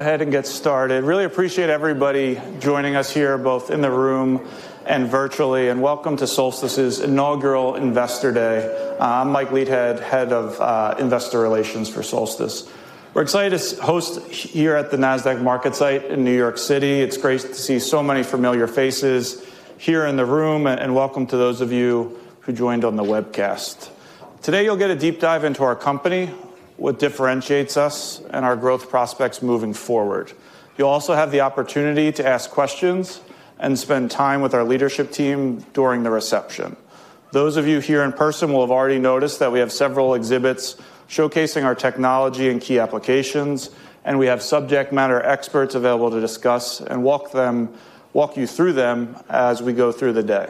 Ahead and get started. Really appreciate everybody joining us here, both in the room and virtually. Welcome to Solstice's inaugural Investor Day. I'm Mike Leithead, Head of Investor Relations for Solstice. We're excited to host here at the Nasdaq MarketSite in New York City. It's great to see so many familiar faces here in the room. Welcome to those of you who joined on the webcast. Today, you'll get a deep dive into our company, what differentiates us, and our growth prospects moving forward. You'll also have the opportunity to ask questions and spend time with our leadership team during the reception. Those of you here in person will have already noticed that we have several exhibits showcasing our technology and key applications. We have subject matter experts available to discuss and walk you through them as we go through the day.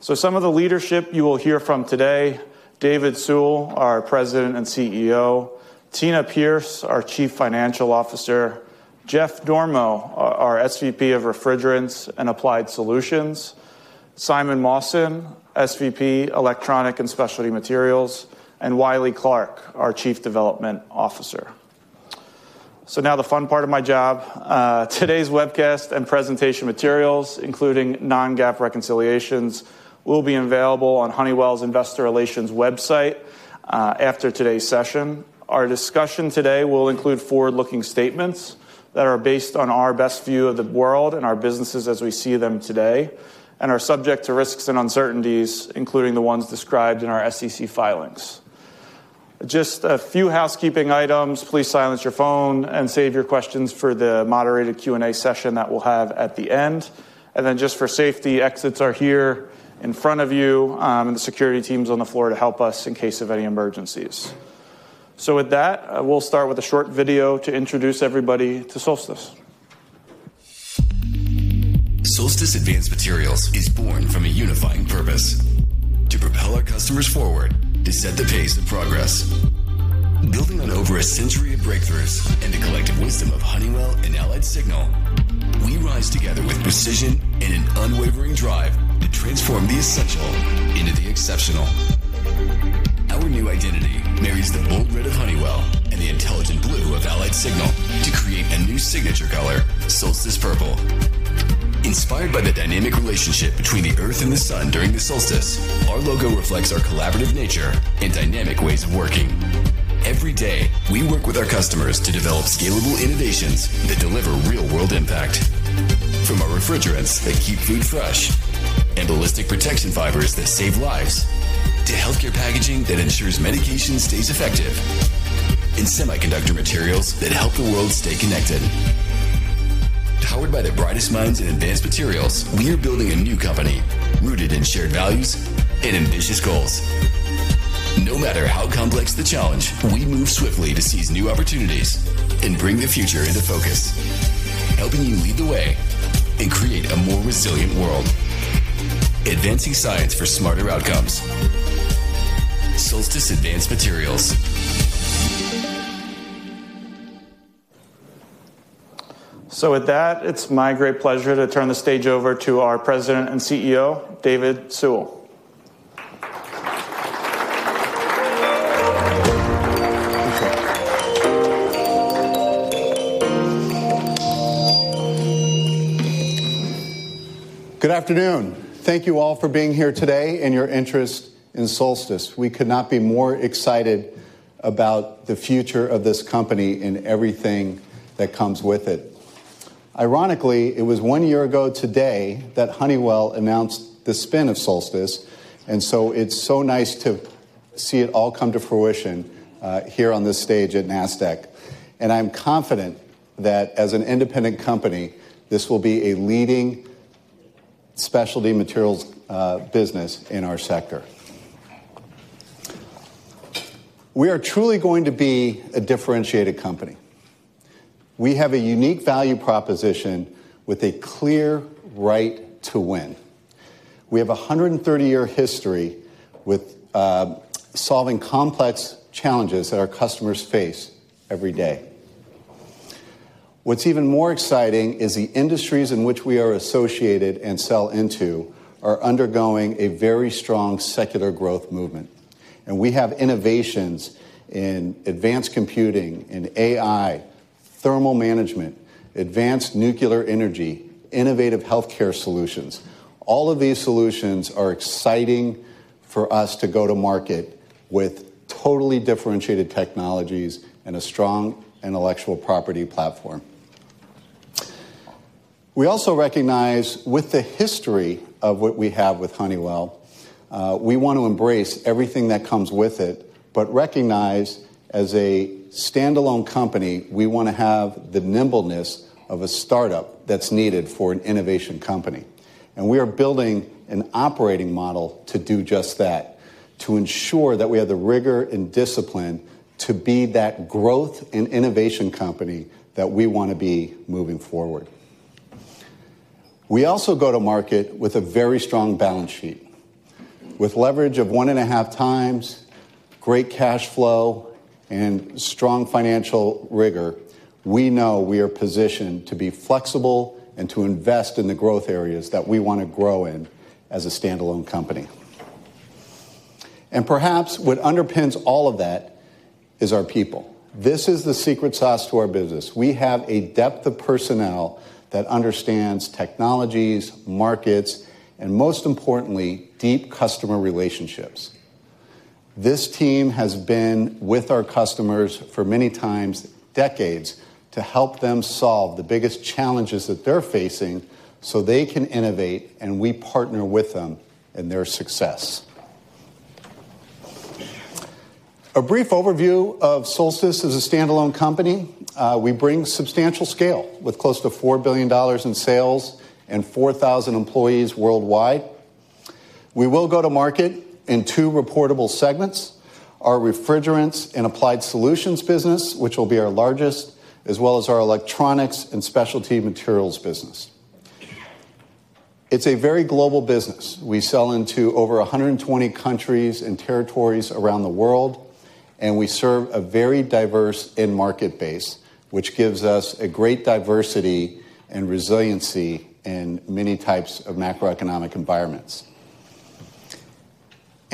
Some of the leadership you will hear from today: David Sewell, our President and CEO; Tina Pierce, our Chief Financial Officer; Jeff Dormo, our SVP of Refrigerants and Applied Solutions; Simon Mawson, SVP, Electronic and Specialty Materials; and Wylie Clark, our Chief Development Officer. Now the fun part of my job. Today's webcast and presentation materials, including non-GAAP reconciliations, will be available on Honeywell Investor Relations website after today's session. Our discussion today will include forward-looking statements that are based on our best view of the world and our businesses as we see them today, and are subject to risks and uncertainties, including the ones described in our SEC filings. Just a few housekeeping items. Please silence your phone and save your questions for the moderated Q&A session that we'll have at the end. For safety, exits are here in front of you, and the security team's on the floor to help us in case of any emergencies. With that, we'll start with a short video to introduce everybody to Solstice. Solstice Advanced Materials is born from a unifying purpose: to propel our customers forward, to set the pace of progress. Building on over a century of breakthroughs and the collective wisdom of Honeywell and AlliedSignal, we rise together with precision and an unwavering drive to transform the essential into the exceptional. Our new identity marries the bold red of Honeywell and the intelligent blue of AlliedSignal to create a new signature color, Solstice Purple. Inspired by the dynamic relationship between the earth and the sun during the solstice, our logo reflects our collaborative nature and dynamic ways of working. Every day, we work with our customers to develop scalable innovations that deliver real-world impact. From our refrigerants that keep food fresh, and ballistic protection fibers that save lives, to healthcare packaging that ensures medication stays effective, and semiconductor materials that help the world stay connected. Powered by the brightest minds and advanced materials, we are building a new company rooted in shared values and ambitious goals. No matter how complex the challenge, we move swiftly to seize new opportunities and bring the future into focus, helping you lead the way and create a more resilient world. Advancing science for smarter outcomes. Solstice Advanced Materials. With that, it's my great pleasure to turn the stage over to our President and CEO, David Sewell. Good afternoon. Thank you all for being here today and your interest in Solstice. We could not be more excited about the future of this company and everything that comes with it. Ironically, it was one year ago today that Honeywell announced the spin of Solstice. It is so nice to see it all come to fruition here on this stage at Nasdaq. I am confident that as an independent company, this will be a leading specialty materials business in our sector. We are truly going to be a differentiated company. We have a unique value proposition with a clear right to win. We have a 130-year history with solving complex challenges that our customers face every day. What is even more exciting is the industries in which we are associated and sell into are undergoing a very strong secular growth movement. We have innovations in advanced computing, in AI, thermal management, advanced nuclear energy, innovative healthcare solutions. All of these solutions are exciting for us to go to market with totally differentiated technologies and a strong intellectual property platform. We also recognize with the history of what we have with Honeywell, we want to embrace everything that comes with it, but recognize as a standalone company, we want to have the nimbleness of a startup that's needed for an innovation company. We are building an operating model to do just that, to ensure that we have the rigor and discipline to be that growth and innovation company that we want to be moving forward. We also go to market with a very strong balance sheet. With leverage of one and a half times, great cash flow, and strong financial rigor, we know we are positioned to be flexible and to invest in the growth areas that we want to grow in as a standalone company. Perhaps what underpins all of that is our people. This is the secret sauce to our business. We have a depth of personnel that understands technologies, markets, and most importantly, deep customer relationships. This team has been with our customers for many times, decades, to help them solve the biggest challenges that they're facing so they can innovate, and we partner with them in their success. A brief overview of Solstice Advanced Materials as a standalone company: we bring substantial scale with close to $4 billion in sales and 4,000 employees worldwide. We will go to market in two reportable segments: our refrigerants and applied solutions business, which will be our largest, as well as our electronics and specialty materials business. It's a very global business. We sell into over 120 countries and territories around the world. We serve a very diverse end market base, which gives us a great diversity and resiliency in many types of macroeconomic environments.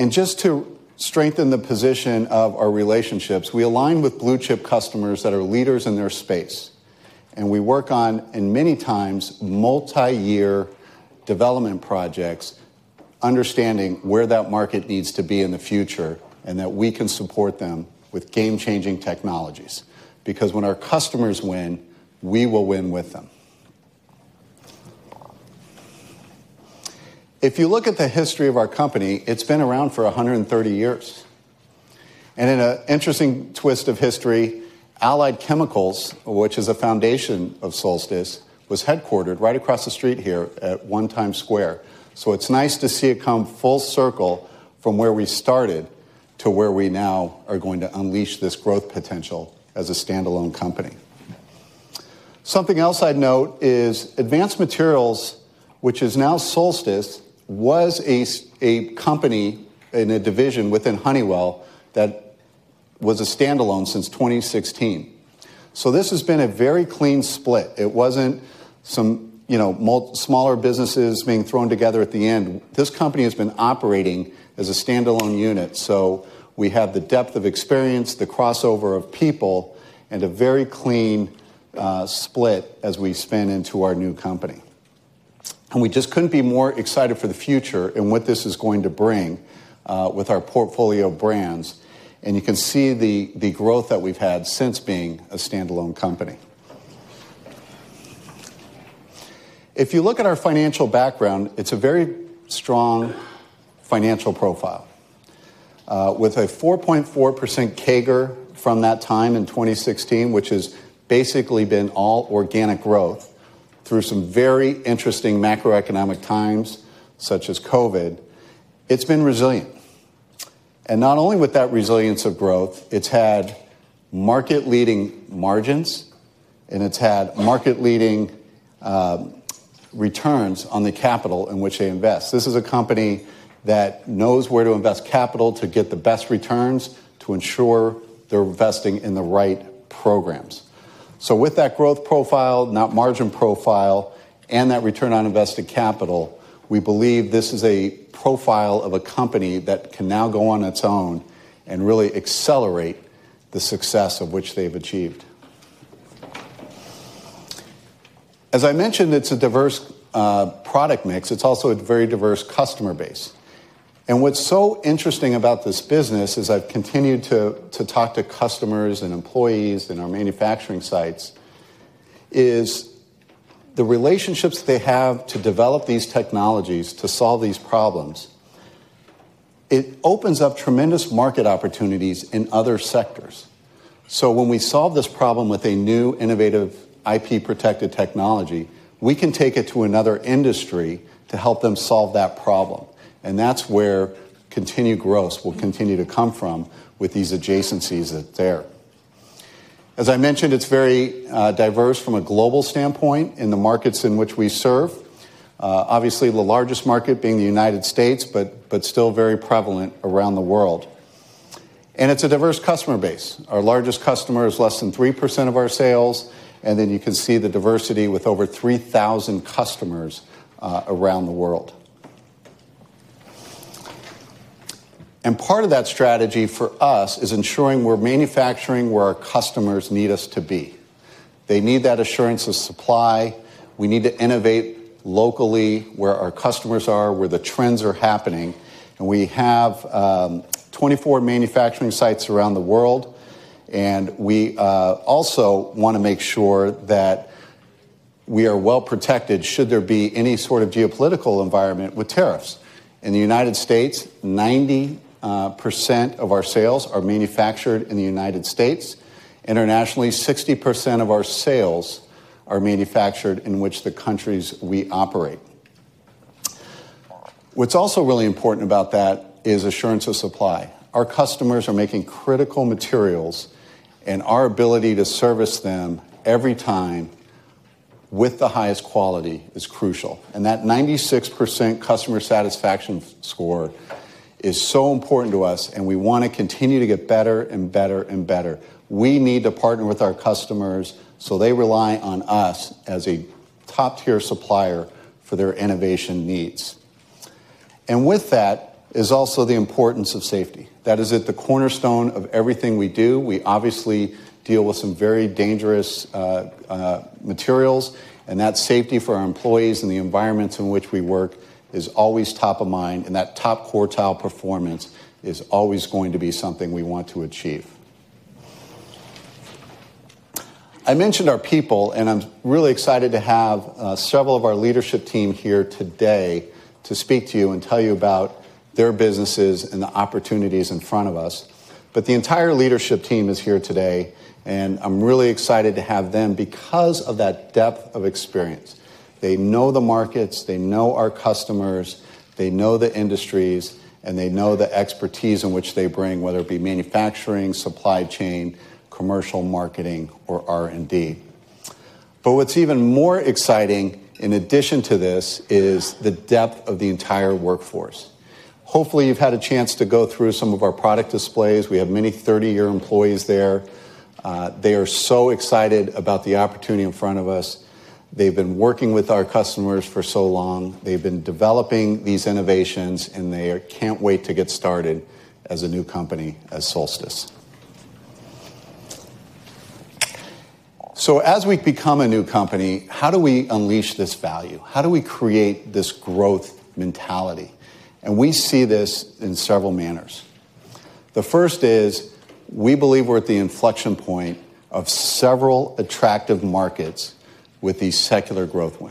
Just to strengthen the position of our relationships, we align with blue-chip customers that are leaders in their space. We work on, and many times, multi-year development projects, understanding where that market needs to be in the future and that we can support them with game-changing technologies. Because when our customers win, we will win with them. If you look at the history of our company, it's been around for 130 years. In an interesting twist of history, Allied Chemicals, which is a foundation of Solstice, was headquartered right across the street here at One Times Square. It is nice to see it come full circle from where we started to where we now are going to unleash this growth potential as a standalone company. Something else I'd note is Advanced Materials, which is now Solstice, was a company in a division within Honeywell that was a standalone since 2016. This has been a very clean split. It was not some smaller businesses being thrown together at the end. This company has been operating as a standalone unit. We have the depth of experience, the crossover of people, and a very clean split as we spin into our new company. We just could not be more excited for the future and what this is going to bring with our portfolio brands. You can see the growth that we have had since being a standalone company. If you look at our financial background, it is a very strong financial profile. With a 4.4% CAGR from that time in 2016, which has basically been all organic growth through some very interesting macroeconomic times, such as COVID, it has been resilient. Not only with that resilience of growth, it has had market-leading margins, and it has had market-leading returns on the capital in which they invest. This is a company that knows where to invest capital to get the best returns to ensure they are investing in the right programs. With that growth profile, that margin profile, and that return on invested capital, we believe this is a profile of a company that can now go on its own and really accelerate the success of which they've achieved. As I mentioned, it's a diverse product mix. It's also a very diverse customer base. What's so interesting about this business, as I've continued to talk to customers and employees in our manufacturing sites, is the relationships they have to develop these technologies to solve these problems. It opens up tremendous market opportunities in other sectors. When we solve this problem with a new innovative IP-protected technology, we can take it to another industry to help them solve that problem. That's where continued growth will continue to come from with these adjacencies that's there. As I mentioned, it's very diverse from a global standpoint in the markets in which we serve. Obviously, the largest market being the United States, but still very prevalent around the world. It's a diverse customer base. Our largest customer is less than 3% of our sales. You can see the diversity with over 3,000 customers around the world. Part of that strategy for us is ensuring we're manufacturing where our customers need us to be. They need that assurance of supply. We need to innovate locally where our customers are, where the trends are happening. We have 24 manufacturing sites around the world. We also want to make sure that we are well protected should there be any sort of geopolitical environment with tariffs. In the United States, 90% of our sales are manufactured in the United States. Internationally, 60% of our sales are manufactured in the countries we operate. What's also really important about that is assurance of supply. Our customers are making critical materials, and our ability to service them every time with the highest quality is crucial. That 96% customer satisfaction score is so important to us, and we want to continue to get better and better and better. We need to partner with our customers so they rely on us as a top-tier supplier for their innovation needs. With that is also the importance of safety. That is at the cornerstone of everything we do. We obviously deal with some very dangerous materials. That safety for our employees and the environments in which we work is always top of mind. That top quartile performance is always going to be something we want to achieve. I mentioned our people, and I'm really excited to have several of our leadership team here today to speak to you and tell you about their businesses and the opportunities in front of us. The entire leadership team is here today, and I'm really excited to have them because of that depth of experience. They know the markets, they know our customers, they know the industries, and they know the expertise in which they bring, whether it be manufacturing, supply chain, commercial marketing, or R&D. What is even more exciting, in addition to this, is the depth of the entire workforce. Hopefully, you've had a chance to go through some of our product displays. We have many 30-year employees there. They are so excited about the opportunity in front of us. They've been working with our customers for so long. They've been developing these innovations, and they can't wait to get started as a new company as Solstice. As we become a new company, how do we unleash this value? How do we create this growth mentality? We see this in several manners. The first is we believe we're at the inflection point of several attractive markets with these secular growth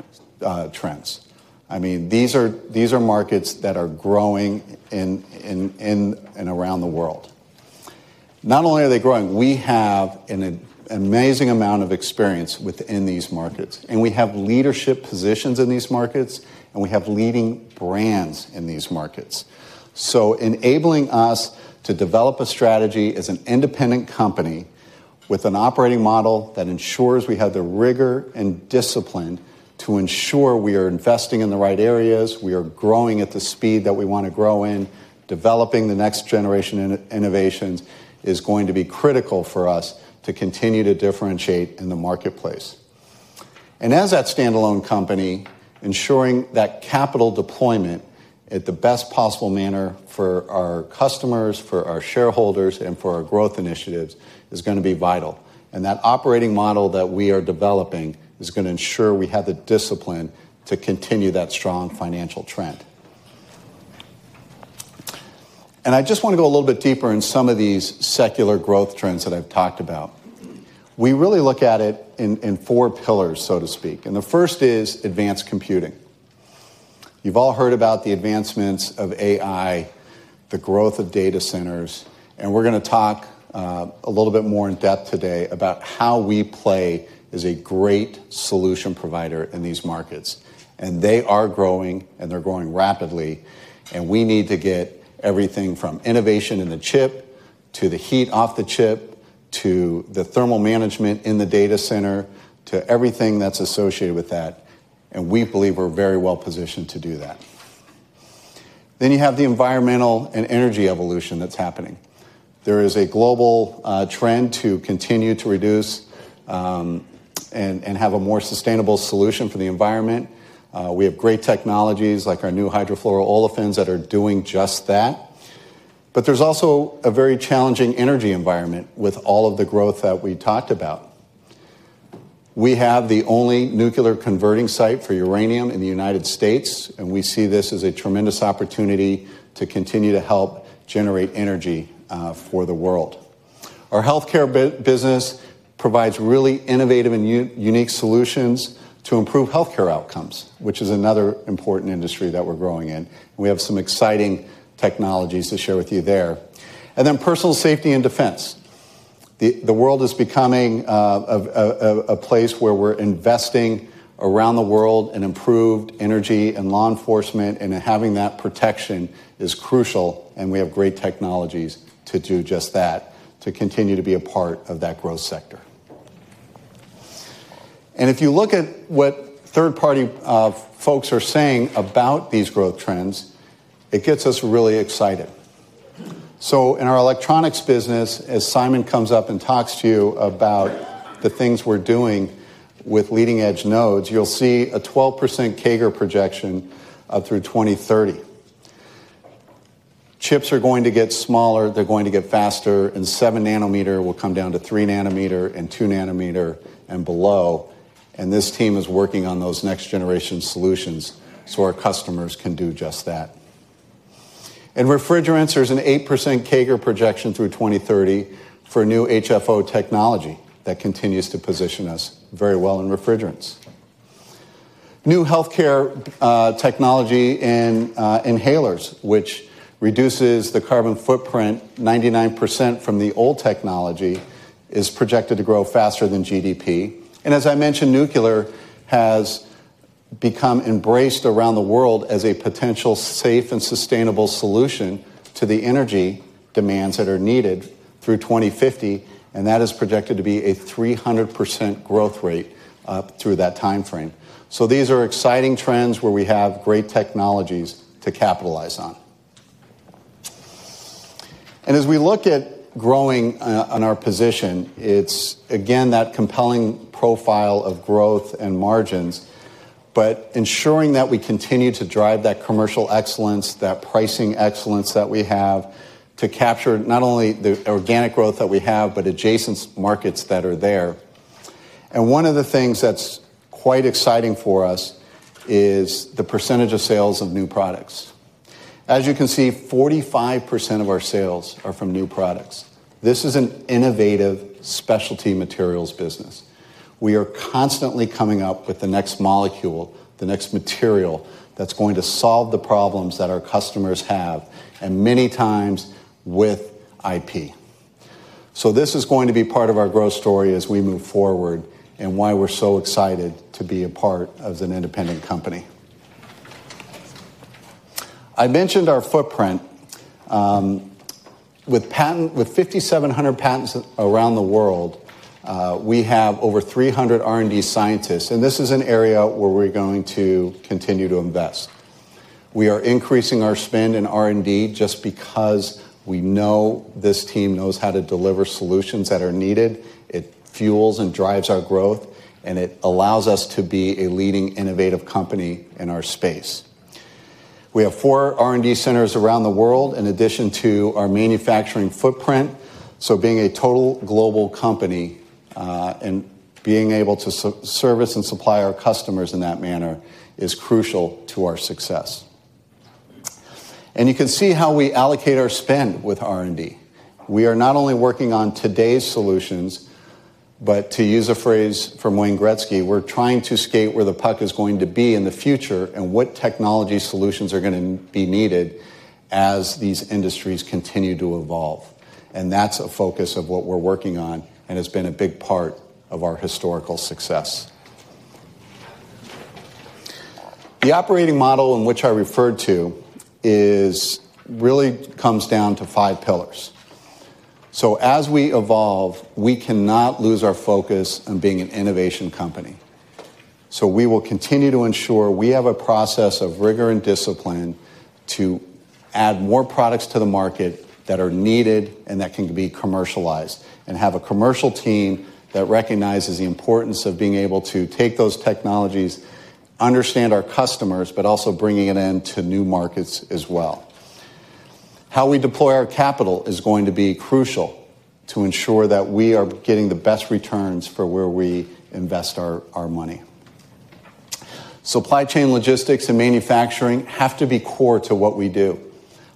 trends. I mean, these are markets that are growing in and around the world. Not only are they growing, we have an amazing amount of experience within these markets. We have leadership positions in these markets, and we have leading brands in these markets. Enabling us to develop a strategy as an independent company with an operating model that ensures we have the rigor and discipline to ensure we are investing in the right areas, we are growing at the speed that we want to grow in, developing the next generation in innovations is going to be critical for us to continue to differentiate in the marketplace. As that standalone company, ensuring that capital deployment at the best possible manner for our customers, for our shareholders, and for our growth initiatives is going to be vital. That operating model that we are developing is going to ensure we have the discipline to continue that strong financial trend. I just want to go a little bit deeper in some of these secular growth trends that I've talked about. We really look at it in four pillars, so to speak. The first is advanced computing. You've all heard about the advancements of AI, the growth of data centers. We're going to talk a little bit more in depth today about how we play is a great solution provider in these markets. They are growing, and they're growing rapidly. We need to get everything from innovation in the chip to the heat off the chip to the thermal management in the data center to everything that's associated with that. We believe we're very well positioned to do that. You have the environmental and energy evolution that's happening. There is a global trend to continue to reduce and have a more sustainable solution for the environment. We have great technologies like our new hydrofluoroolefins that are doing just that. There is also a very challenging energy environment with all of the growth that we talked about. We have the only nuclear converting site for uranium in the United States. We see this as a tremendous opportunity to continue to help generate energy for the world. Our healthcare business provides really innovative and unique solutions to improve healthcare outcomes, which is another important industry that we're growing in. We have some exciting technologies to share with you there. Personal safety and defense are also key areas. The world is becoming a place where we're investing around the world in improved energy and law enforcement, and having that protection is crucial. We have great technologies to do just that, to continue to be a part of that growth sector. If you look at what third-party folks are saying about these growth trends, it gets us really excited. In our electronics business, as Simon comes up and talks to you about the things we're doing with leading-edge nodes, you'll see a 12% CAGR projection through 2030. Chips are going to get smaller. They're going to get faster. Seven nanometer will come down to three nanometer and two nanometer and below. This team is working on those next-generation solutions so our customers can do just that. In refrigerants, there's an 8% CAGR projection through 2030 for new HFO technology that continues to position us very well in refrigerants. New healthcare technology in inhalers, which reduces the carbon footprint 99% from the old technology, is projected to grow faster than GDP. As I mentioned, nuclear has become embraced around the world as a potential safe and sustainable solution to the energy demands that are needed through 2050. That is projected to be a 300% growth rate through that time frame. These are exciting trends where we have great technologies to capitalize on. As we look at growing in our position, it's, again, that compelling profile of growth and margins, but ensuring that we continue to drive that commercial excellence, that pricing excellence that we have to capture not only the organic growth that we have, but adjacent markets that are there. One of the things that's quite exciting for us is the percentage of sales of new products. As you can see, 45% of our sales are from new products. This is an innovative specialty materials business. We are constantly coming up with the next molecule, the next material that's going to solve the problems that our customers have, and many times with IP. This is going to be part of our growth story as we move forward and why we're so excited to be a part of an independent company. I mentioned our footprint. With 5,700 patents around the world, we have over 300 R&D scientists. This is an area where we're going to continue to invest. We are increasing our spend in R&D just because we know this team knows how to deliver solutions that are needed. It fuels and drives our growth, and it allows us to be a leading innovative company in our space. We have four R&D centers around the world in addition to our manufacturing footprint. Being a total global company and being able to service and supply our customers in that manner is crucial to our success. You can see how we allocate our spend with R&D. We are not only working on today's solutions, but to use a phrase from Wayne Gretzky, we're trying to skate where the puck is going to be in the future and what technology solutions are going to be needed as these industries continue to evolve. That is a focus of what we're working on and has been a big part of our historical success. The operating model in which I referred to really comes down to five pillars. As we evolve, we cannot lose our focus on being an innovation company. We will continue to ensure we have a process of rigor and discipline to add more products to the market that are needed and that can be commercialized and have a commercial team that recognizes the importance of being able to take those technologies, understand our customers, but also bringing it into new markets as well. How we deploy our capital is going to be crucial to ensure that we are getting the best returns for where we invest our money. Supply chain logistics and manufacturing have to be core to what we do.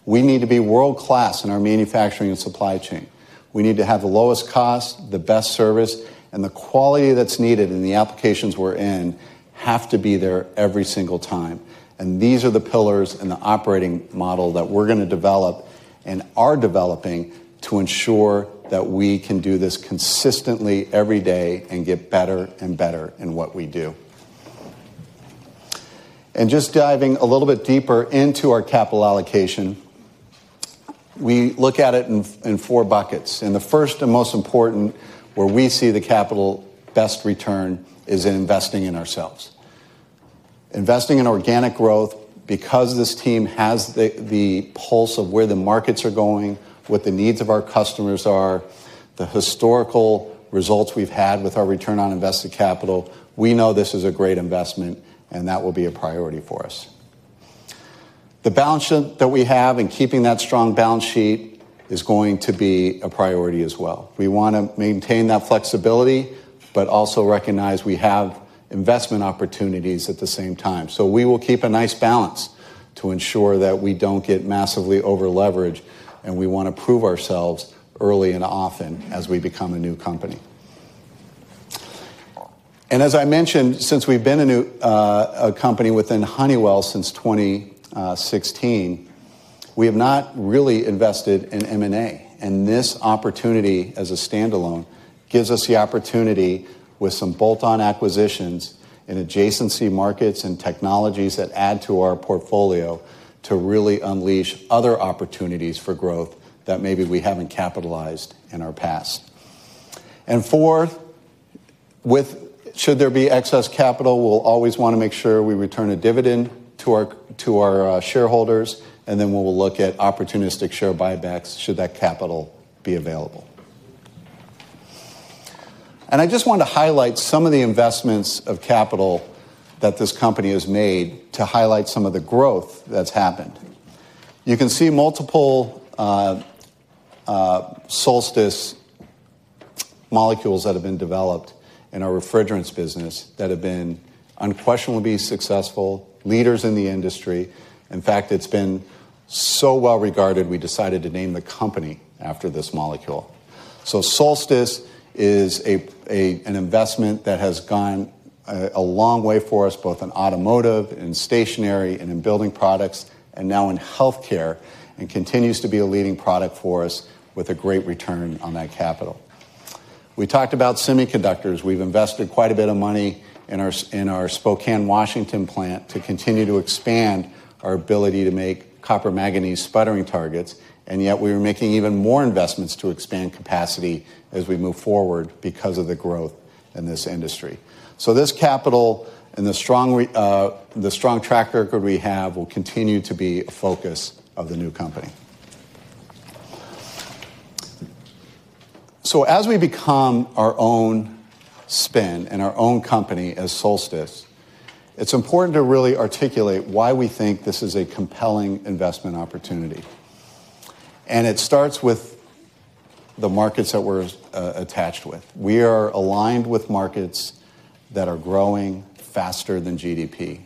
We need to be world-class in our manufacturing and supply chain. We need to have the lowest cost, the best service, and the quality that's needed in the applications we're in have to be there every single time. These are the pillars and the operating model that we're going to develop and are developing to ensure that we can do this consistently every day and get better and better in what we do. Just diving a little bit deeper into our capital allocation, we look at it in four buckets. The first and most important where we see the capital best return is in investing in ourselves. Investing in organic growth because this team has the pulse of where the markets are going, what the needs of our customers are, the historical results we've had with our return on invested capital, we know this is a great investment, and that will be a priority for us. The balance sheet that we have and keeping that strong balance sheet is going to be a priority as well. We want to maintain that flexibility, but also recognize we have investment opportunities at the same time. We will keep a nice balance to ensure that we don't get massively over-leveraged, and we want to prove ourselves early and often as we become a new company. As I mentioned, since we've been a company within Honeywell since 2016, we have not really invested in M&A. This opportunity as a standalone gives us the opportunity with some bolt-on acquisitions in adjacency markets and technologies that add to our portfolio to really unleash other opportunities for growth that maybe we have not capitalized in our past. Fourth, should there be excess capital, we will always want to make sure we return a dividend to our shareholders, and then we will look at opportunistic share buybacks should that capital be available. I just want to highlight some of the investments of capital that this company has made to highlight some of the growth that has happened. You can see multiple Solstice molecules that have been developed in our refrigerants business that have been unquestionably successful, leaders in the industry. In fact, it has been so well regarded, we decided to name the company after this molecule. Solstice is an investment that has gone a long way for us, both in automotive and stationery and in building products and now in healthcare and continues to be a leading product for us with a great return on that capital. We talked about semiconductors. We've invested quite a bit of money in our Spokane, Washington plant to continue to expand our ability to make copper manganese sputtering targets. Yet we are making even more investments to expand capacity as we move forward because of the growth in this industry. This capital and the strong track record we have will continue to be a focus of the new company. As we become our own spin and our own company as Solstice, it's important to really articulate why we think this is a compelling investment opportunity. It starts with the markets that we're attached with. We are aligned with markets that are growing faster than GDP.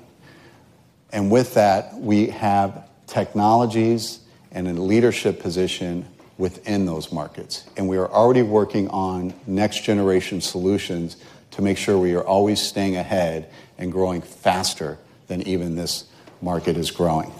With that, we have technologies and a leadership position within those markets. We are already working on next-generation solutions to make sure we are always staying ahead and growing faster than even this market is growing.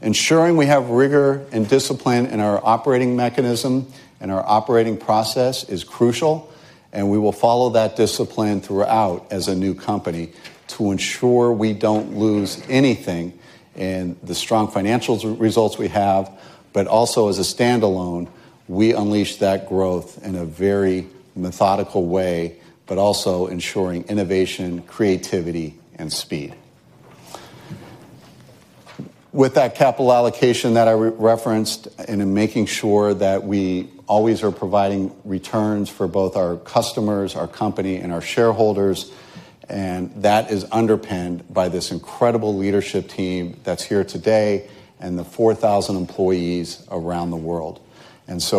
Ensuring we have rigor and discipline in our operating mechanism and our operating process is crucial. We will follow that discipline throughout as a new company to ensure we do not lose anything in the strong financial results we have, but also as a standalone, we unleash that growth in a very methodical way, also ensuring innovation, creativity, and speed. With that capital allocation that I referenced and in making sure that we always are providing returns for both our customers, our company, and our shareholders, that is underpinned by this incredible leadership team that's here today and the 4,000 employees around the world.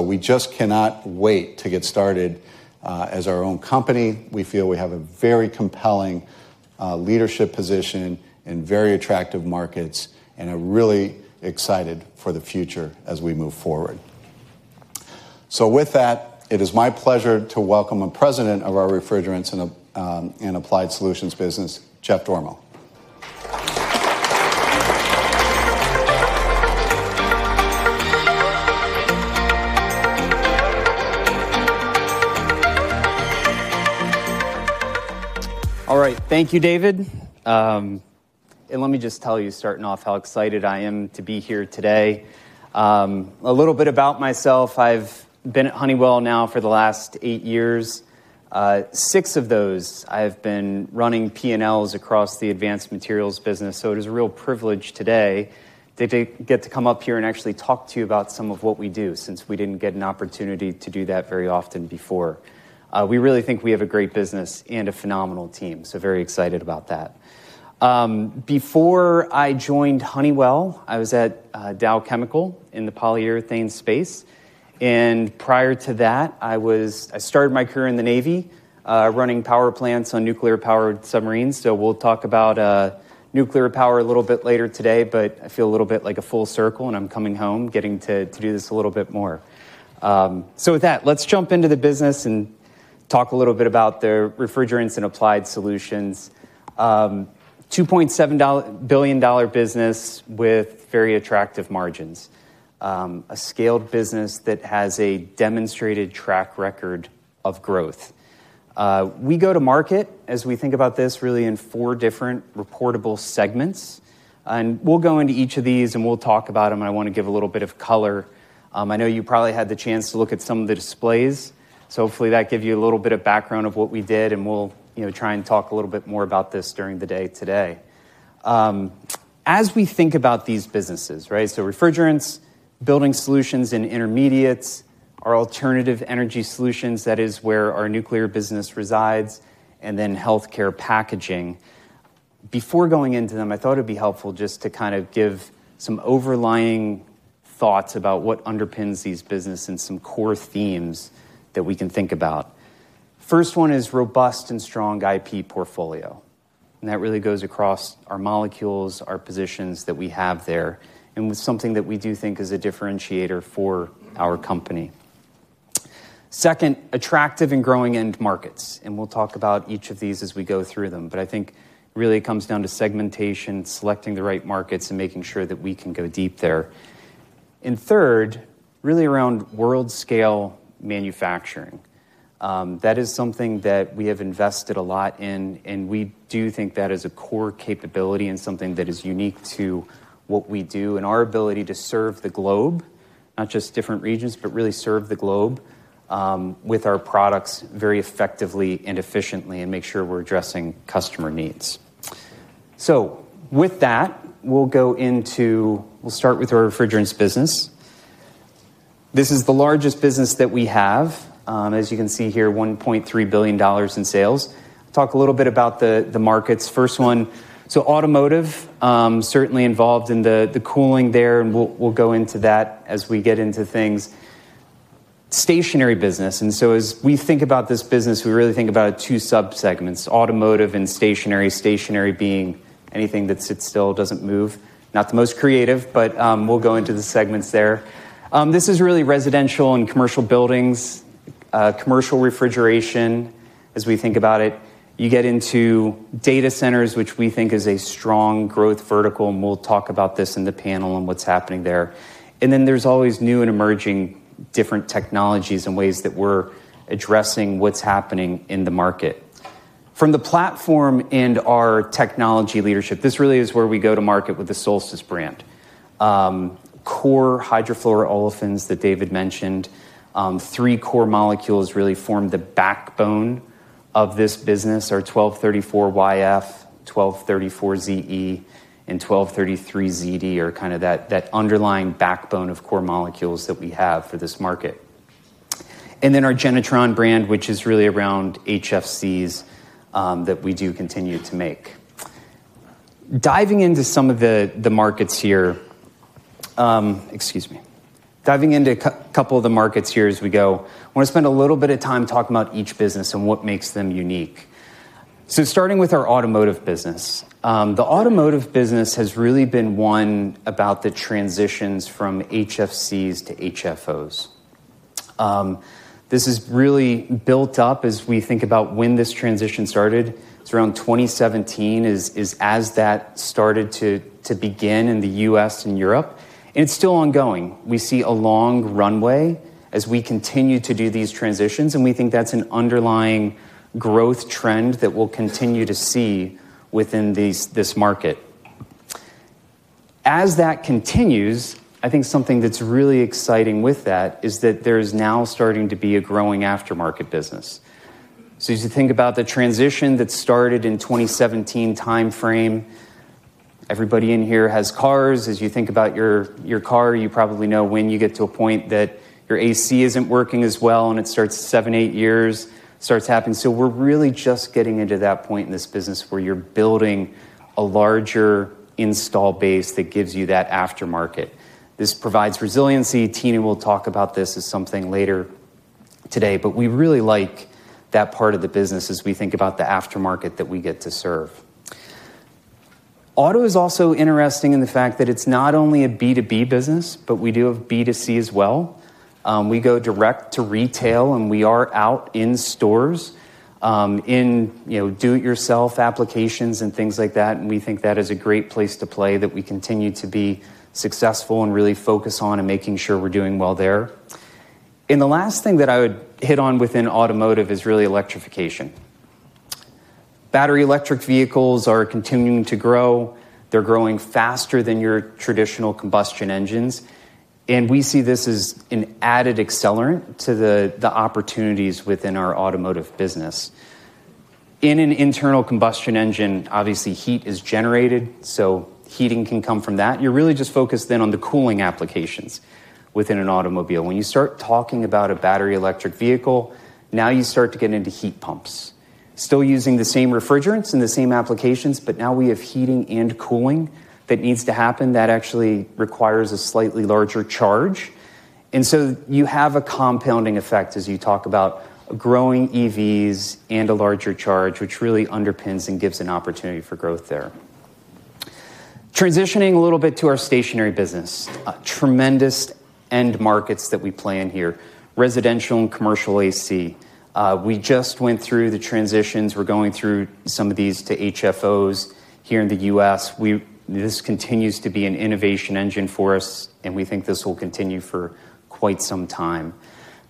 We just cannot wait to get started as our own company. We feel we have a very compelling leadership position in very attractive markets and are really excited for the future as we move forward. It is my pleasure to welcome the President of our Refrigerants and Applied Solutions business, Jeff Dormo. All right. Thank you, David. Let me just tell you, starting off, how excited I am to be here today. A little bit about myself, I've been at Honeywell now for the last eight years. Six of those, I've been running P&Ls across the Advanced Materials business. It is a real privilege today to get to come up here and actually talk to you about some of what we do since we did not get an opportunity to do that very often before. We really think we have a great business and a phenomenal team. Very excited about that. Before I joined Honeywell, I was at Dow Chemical in the polyurethane space. Prior to that, I started my career in the Navy running power plants on nuclear-powered submarines. We will talk about nuclear power a little bit later today, but I feel a little bit like a full circle and I am coming home, getting to do this a little bit more. With that, let's jump into the business and talk a little bit about the refrigerants and applied solutions. $2.7 billion business with very attractive margins. A scaled business that has a demonstrated track record of growth. We go to market, as we think about this, really in four different reportable segments. We will go into each of these and we will talk about them. I want to give a little bit of color. I know you probably had the chance to look at some of the displays. Hopefully that gives you a little bit of background of what we did. We will try and talk a little bit more about this during the day today. As we think about these businesses, right, refrigerants, building solutions and intermediates, our alternative energy solutions, that is where our nuclear business resides, and then healthcare packaging. Before going into them, I thought it would be helpful just to kind of give some overlying thoughts about what underpins these businesses and some core themes that we can think about. First one is robust and strong IP portfolio. That really goes across our molecules, our positions that we have there, and with something that we do think is a differentiator for our company. Second, attractive and growing end markets. We will talk about each of these as we go through them. I think really it comes down to segmentation, selecting the right markets, and making sure that we can go deep there. Third, really around world-scale manufacturing. That is something that we have invested a lot in. We do think that is a core capability and something that is unique to what we do and our ability to serve the globe, not just different regions, but really serve the globe with our products very effectively and efficiently and make sure we are addressing customer needs. With that, we will start with our refrigerants business. This is the largest business that we have. As you can see here, $1.3 billion in sales. Talk a little bit about the markets. First one, automotive, certainly involved in the cooling there. We will go into that as we get into things. Stationary business. As we think about this business, we really think about two subsegments, automotive and stationary, stationary being anything that sits still, does not move. Not the most creative, but we will go into the segments there. This is really residential and commercial buildings, commercial refrigeration as we think about it. You get into data centers, which we think is a strong growth vertical. We will talk about this in the panel and what is happening there. There are always new and emerging different technologies and ways that we are addressing what is happening in the market. From the platform and our technology leadership, this really is where we go to market with the Solstice brand. Core hydrofluoroolefins that David mentioned, three core molecules really form the backbone of this business. Our 1234yf, 1234ze and 1233zd are kind of that underlying backbone of core molecules that we have for this market. Our Genetron brand, which is really around HFCs that we do continue to make. Diving into some of the markets here, excuse me, diving into a couple of the markets here as we go, I want to spend a little bit of time talking about each business and what makes them unique. Starting with our automotive business, the automotive business has really been one about the transitions from HFCs to HFOs. This is really built up as we think about when this transition started. It’s around 2017 as that started to begin in the U.S. and Europe. It’s still ongoing. We see a long runway as we continue to do these transitions. We think that’s an underlying growth trend that we’ll continue to see within this market. As that continues, I think something that’s really exciting with that is that there is now starting to be a growing aftermarket business. As you think about the transition that started in the 2017 timeframe, everybody in here has cars. As you think about your car, you probably know when you get to a point that your AC isn’t working as well and it starts seven, eight years starts happening. We’re really just getting into that point in this business where you’re building a larger install base that gives you that aftermarket. This provides resiliency. Tina will talk about this as something later today. We really like that part of the business as we think about the aftermarket that we get to serve. Auto is also interesting in the fact that it's not only a B2B business, but we do have B2C as well. We go direct to retail and we are out in stores in do-it-yourself applications and things like that. We think that is a great place to play that we continue to be successful and really focus on and making sure we're doing well there. The last thing that I would hit on within automotive is really electrification. Battery electric vehicles are continuing to grow. They're growing faster than your traditional combustion engines. We see this as an added accelerant to the opportunities within our automotive business. In an internal combustion engine, obviously heat is generated. Heating can come from that. You're really just focused then on the cooling applications within an automobile. When you start talking about a battery electric vehicle, now you start to get into heat pumps. Still using the same refrigerants and the same applications, but now we have heating and cooling that needs to happen that actually requires a slightly larger charge. You have a compounding effect as you talk about growing EVs and a larger charge, which really underpins and gives an opportunity for growth there. Transitioning a little bit to our stationery business, tremendous end markets that we play in here, residential and commercial AC. We just went through the transitions. We're going through some of these to HFOs here in the U.S. This continues to be an innovation engine for us. We think this will continue for quite some time.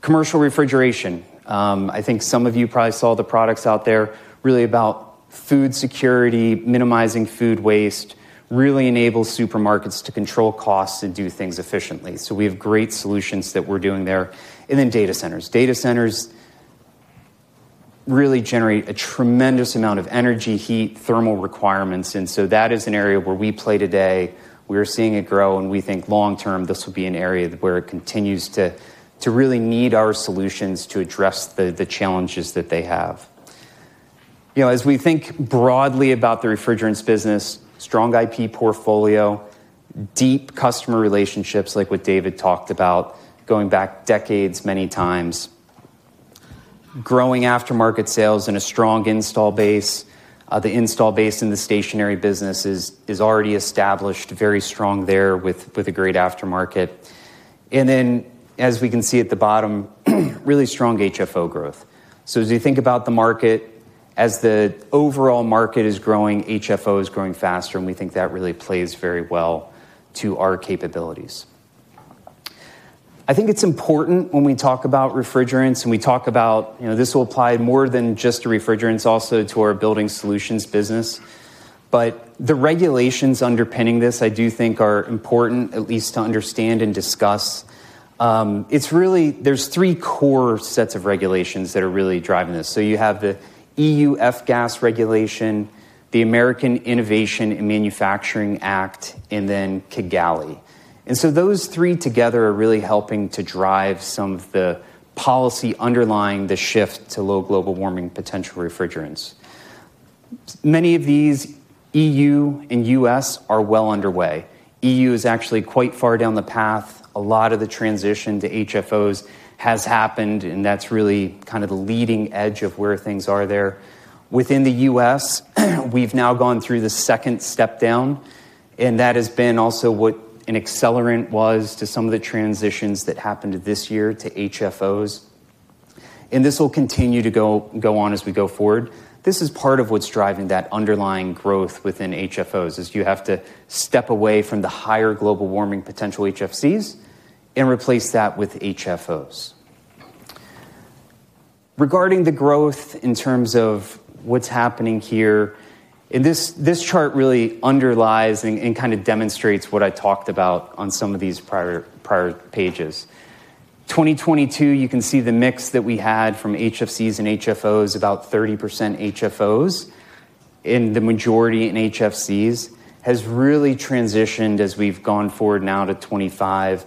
Commercial refrigeration, I think some of you probably saw the products out there, really about food security, minimizing food waste, really enables supermarkets to control costs and do things efficiently. We have great solutions that we're doing there. Data centers really generate a tremendous amount of energy, heat, thermal requirements. That is an area where we play today. We are seeing it grow. We think long-term, this will be an area where it continues to really need our solutions to address the challenges that they have. As we think broadly about the refrigerants business, strong IP portfolio, deep customer relationships like what David talked about going back decades many times, growing aftermarket sales and a strong install base. The install base in the stationery business is already established very strong there with a great aftermarket. As we can see at the bottom, really strong HFO growth. As you think about the market, as the overall market is growing, HFO is growing faster. We think that really plays very well to our capabilities. I think it's important when we talk about refrigerants and we talk about this will apply more than just to refrigerants, also to our building solutions business. The regulations underpinning this, I do think are important at least to understand and discuss. There are three core sets of regulations that are really driving this. You have the EU F-Gas Regulation, the American Innovation and Manufacturing Act, and then Kigali. Those three together are really helping to drive some of the policy underlying the shift to low global warming potential refrigerants. Many of these EU and U.S. are well underway. EU is actually quite far down the path. A lot of the transition to HFOs has happened. That is really kind of the leading edge of where things are there. Within the U.S., we've now gone through the second step down. That has been also what an accelerant was to some of the transitions that happened this year to HFOs. This will continue to go on as we go forward. This is part of what's driving that underlying growth within HFOs is you have to step away from the higher global warming potential HFCs and replace that with HFOs. Regarding the growth in terms of what's happening here, this chart really underlies and kind of demonstrates what I talked about on some of these prior pages. 2022, you can see the mix that we had from HFCs and HFOs, about 30% HFOs and the majority in HFCs has really transitioned as we've gone forward now to 2025,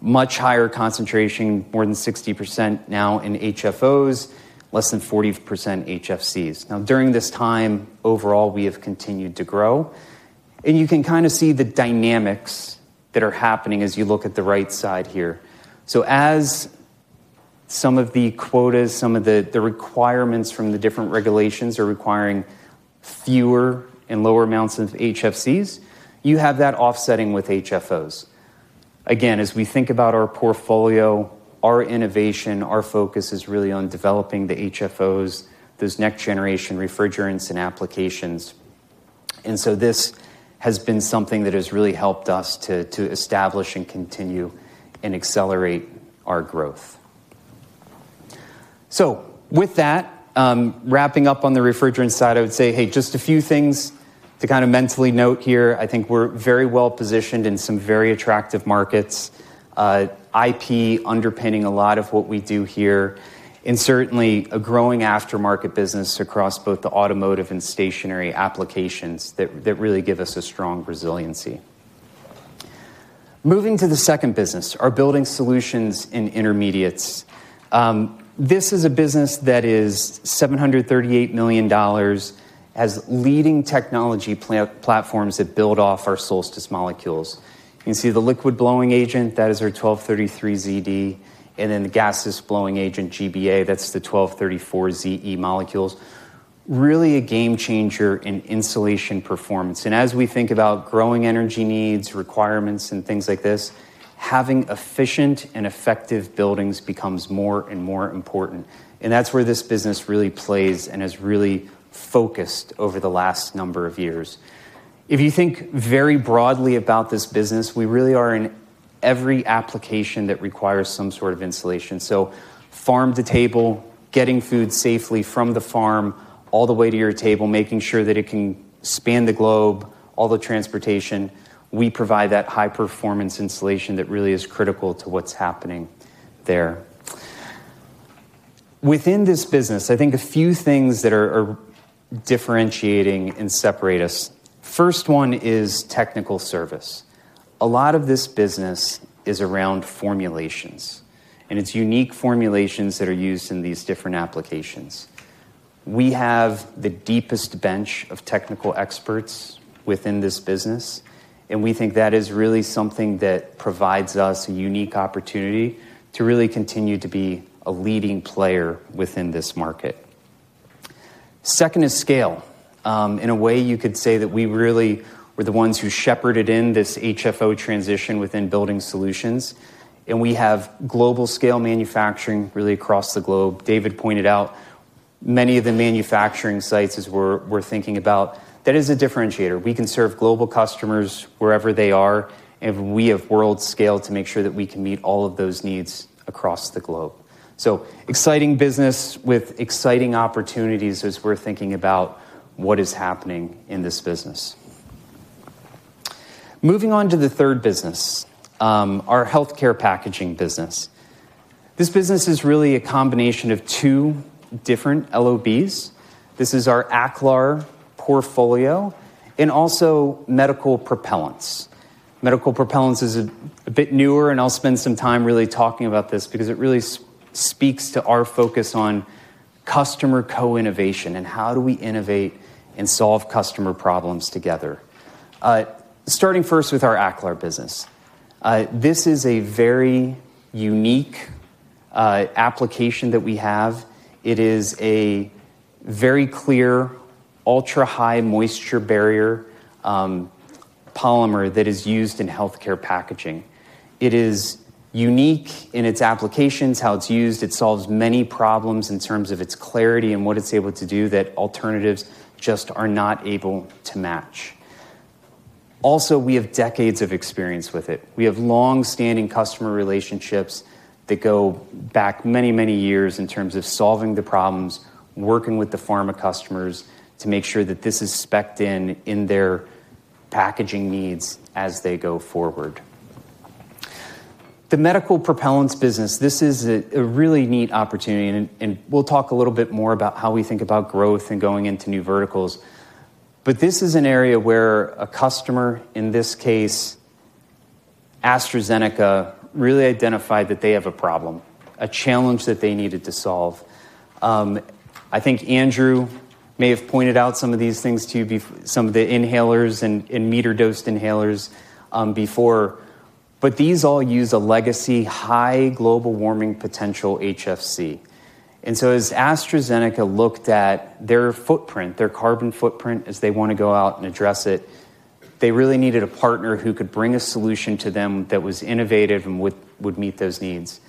much higher concentration, more than 60% now in HFOs, less than 40% HFCs. During this time, overall, we have continued to grow. You can kind of see the dynamics that are happening as you look at the right side here. As some of the quotas, some of the requirements from the different regulations are requiring fewer and lower amounts of HFCs, you have that offsetting with HFOs. Again, as we think about our portfolio, our innovation, our focus is really on developing the HFOs, those next-generation refrigerants and applications. This has been something that has really helped us to establish and continue and accelerate our growth. With that, wrapping up on the refrigerant side, I would say, hey, just a few things to kind of mentally note here. I think we're very well positioned in some very attractive markets. IP underpinning a lot of what we do here. Certainly a growing aftermarket business across both the automotive and stationery applications that really give us a strong resiliency. Moving to the second business, our building solutions and intermediates. This is a business that is $738 million as leading technology platforms that build off our Solstice molecules. You can see the liquid blowing agent, that is our 1233zd. The gases blowing agent, GBA, that's the 1234ze molecules. Really a game changer in insulation performance. As we think about growing energy needs, requirements, and things like this, having efficient and effective buildings becomes more and more important. That is where this business really plays and has really focused over the last number of years. If you think very broadly about this business, we really are in every application that requires some sort of insulation. Farm to table, getting food safely from the farm all the way to your table, making sure that it can span the globe, all the transportation. We provide that high-performance insulation that really is critical to what is happening there. Within this business, I think a few things that are differentiating and separate us. First one is technical service. A lot of this business is around formulations. It is unique formulations that are used in these different applications. We have the deepest bench of technical experts within this business. We think that is really something that provides us a unique opportunity to really continue to be a leading player within this market. Second is scale. In a way, you could say that we really were the ones who shepherded in this HFO transition within building solutions. We have global scale manufacturing really across the globe. David pointed out many of the manufacturing sites as we're thinking about. That is a differentiator. We can serve global customers wherever they are. We have world scale to make sure that we can meet all of those needs across the globe. Exciting business with exciting opportunities as we're thinking about what is happening in this business. Moving on to the third business, our healthcare packaging business. This business is really a combination of two different LOBs. This is our Aclar portfolio and also medical propellants. Medical propellants is a bit newer. I'll spend some time really talking about this because it really speaks to our focus on customer co-innovation and how do we innovate and solve customer problems together. Starting first with our Aclar business. This is a very unique application that we have. It is a very clear ultra-high moisture barrier polymer that is used in healthcare packaging. It is unique in its applications, how it's used. It solves many problems in terms of its clarity and what it's able to do that alternatives just are not able to match. Also, we have decades of experience with it. We have long-standing customer relationships that go back many, many years in terms of solving the problems, working with the pharma customers to make sure that this is specced in in their packaging needs as they go forward. The medical propellants business, this is a really neat opportunity. We will talk a little bit more about how we think about growth and going into new verticals. This is an area where a customer, in this case, AstraZeneca, really identified that they have a problem, a challenge that they needed to solve. I think Andrew may have pointed out some of these things to you, some of the inhalers and meter-dosed inhalers before. These all use a legacy high global warming potential HFC. As AstraZeneca looked at their footprint, their carbon footprint as they want to go out and address it, they really needed a partner who could bring a solution to them that was innovative and would meet those needs.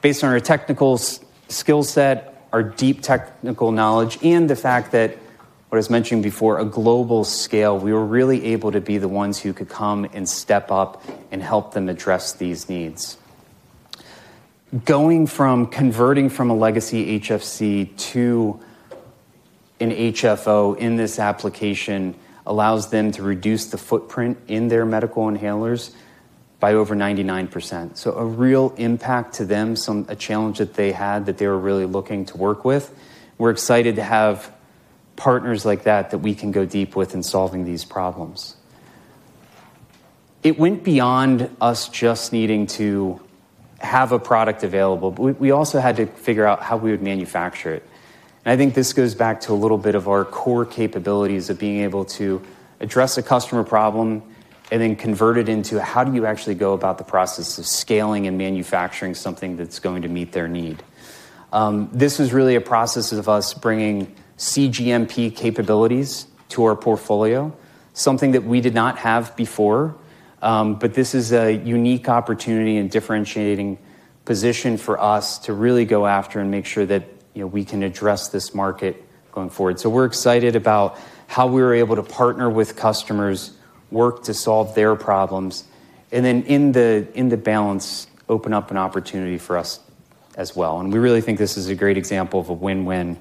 Based on our technical skill set, our deep technical knowledge, and the fact that, what I was mentioning before, a global scale, we were really able to be the ones who could come and step up and help them address these needs. Going from converting from a legacy HFC to an HFO in this application allows them to reduce the footprint in their medical inhalers by over 99%. A real impact to them, a challenge that they had that they were really looking to work with. We're excited to have partners like that that we can go deep with in solving these problems. It went beyond us just needing to have a product available. We also had to figure out how we would manufacture it. I think this goes back to a little bit of our core capabilities of being able to address a customer problem and then convert it into how do you actually go about the process of scaling and manufacturing something that's going to meet their need. This was really a process of us bringing CGMP capabilities to our portfolio, something that we did not have before. This is a unique opportunity and differentiating position for us to really go after and make sure that we can address this market going forward. We are excited about how we were able to partner with customers, work to solve their problems, and then in the balance, open up an opportunity for us as well. We really think this is a great example of a win-win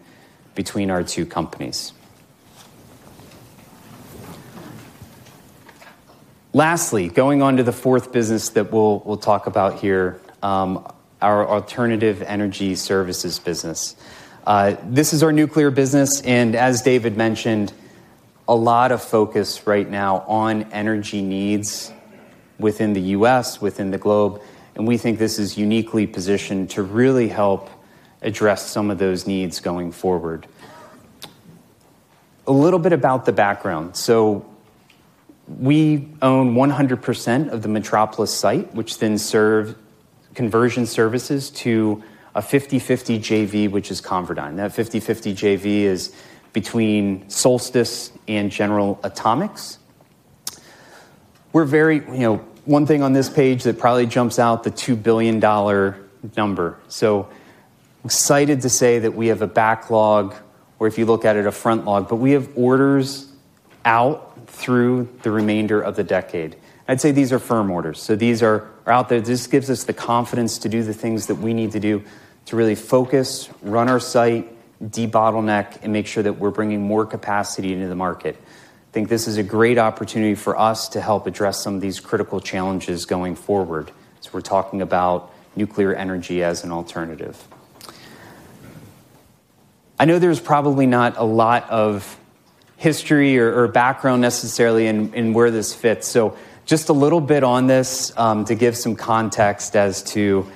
between our two companies. Lastly, going on to the fourth business that we'll talk about here, our alternative energy services business. This is our nuclear business. As David mentioned, a lot of focus right now on energy needs within the U.S., within the globe. We think this is uniquely positioned to really help address some of those needs going forward. A little bit about the background. We own 100% of the Metropolis site, which then serves conversion services to a 50/50 JV, which is ConverDyn. That 50/50 JV is between Solstice and General Atomics. One thing on this page that probably jumps out, the $2 billion number. Excited to say that we have a backlog, or if you look at it, a frontlog. We have orders out through the remainder of the decade. I'd say these are firm orders. These are out there. This gives us the confidence to do the things that we need to do to really focus, run our site, de-bottleneck, and make sure that we're bringing more capacity into the market. I think this is a great opportunity for us to help address some of these critical challenges going forward. We are talking about nuclear energy as an alternative. I know there's probably not a lot of history or background necessarily in where this fits. Just a little bit on this to give some context as to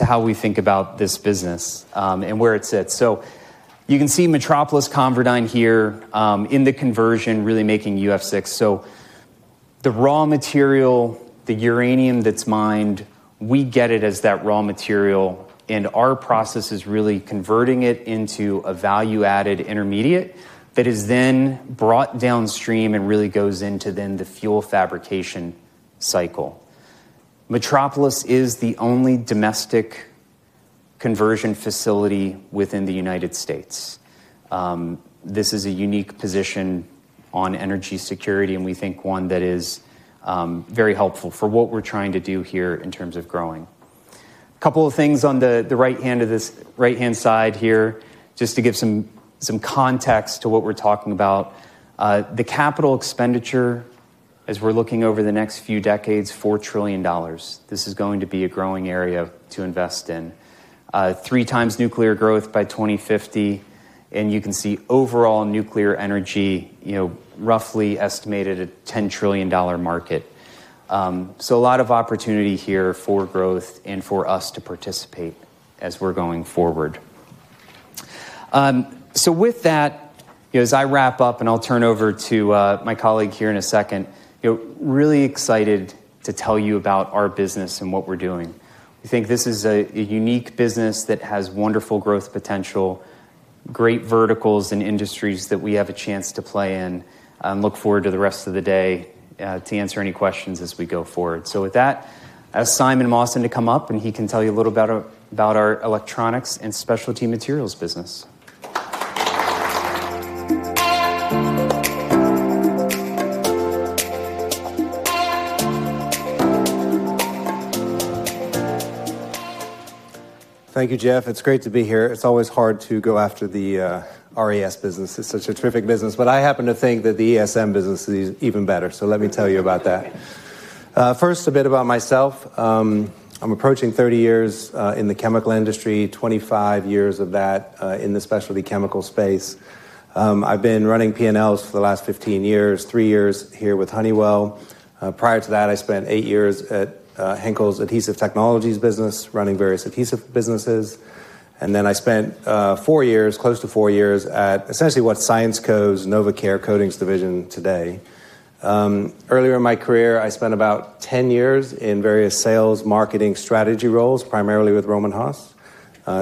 how we think about this business and where it sits. You can see Metropolis ConverDyn here in the conversion, really making UF6. The raw material, the uranium that's mined, we get it as that raw material. Our process is really converting it into a value-added intermediate that is then brought downstream and really goes into the fuel fabrication cycle. Metropolis is the only domestic conversion facility within the U.S. This is a unique position on energy security. We think one that is very helpful for what we're trying to do here in terms of growing. A couple of things on the right-hand side here, just to give some context to what we're talking about. The capital expenditure, as we're looking over the next few decades, $4 trillion. This is going to be a growing area to invest in. Three times nuclear growth by 2050. You can see overall nuclear energy roughly estimated at a $10 trillion market. A lot of opportunity here for growth and for us to participate as we're going forward. With that, as I wrap up, and I'll turn over to my colleague here in a second, really excited to tell you about our business and what we're doing. We think this is a unique business that has wonderful growth potential, great verticals and industries that we have a chance to play in. I look forward to the rest of the day to answer any questions as we go forward. With that, I asked Simon Mawson to come up. He can tell you a little about our electronics and specialty materials business. Thank you, Jeff. It's great to be here. It's always hard to go after the RES business. It's such a terrific business. I happen to think that the ESM business is even better. Let me tell you about that. First, a bit about myself. I'm approaching 30 years in the chemical industry, 25 years of that in the specialty chemical space. I've been running P&Ls for the last 15 years, three years here with Honeywell. Prior to that, I spent eight years at Henkel Adhesive Technologies business, running various adhesive businesses. I spent close to four years at essentially what is Syensqo Novecare Coatings division today. Earlier in my career, I spent about 10 years in various sales, marketing, strategy roles, primarily with Rohm and Haas.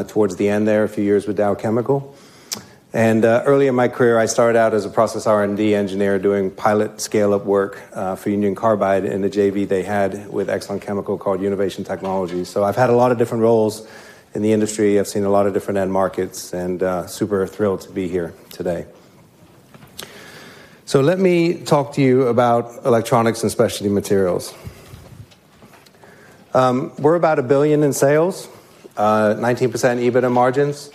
Towards the end there, a few years with Dow Chemical. Early in my career, I started out as a process R&D engineer doing pilot scale-up work for Union Carbide in the JV they had with Exxon Chemical called Univation Technologies. I've had a lot of different roles in the industry. I've seen a lot of different end markets. I'm super thrilled to be here today. Let me talk to you about electronics and specialty materials. We're about $1 billion in sales, 19% EBITDA margins.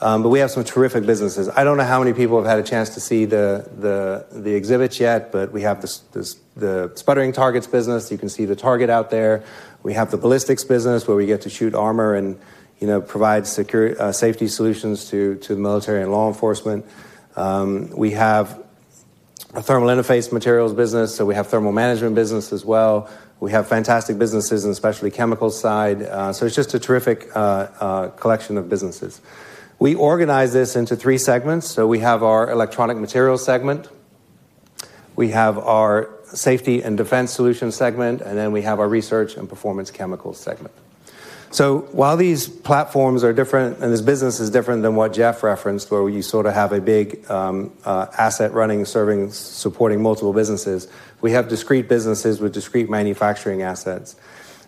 We have some terrific businesses. I don't know how many people have had a chance to see the exhibits yet. We have the sputtering targets business. You can see the target out there. We have the ballistics business where we get to shoot armor and provide safety solutions to the military and law enforcement. We have a thermal interface materials business. We have a thermal management business as well. We have fantastic businesses in the specialty chemical side. It's just a terrific collection of businesses. We organize this into three segments. We have our electronic materials segment. We have our safety and defense solutions segment. Then we have our research and performance chemicals segment. While these platforms are different and this business is different than what Jeff referenced, where you sort of have a big asset running, serving, supporting multiple businesses, we have discrete businesses with discrete manufacturing assets.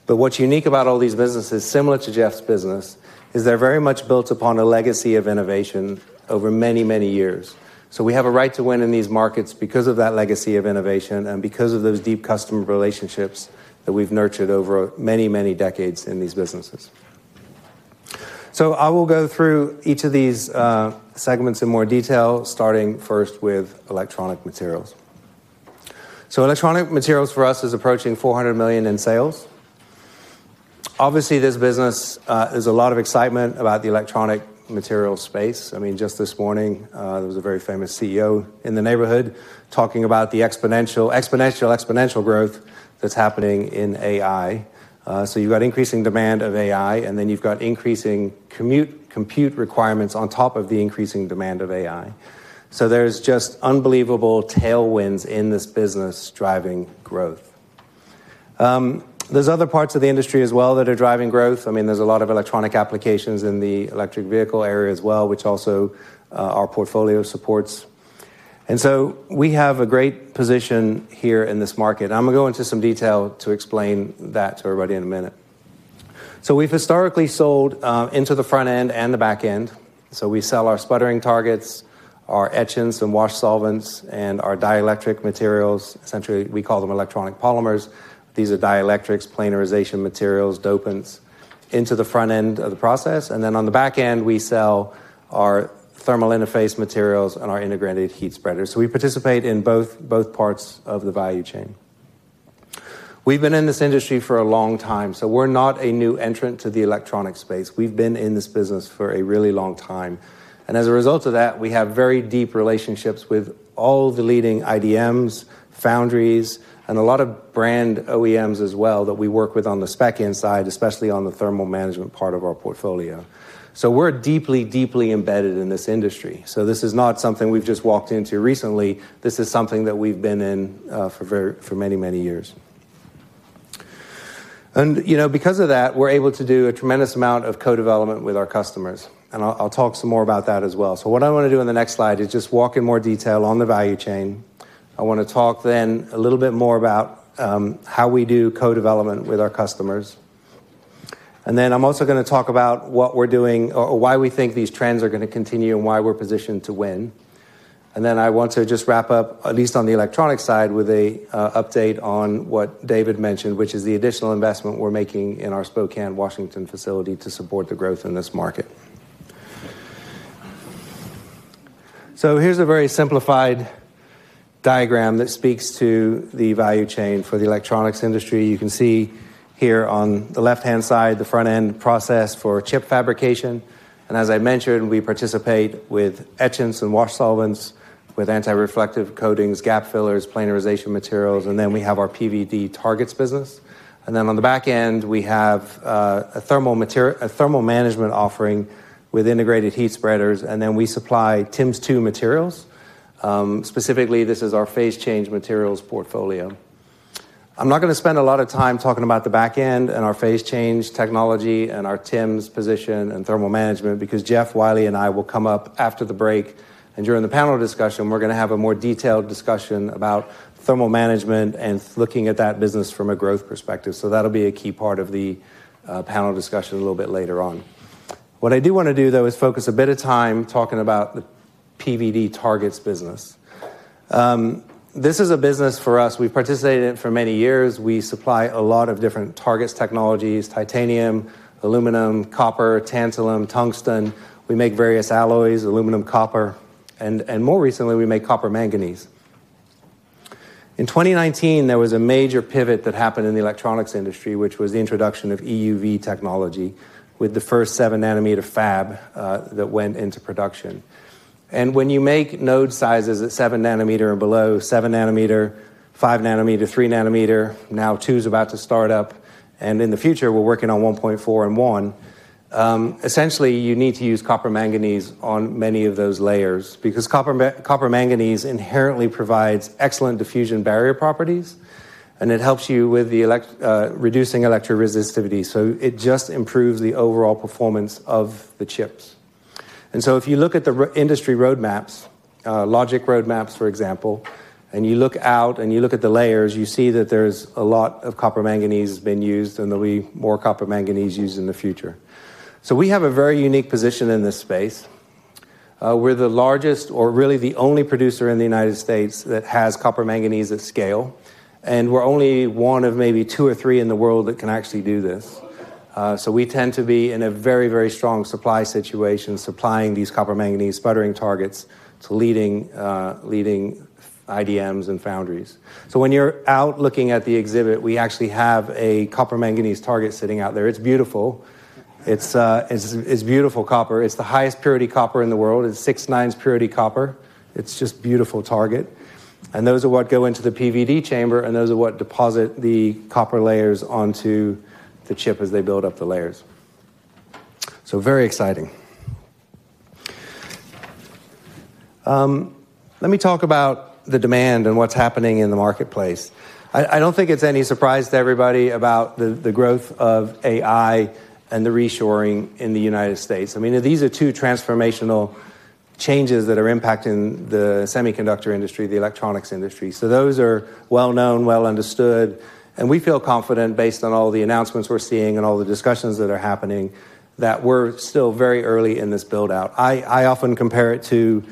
What's unique about all these businesses, similar to Jeff's business, is they're very much built upon a legacy of innovation over many, many years. We have a right to win in these markets because of that legacy of innovation and because of those deep customer relationships that we've nurtured over many, many decades in these businesses. I will go through each of these segments in more detail, starting first with electronic materials. Electronic materials for us is approaching $400 million in sales. Obviously, this business is a lot of excitement about the electronic materials space. I mean, just this morning, there was a very famous CEO in the neighborhood talking about the exponential growth that's happening in AI. You have increasing demand of AI. You have increasing compute requirements on top of the increasing demand of AI. There are just unbelievable tailwinds in this business driving growth. There are other parts of the industry as well that are driving growth. I mean, there are a lot of electronic applications in the electric vehicle area as well, which also our portfolio supports. We have a great position here in this market. I'm going to go into some detail to explain that to everybody in a minute. We have historically sold into the front end and the back end. We sell our sputtering targets, our etchants and wash solvents, and our dielectric materials. Essentially, we call them electronic polymers. These are dielectrics, planarization materials, dopants into the front end of the process. Then on the back end, we sell our thermal interface materials and our integrated heat spreaders. We participate in both parts of the value chain. We've been in this industry for a long time. We're not a new entrant to the electronic space. We've been in this business for a really long time. As a result of that, we have very deep relationships with all the leading IDMs, foundries, and a lot of brand OEMs as well that we work with on the spec inside, especially on the thermal management part of our portfolio. We're deeply, deeply embedded in this industry. This is not something we've just walked into recently. This is something that we've been in for many, many years. Because of that, we're able to do a tremendous amount of co-development with our customers. I'll talk some more about that as well. What I want to do on the next slide is just walk in more detail on the value chain. I want to talk then a little bit more about how we do co-development with our customers. I'm also going to talk about what we're doing or why we think these trends are going to continue and why we're positioned to win. I want to just wrap up, at least on the electronic side, with an update on what David mentioned, which is the additional investment we're making in our Spokane, Washington facility to support the growth in this market. Here's a very simplified diagram that speaks to the value chain for the electronics industry. You can see here on the left-hand side, the front end process for chip fabrication. As I mentioned, we participate with etchants and wash solvents, with anti-reflective coatings, gap fillers, planarization materials. We have our PVD targets business. On the back end, we have a thermal management offering with integrated heat spreaders. We supply TIMs 2 materials. Specifically, this is our phase change materials portfolio. I'm not going to spend a lot of time talking about the back end and our phase change technology and our TIMs position and thermal management because Jeff, Wylie, and I will come up after the break. During the panel discussion, we're going to have a more detailed discussion about thermal management and looking at that business from a growth perspective. That will be a key part of the panel discussion a little bit later on. What I do want to do, though, is focus a bit of time talking about the PVD targets business. This is a business for us. We've participated in it for many years. We supply a lot of different targets technologies: titanium, aluminum, copper, tantalum, tungsten. We make various alloys: aluminum, copper. And more recently, we make copper manganese. In 2019, there was a major pivot that happened in the electronics industry, which was the introduction of EUV technology with the first 7-nanometer fab that went into production. When you make node sizes at 7-nanometer and below, 7-nanometer, 5-nanometer, 3-nanometer, now 2 is about to start up. In the future, we're working on 1.4 and 1. Essentially, you need to use copper manganese on many of those layers because copper manganese inherently provides excellent diffusion barrier properties. It helps you with reducing electroresistivity. It just improves the overall performance of the chips. If you look at the industry roadmaps, logic roadmaps, for example, and you look out and you look at the layers, you see that there's a lot of copper manganese being used and there'll be more copper manganese used in the future. We have a very unique position in this space. We're the largest, or really the only producer in the United States that has copper manganese at scale. We're only one of maybe two or three in the world that can actually do this. We tend to be in a very, very strong supply situation supplying these copper manganese sputtering targets to leading IDMs and foundries. When you're out looking at the exhibit, we actually have a copper manganese target sitting out there. It's beautiful. It's beautiful copper. It's the highest purity copper in the world. It's 6N's purity copper. It's just a beautiful target. Those are what go into the PVD chamber. Those are what deposit the copper layers onto the chip as they build up the layers. Very exciting. Let me talk about the demand and what's happening in the marketplace. I don't think it's any surprise to everybody about the growth of AI and the reshoring in the United States. I mean, these are two transformational changes that are impacting the semiconductor industry, the electronics industry. Those are well-known, well-understood. We feel confident based on all the announcements we're seeing and all the discussions that are happening that we're still very early in this build-out. I often compare it to,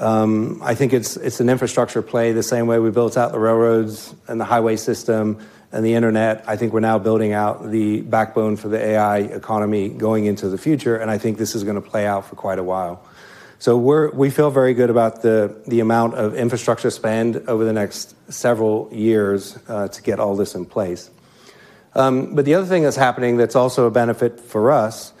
I think it's an infrastructure play the same way we built out the railroads and the highway system and the internet. I think we're now building out the backbone for the AI economy going into the future. I think this is going to play out for quite a while. We feel very good about the amount of infrastructure spend over the next several years to get all this in place. The other thing that's happening that's also a benefit for us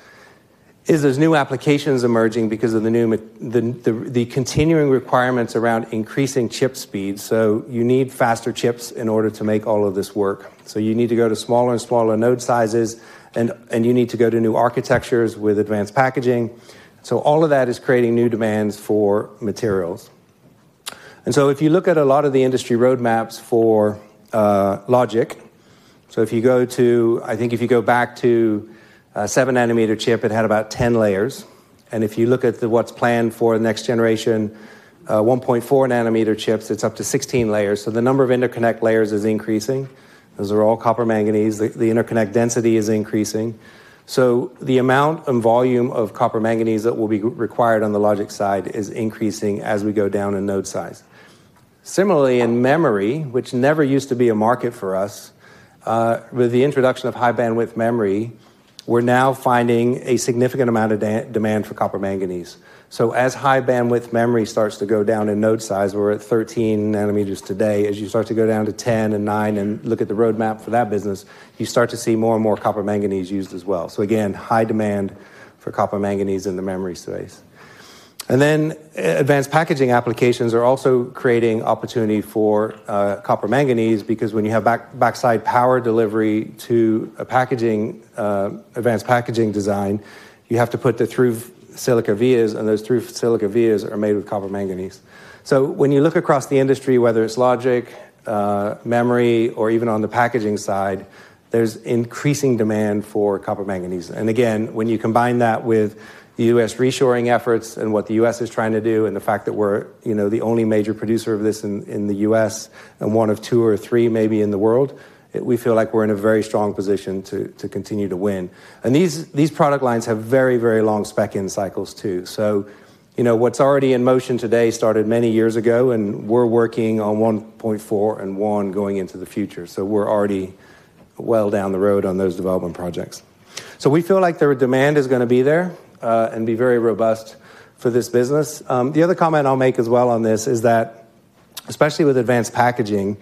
is there's new applications emerging because of the continuing requirements around increasing chip speeds. You need faster chips in order to make all of this work. You need to go to smaller and smaller node sizes. You need to go to new architectures with advanced packaging. All of that is creating new demands for materials. If you look at a lot of the industry roadmaps for logic, if you go to, I think if you go back to 7-nanometer chip, it had about 10 layers. If you look at what is planned for the next generation, 1.4-nanometer chips, it is up to 16 layers. The number of interconnect layers is increasing. Those are all copper manganese. The interconnect density is increasing. The amount and volume of copper manganese that will be required on the logic side is increasing as we go down in node size. Similarly, in memory, which never used to be a market for us, with the introduction of high bandwidth memory, we are now finding a significant amount of demand for copper manganese. As high bandwidth memory starts to go down in node size, we are at 13 nanometers today. As you start to go down to 10 and 9 and look at the roadmap for that business, you start to see more and more copper manganese used as well. Again, high demand for copper manganese in the memory space. Advanced packaging applications are also creating opportunity for copper manganese because when you have backside power delivery to an advanced packaging design, you have to put the through-silicon vias. Those through-silicon vias are made with copper manganese. When you look across the industry, whether it's logic, memory, or even on the packaging side, there's increasing demand for copper manganese. When you combine that with the U.S .reshoring efforts and what the U.S. is trying to do and the fact that we're the only major producer of this in the U.S. and one of two or three maybe in the world, we feel like we're in a very strong position to continue to win. These product lines have very, very long spec end cycles too. What's already in motion today started many years ago. We're working on 1.4 and 1 going into the future. We're already well down the road on those development projects. We feel like the demand is going to be there and be very robust for this business. The other comment I'll make as well on this is that, especially with advanced packaging,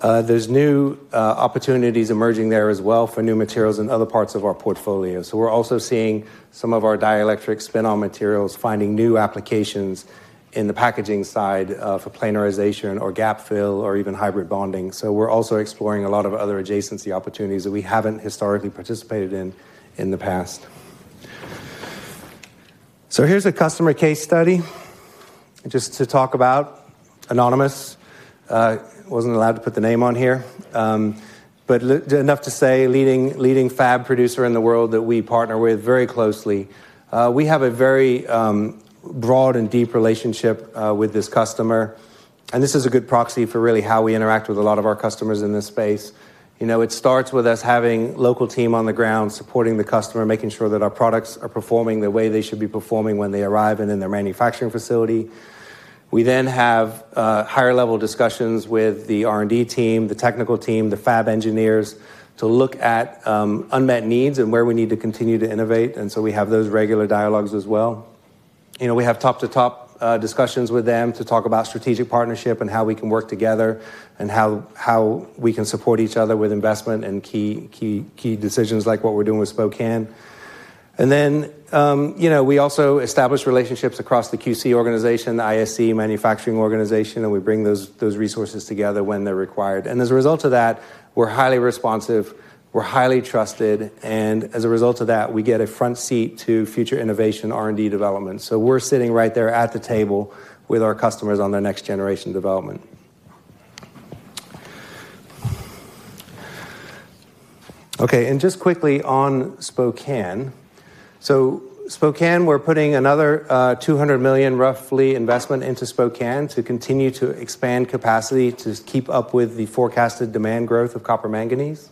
there's new opportunities emerging there as well for new materials in other parts of our portfolio. We're also seeing some of our dielectric spin-on materials finding new applications in the packaging side for planarization or gap fill or even hybrid bonding. We're also exploring a lot of other adjacency opportunities that we haven't historically participated in in the past. Here's a customer case study just to talk about. Anonymous. I wasn't allowed to put the name on here. Enough to say, leading fab producer in the world that we partner with very closely. We have a very broad and deep relationship with this customer. This is a good proxy for really how we interact with a lot of our customers in this space. It starts with us having a local team on the ground supporting the customer, making sure that our products are performing the way they should be performing when they arrive in their manufacturing facility. We then have higher-level discussions with the R&D team, the technical team, the fab engineers to look at unmet needs and where we need to continue to innovate. We have those regular dialogues as well. We have top-to-top discussions with them to talk about strategic partnership and how we can work together and how we can support each other with investment and key decisions like what we're doing with Spokane. We also establish relationships across the QC organization, the ISC manufacturing organization. We bring those resources together when they're required. As a result of that, we're highly responsive. We're highly trusted. As a result of that, we get a front seat to future innovation R&D development. We're sitting right there at the table with our customers on their next-generation development. Okay. Just quickly on Spokane. Spokane, we're putting another $200 million, roughly, investment into Spokane to continue to expand capacity to keep up with the forecasted demand growth of copper manganese.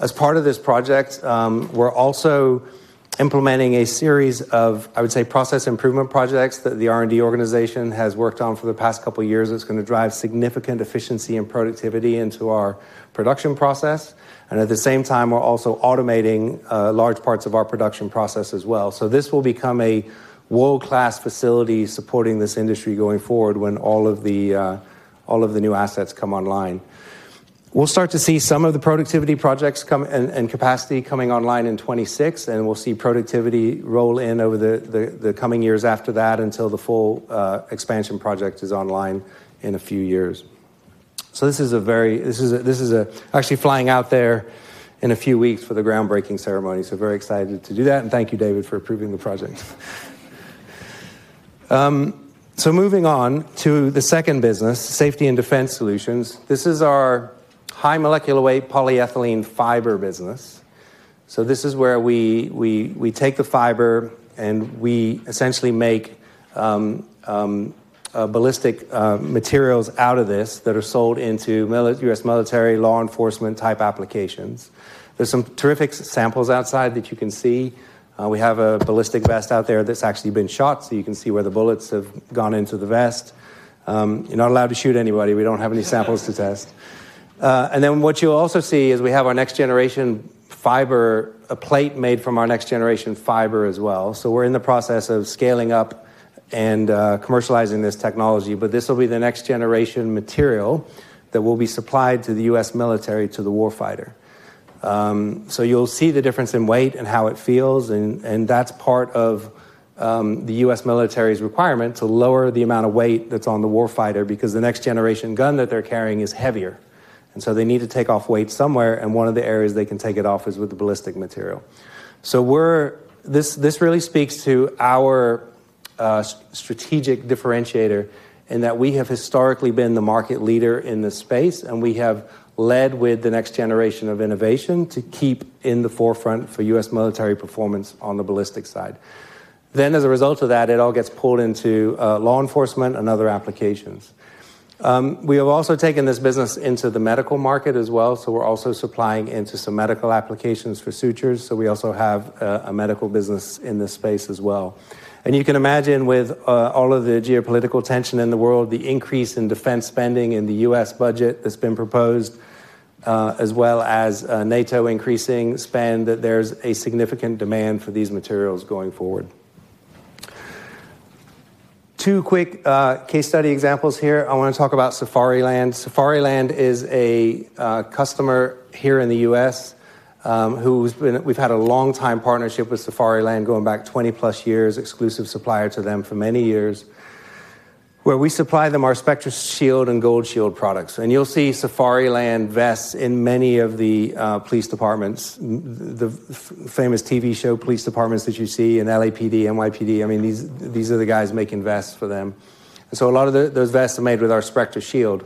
As part of this project, we're also implementing a series of, I would say, process improvement projects that the R&D organization has worked on for the past couple of years that's going to drive significant efficiency and productivity into our production process. At the same time, we're also automating large parts of our production process as well. This will become a world-class facility supporting this industry going forward when all of the new assets come online. We'll start to see some of the productivity projects and capacity coming online in 2026. We'll see productivity roll in over the coming years after that until the full expansion project is online in a few years. This is actually flying out there in a few weeks for the groundbreaking ceremony. Very excited to do that. Thank you, David, for approving the project. Moving on to the second business, safety and defense solutions. This is our high molecular weight polyethylene fiber business. This is where we take the fiber and we essentially make ballistic materials out of this that are sold into U.S. military, law enforcement-type applications. There are some terrific samples outside that you can see. We have a ballistic vest out there that has actually been shot. You can see where the bullets have gone into the vest. You're not allowed to shoot anybody. We do not have any samples to test. What you'll also see is we have our next-generation fiber, a plate made from our next-generation fiber as well. We are in the process of scaling up and commercializing this technology. This will be the next-generation material that will be supplied to the U.S. military to the warfighter. You will see the difference in weight and how it feels. That is part of the U.S. military's requirement to lower the amount of weight that is on the warfighter because the next-generation gun that they are carrying is heavier. They need to take off weight somewhere. One of the areas they can take it off is with the ballistic material. This really speaks to our strategic differentiator in that we have historically been the market leader in this space. We have led with the next generation of innovation to keep in the forefront for U.S. military performance on the ballistic side. As a result of that, it all gets pulled into law enforcement and other applications. We have also taken this business into the medical market as well. We are also supplying into some medical applications for sutures. We also have a medical business in this space as well. You can imagine with all of the geopolitical tension in the world, the increase in defense spending in the U.S. budget that's been proposed, as well as NATO increasing spend, that there's a significant demand for these materials going forward. Two quick case study examples here. I want to talk about Safariland. Safariland is a customer here in the U.S. who has been—we have had a long-time partnership with Safariland going back 20-plus years, exclusive supplier to them for many years, where we supply them our Spectra Shield and Gold Shield products. You'll see Safariland vests in many of the police departments, the famous TV show police departments that you see in LAPD, NYPD. I mean, these are the guys making vests for them. A lot of those vests are made with our Spectra Shield.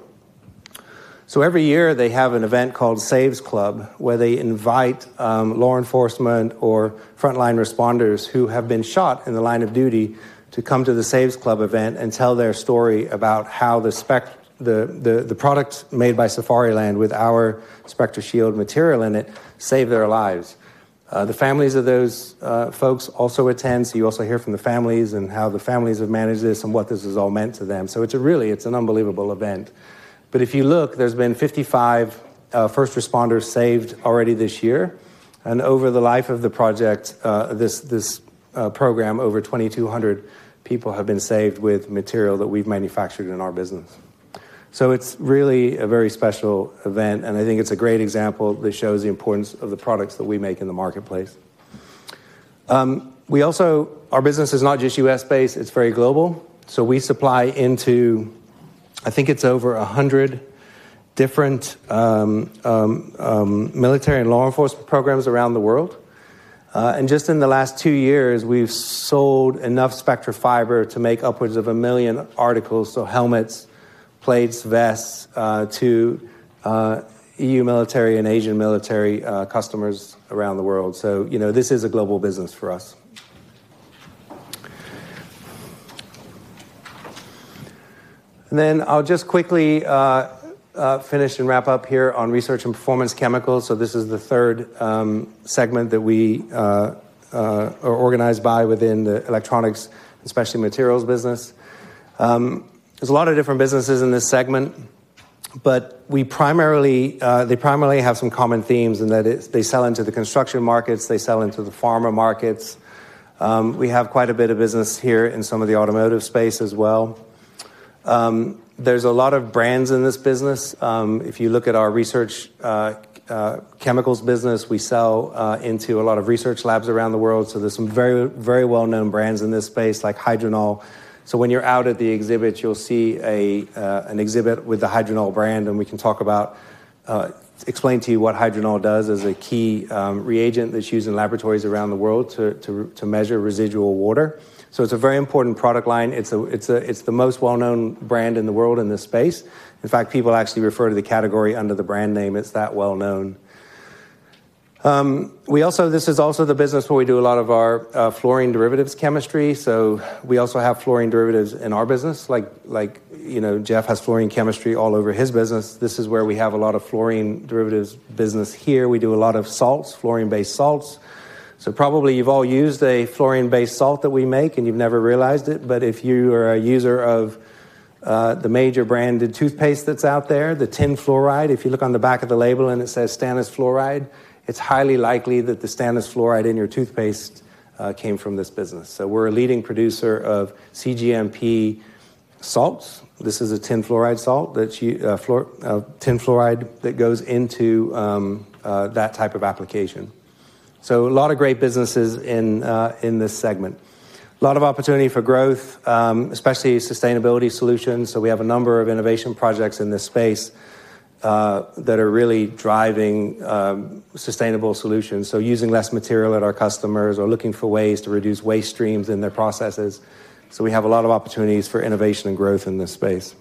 Every year, they have an event called SAVES Club where they invite law enforcement or frontline responders who have been shot in the line of duty to come to the SAVES Club event and tell their story about how the product made by Safariland with our Spectra Shield material in it saved their lives. The families of those folks also attend. You also hear from the families and how the families have managed this and what this has all meant to them. It's a really—it's an unbelievable event. If you look, there have been 55 first responders saved already this year. Over the life of the project, this program, over 2,200 people have been saved with material that we've manufactured in our business. It is really a very special event. I think it's a great example that shows the importance of the products that we make in the marketplace. Our business is not just U.S.-based. It is very global. We supply into, I think it's over 100 different military and law enforcement programs around the world. In just the last two years, we've sold enough Spectra fiber to make upwards of a million articles, so helmets, plates, vests, to EU military and Asian military customers around the world. This is a global business for us. I'll just quickly finish and wrap up here on research and performance chemicals. This is the third segment that we are organized by within the electronics, specialty materials business. There's a lot of different businesses in this segment. They primarily have some common themes in that they sell into the construction markets. They sell into the pharma markets. We have quite a bit of business here in some of the automotive space as well. There's a lot of brands in this business. If you look at our research chemicals business, we sell into a lot of research labs around the world. There's some very well-known brands in this space like Hydranal. When you're out at the exhibit, you'll see an exhibit with the Hydranal brand. We can talk about, explain to you what Hydranal does as a key reagent that's used in laboratories around the world to measure residual water. It's a very important product line. It's the most well-known brand in the world in this space. In fact, people actually refer to the category under the brand name. It's that well-known. This is also the business where we do a lot of our fluorine derivatives chemistry. We also have fluorine derivatives in our business. Like Jeff has fluorine chemistry all over his business. This is where we have a lot of fluorine derivatives business here. We do a lot of salts, fluorine-based salts. Probably you've all used a fluorine-based salt that we make, and you've never realized it. If you are a user of the major branded toothpaste that's out there, the tin fluoride, if you look on the back of the label and it says stannous fluoride, it's highly likely that the stannous fluoride in your toothpaste came from this business. We're a leading producer of CGMP salts. This is a stannous fluoride salt, that's stannous fluoride that goes into that type of application. A lot of great businesses in this segment. A lot of opportunity for growth, especially sustainability solutions. We have a number of innovation projects in this space that are really driving sustainable solutions. Using less material at our customers or looking for ways to reduce waste streams in their processes. We have a lot of opportunities for innovation and growth in this space.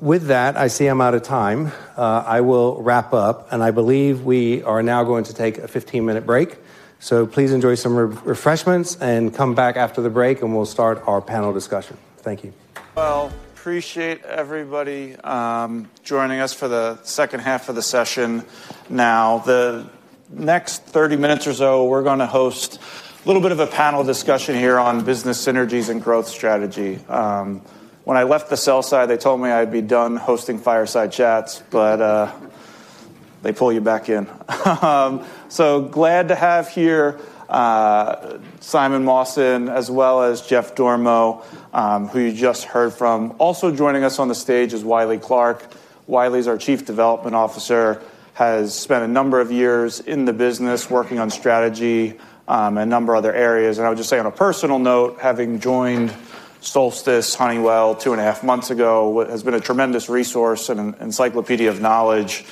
With that, I see I'm out of time. I will wrap up. I believe we are now going to take a 15-minute break. Please enjoy some refreshments and come back after the break, and we'll start our panel discussion. Thank you. I appreciate everybody joining us for the second half of the session now. The next 30 minutes or so, we're going to host a little bit of a panel discussion here on business synergies and growth strategy. When I left the sell side, they told me I'd be done hosting fireside chats, but they pull you back in. Glad to have here Simon Mawson, as well as Jeff Dormo, who you just heard from. Also joining us on the stage is Wylie Clark. Wylie is our Chief Development Officer, has spent a number of years in the business working on strategy and a number of other areas. I would just say on a personal note, having joined Solstice Advanced Materials two and a half months ago, has been a tremendous resource and encyclopedia of knowledge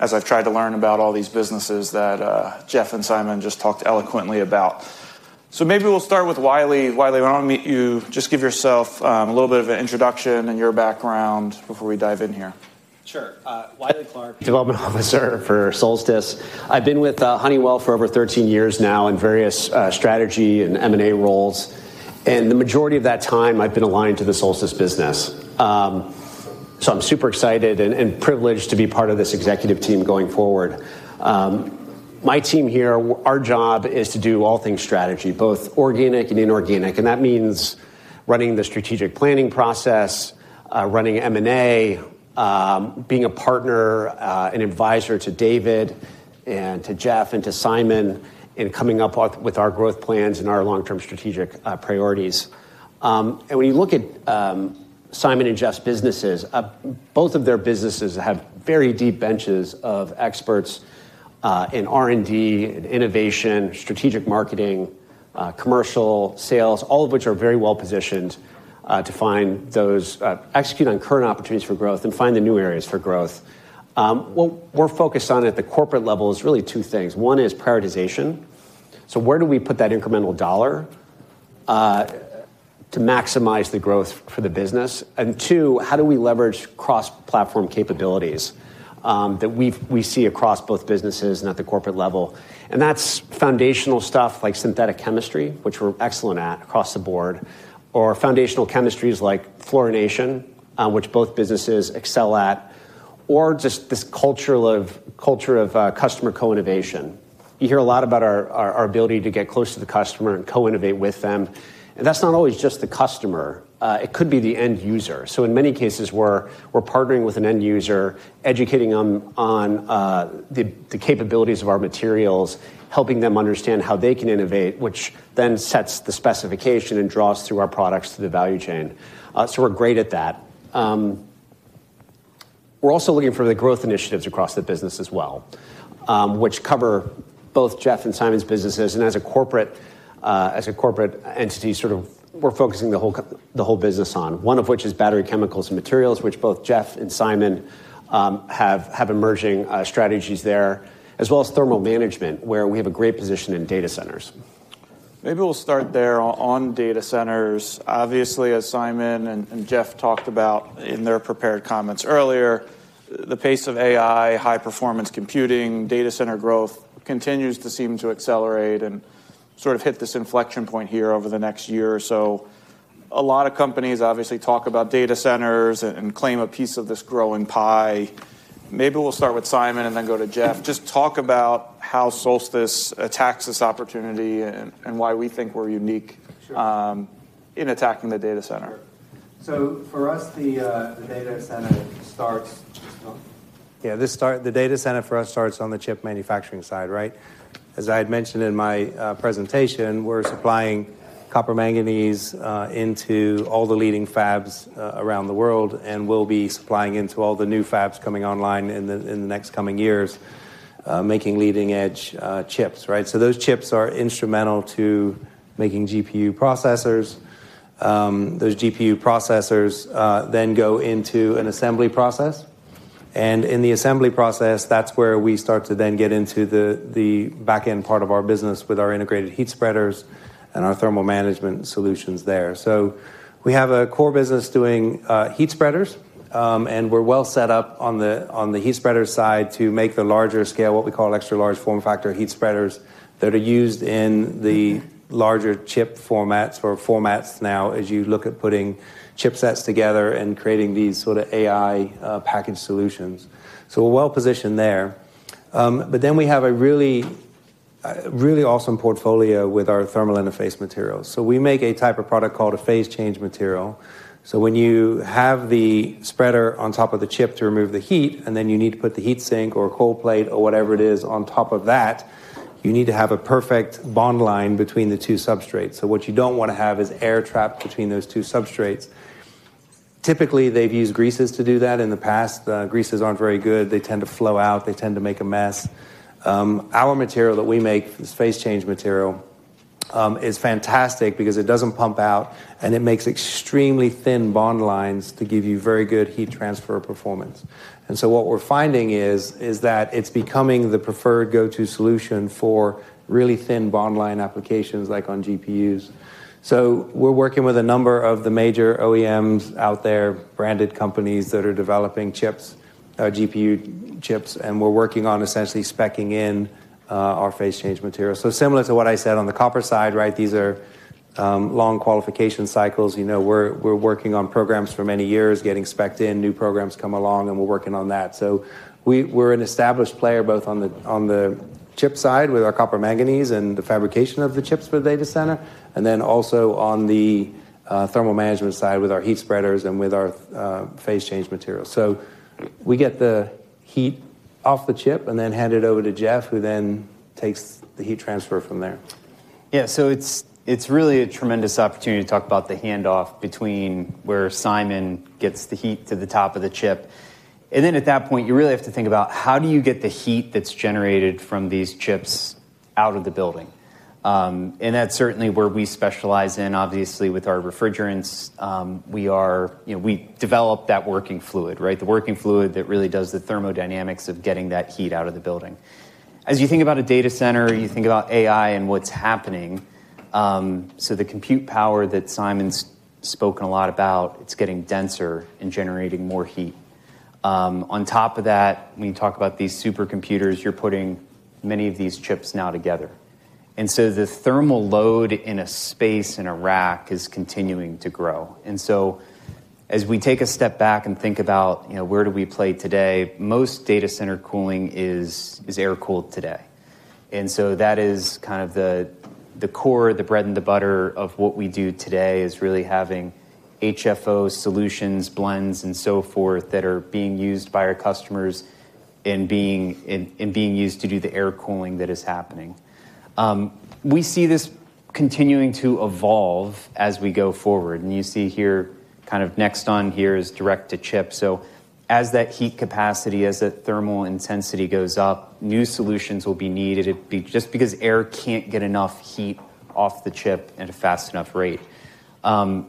as I've tried to learn about all these businesses that Jeff and Simon just talked eloquently about. Maybe we'll start with Wylie. Wylie, why don't you just give yourself a little bit of an introduction and your background before we dive in here? Sure. Wylie Clark, Development Officer for Solstice. I've been with Honeywell for over 13 years now in various strategy and M&A roles. The majority of that time, I've been aligned to the Solstice business. I am super excited and privileged to be part of this executive team going forward. My team here, our job is to do all things strategy, both organic and inorganic. That means running the strategic planning process, running M&A, being a partner, an advisor to David and to Jeff and to Simon, and coming up with our growth plans and our long-term strategic priorities. When you look at Simon and Jeff's businesses, both of their businesses have very deep benches of experts in R&D and innovation, strategic marketing, commercial sales, all of which are very well positioned to execute on current opportunities for growth and find the new areas for growth. What we're focused on at the corporate level is really two things. One is prioritization. Where do we put that incremental dollar to maximize the growth for the business? Two, how do we leverage cross-platform capabilities that we see across both businesses and at the corporate level? That is foundational stuff like synthetic chemistry, which we're excellent at across the board, or foundational chemistries like fluorination, which both businesses excel at, or just this culture of customer co-innovation. You hear a lot about our ability to get close to the customer and co-innovate with them. That is not always just the customer. It could be the end user. In many cases, we are partnering with an end user, educating them on the capabilities of our materials, helping them understand how they can innovate, which then sets the specification and draws through our products to the value chain. We are great at that. We are also looking for the growth initiatives across the business as well, which cover both Jeff and Simon's businesses. As a corporate entity, we are focusing the whole business on, one of which is battery chemicals and materials, which both Jeff and Simon have emerging strategies there, as well as thermal management, where we have a great position in data centers. Maybe we'll start there on data centers. Obviously, as Simon and Jeff talked about in their prepared comments earlier, the pace of AI, high-performance computing, data center growth continues to seem to accelerate and sort of hit this inflection point here over the next year or so. A lot of companies obviously talk about data centers and claim a piece of this growing pie. Maybe we'll start with Simon and then go to Jeff. Just talk about how Solstice attacks this opportunity and why we think we're unique in attacking the data center. For us, the data center starts. Yeah, the data center for us starts on the chip manufacturing side, right? As I had mentioned in my presentation, we're supplying copper manganese into all the leading fabs around the world and will be supplying into all the new fabs coming online in the next coming years, making leading-edge chips, right? Those chips are instrumental to making GPU processors. Those GPU processors then go into an assembly process. In the assembly process, that's where we start to then get into the back-end part of our business with our integrated heat spreaders and our thermal management solutions there. We have a core business doing heat spreaders. We're well set up on the heat spreader side to make the larger scale, what we call extra-large form factor heat spreaders. They're used in the larger chip formats or formats now as you look at putting chipsets together and creating these sort of AI package solutions. We are well positioned there. We have a really awesome portfolio with our thermal interface materials. We make a type of product called a phase change material. When you have the spreader on top of the chip to remove the heat, and then you need to put the heat sink or cold plate or whatever it is on top of that, you need to have a perfect bond line between the two substrates. What you do not want to have is air trapped between those two substrates. Typically, they've used greases to do that. In the past, greases are not very good. They tend to flow out. They tend to make a mess. Our material that we make, this phase change material, is fantastic because it does not pump out, and it makes extremely thin bond lines to give you very good heat transfer performance. What we are finding is that it is becoming the preferred go-to solution for really thin bond line applications like on GPUs. We are working with a number of the major OEMs out there, branded companies that are developing GPU chips. We are working on essentially speccing in our phase change material. Similar to what I said on the copper side, right? These are long qualification cycles. We are working on programs for many years, getting specced in, new programs come along, and we are working on that. We're an established player both on the chip side with our copper manganese and the fabrication of the chips for the data center, and then also on the thermal management side with our heat spreaders and with our phase change materials. We get the heat off the chip and then hand it over to Jeff, who then takes the heat transfer from there. Yeah. It is really a tremendous opportunity to talk about the handoff between where Simon gets the heat to the top of the chip. At that point, you really have to think about how do you get the heat that's generated from these chips out of the building? That is certainly where we specialize in. Obviously, with our refrigerants, we develop that working fluid, right? The working fluid that really does the thermodynamics of getting that heat out of the building. As you think about a data center, you think about AI and what is happening. The compute power that Simon's spoken a lot about is getting denser and generating more heat. On top of that, when you talk about these supercomputers, you are putting many of these chips now together. The thermal load in a space in a rack is continuing to grow. As we take a step back and think about where do we play today, most data center cooling is air-cooled today. That is kind of the core, the bread and the butter of what we do today, really having HFO solutions, blends, and so forth that are being used by our customers and being used to do the air cooling that is happening. We see this continuing to evolve as we go forward. You see here, kind of next on here is direct to chip. As that heat capacity, as that thermal intensity goes up, new solutions will be needed just because air cannot get enough heat off the chip at a fast enough rate. The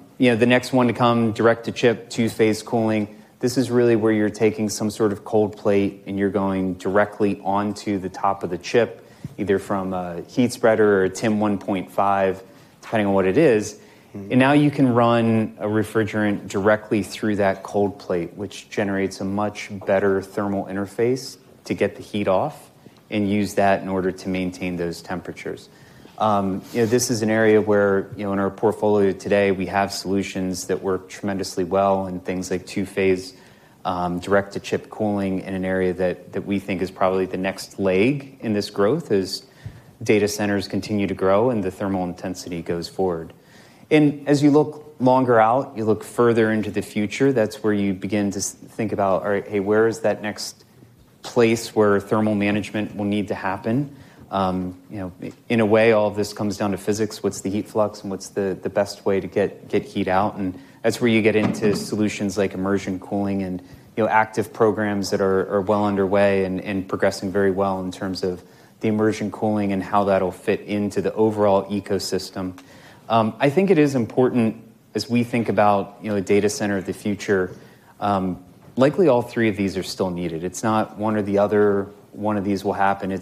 next one to come, direct to chip, two-phase cooling, this is really where you're taking some sort of cold plate and you're going directly onto the top of the chip, either from a heat spreader or a TIM 1.5, depending on what it is. You can run a refrigerant directly through that cold plate, which generates a much better thermal interface to get the heat off and use that in order to maintain those temperatures. This is an area where in our portfolio today, we have solutions that work tremendously well in things like two-phase direct to chip cooling in an area that we think is probably the next leg in this growth as data centers continue to grow and the thermal intensity goes forward. As you look longer out, you look further into the future, that's where you begin to think about, all right, hey, where is that next place where thermal management will need to happen? In a way, all of this comes down to physics. What's the heat flux and what's the best way to get heat out? That's where you get into solutions like immersion cooling and active programs that are well underway and progressing very well in terms of the immersion cooling and how that'll fit into the overall ecosystem. I think it is important, as we think about a data center of the future, likely all three of these are still needed. It's not one or the other, one of these will happen.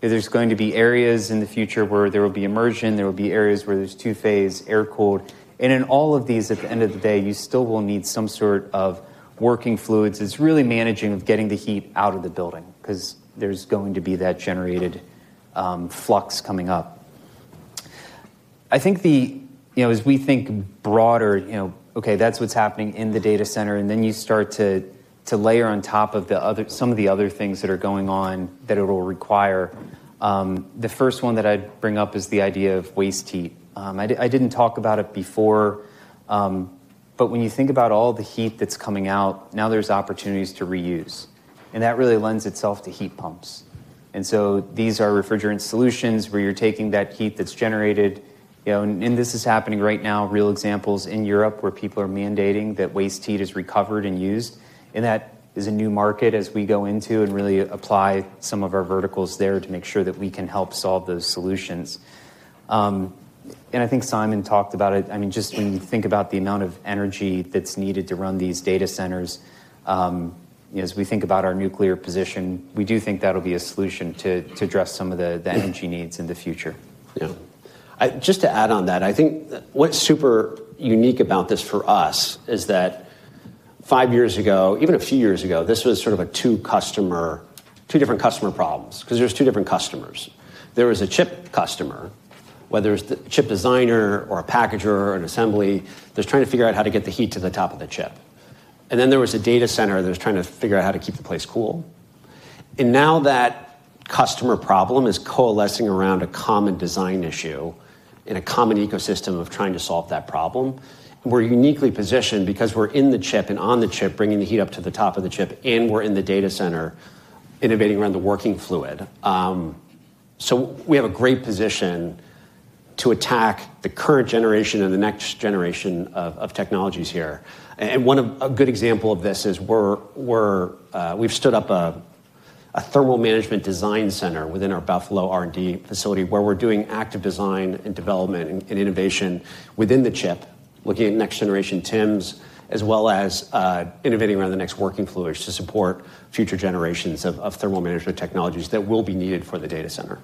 There's going to be areas in the future where there will be immersion. There will be areas where there's two-phase air-cooled. In all of these, at the end of the day, you still will need some sort of working fluids. It's really managing of getting the heat out of the building because there's going to be that generated flux coming up. I think as we think broader, okay, that's what's happening in the data center. You start to layer on top of some of the other things that are going on that it will require. The first one that I'd bring up is the idea of waste heat. I didn't talk about it before, but when you think about all the heat that's coming out, now there's opportunities to reuse. That really lends itself to heat pumps. These are refrigerant solutions where you're taking that heat that's generated. This is happening right now, real examples in Europe where people are mandating that waste heat is recovered and used. That is a new market as we go into and really apply some of our verticals there to make sure that we can help solve those solutions. I think Simon talked about it. I mean, just when you think about the amount of energy that's needed to run these data centers, as we think about our nuclear position, we do think that'll be a solution to address some of the energy needs in the future. Yeah. Just to add on that, I think what's super unique about this for us is that five years ago, even a few years ago, this was sort of two different customer problems because there were two different customers. There was a chip customer, whether it was the chip designer or a packager or an assembly, that was trying to figure out how to get the heat to the top of the chip. There was a data center that was trying to figure out how to keep the place cool. Now that customer problem is coalescing around a common design issue in a common ecosystem of trying to solve that problem. We are uniquely positioned because we are in the chip and on the chip, bringing the heat up to the top of the chip, and we are in the data center innovating around the working fluid. We have a great position to attack the current generation and the next generation of technologies here. One good example of this is we've stood up a thermal management design center within our Buffalo R&D facility where we're doing active design and development and innovation within the chip, looking at next-generation TIMs, as well as innovating around the next working fluids to support future generations of thermal management technologies that will be needed for the data center.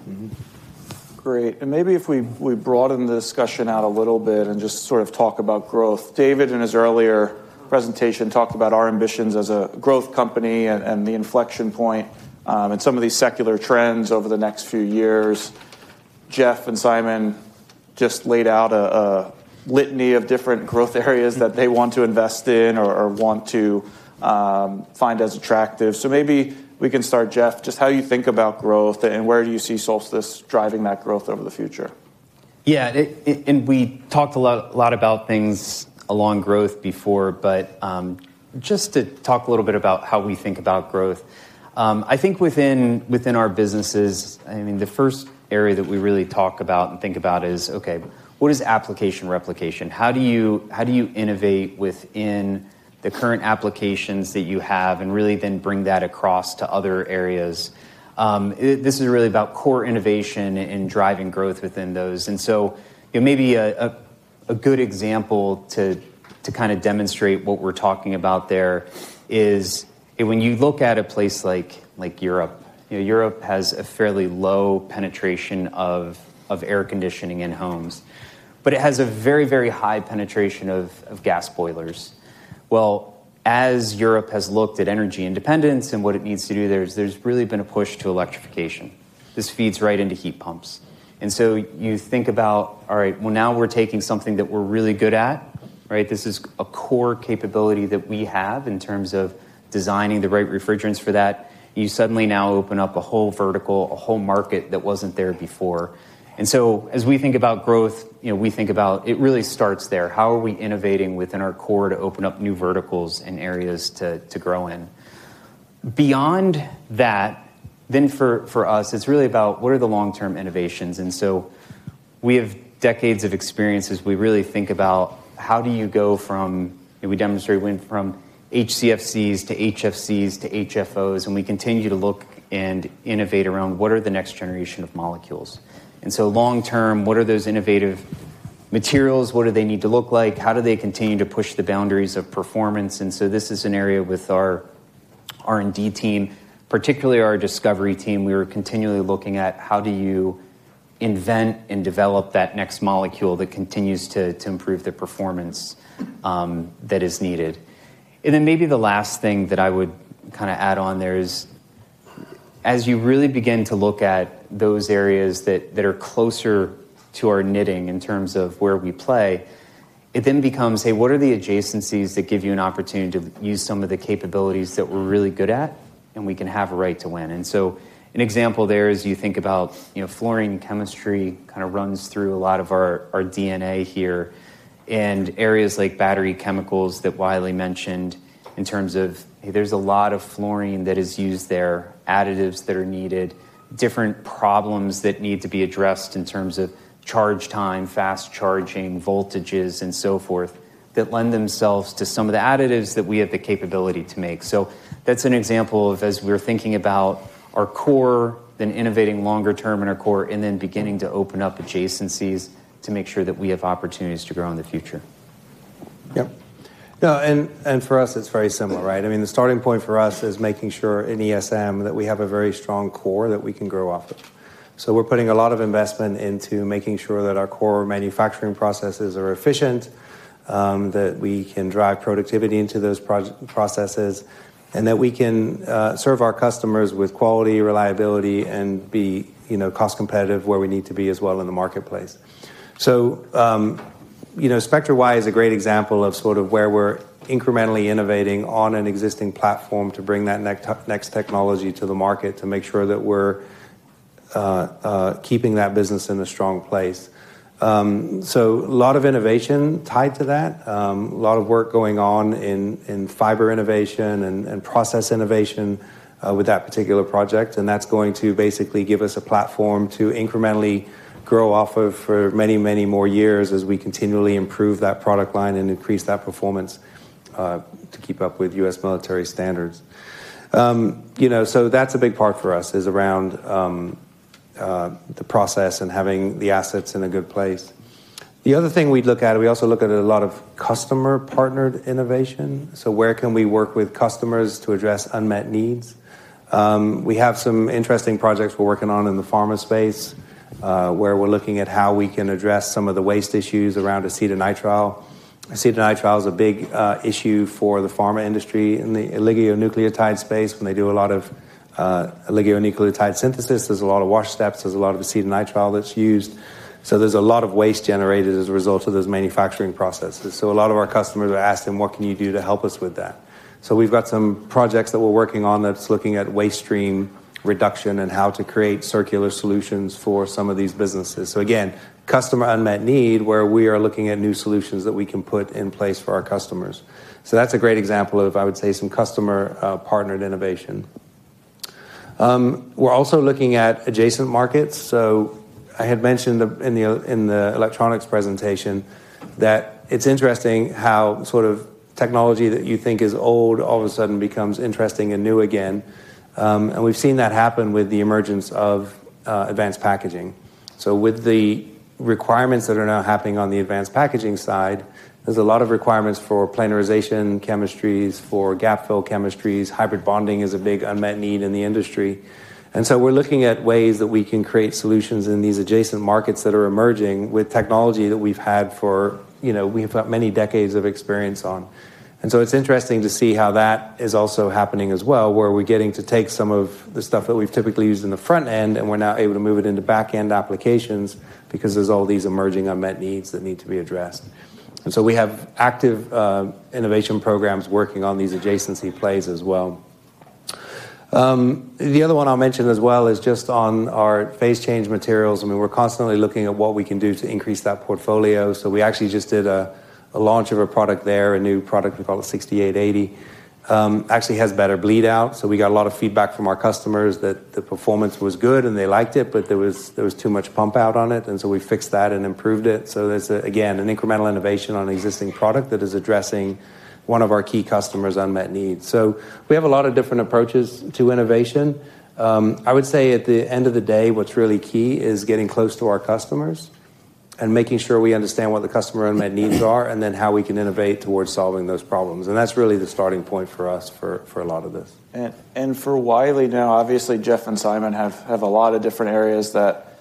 Great. Maybe if we broaden the discussion out a little bit and just sort of talk about growth. David, in his earlier presentation, talked about our ambitions as a growth company and the inflection point and some of these secular trends over the next few years. Jeff and Simon just laid out a litany of different growth areas that they want to invest in or want to find as attractive. Maybe we can start, Jeff, just how you think about growth and where do you see Solstice driving that growth over the future? Yeah. We talked a lot about things along growth before, but just to talk a little bit about how we think about growth. I think within our businesses, I mean, the first area that we really talk about and think about is, okay, what is application replication? How do you innovate within the current applications that you have and really then bring that across to other areas? This is really about core innovation and driving growth within those. Maybe a good example to kind of demonstrate what we're talking about there is when you look at a place like Europe. Europe has a fairly low penetration of air conditioning in homes, but it has a very, very high penetration of gas boilers. As Europe has looked at energy independence and what it needs to do, there's really been a push to electrification. This feeds right into heat pumps. You think about, all right, now we're taking something that we're really good at, right? This is a core capability that we have in terms of designing the right refrigerants for that. You suddenly now open up a whole vertical, a whole market that wasn't there before. As we think about growth, we think about it really starts there. How are we innovating within our core to open up new verticals and areas to grow in? Beyond that, for us, it's really about what are the long-term innovations? We have decades of experience as we really think about how do you go from, we demonstrate wind from HCFCs to HFCs to HFOs, and we continue to look and innovate around what are the next generation of molecules. Long-term, what are those innovative materials? What do they need to look like? How do they continue to push the boundaries of performance? This is an area with our R&D team, particularly our discovery team. We are continually looking at how do you invent and develop that next molecule that continues to improve the performance that is needed. Maybe the last thing that I would kind of add on there is as you really begin to look at those areas that are closer to our knitting in terms of where we play, it then becomes, hey, what are the adjacencies that give you an opportunity to use some of the capabilities that we're really good at and we can have a right to win? An example there is you think about fluorine chemistry kind of runs through a lot of our DNA here and areas like battery chemicals that Wylie mentioned in terms of, hey, there's a lot of fluorine that is used there, additives that are needed, different problems that need to be addressed in terms of charge time, fast charging, voltages, and so forth that lend themselves to some of the additives that we have the capability to make. That is an example of as we're thinking about our core, then innovating longer term in our core, and then beginning to open up adjacencies to make sure that we have opportunities to grow in the future. Yep. No, and for us, it's very similar, right? I mean, the starting point for us is making sure in ESM that we have a very strong core that we can grow off of. We are putting a lot of investment into making sure that our core manufacturing processes are efficient, that we can drive productivity into those processes, and that we can serve our customers with quality, reliability, and be cost competitive where we need to be as well in the marketplace. Spectra why is a great example of sort of where we're incrementally innovating on an existing platform to bring that next technology to the market to make sure that we're keeping that business in a strong place. A lot of innovation is tied to that, a lot of work going on in fiber innovation and process innovation with that particular project. That is going to basically give us a platform to incrementally grow off of for many, many more years as we continually improve that product line and increase that performance to keep up with U.S. military standards. That is a big part for us, around the process and having the assets in a good place. The other thing we look at, we also look at a lot of customer-partnered innovation. Where can we work with customers to address unmet needs? We have some interesting projects we are working on in the pharma space where we are looking at how we can address some of the waste issues around acetonitrile. Acetonitrile is a big issue for the pharma industry in the oligonucleotide space when they do a lot of oligonucleotide synthesis. There are a lot of wash steps. There is a lot of acetonitrile that is used. There is a lot of waste generated as a result of those manufacturing processes. A lot of our customers are asking, what can you do to help us with that? We have some projects that we are working on that are looking at waste stream reduction and how to create circular solutions for some of these businesses. Again, customer unmet need where we are looking at new solutions that we can put in place for our customers. That is a great example of, I would say, some customer-partnered innovation. We are also looking at adjacent markets. I had mentioned in the electronics presentation that it is interesting how sort of technology that you think is old all of a sudden becomes interesting and new again. We have seen that happen with the emergence of advanced packaging. With the requirements that are now happening on the advanced packaging side, there's a lot of requirements for planarization chemistries, for gap-fill chemistries. Hybrid bonding is a big unmet need in the industry. We're looking at ways that we can create solutions in these adjacent markets that are emerging with technology that we've had for we have got many decades of experience on. It's interesting to see how that is also happening as well, where we're getting to take some of the stuff that we've typically used in the front end, and we're now able to move it into back-end applications because there's all these emerging unmet needs that need to be addressed. We have active innovation programs working on these adjacency plays as well. The other one I'll mention as well is just on our phase change materials. I mean, we're constantly looking at what we can do to increase that portfolio. We actually just did a launch of a product there, a new product we call it 6880. It actually has better bleed out. We got a lot of feedback from our customers that the performance was good and they liked it, but there was too much pump out on it. We fixed that and improved it. There is, again, an incremental innovation on an existing product that is addressing one of our key customers' unmet needs. We have a lot of different approaches to innovation. I would say at the end of the day, what's really key is getting close to our customers and making sure we understand what the customer unmet needs are and then how we can innovate towards solving those problems. That is really the starting point for us for a lot of this. For Wylie now, obviously, Jeff and Simon have a lot of different areas that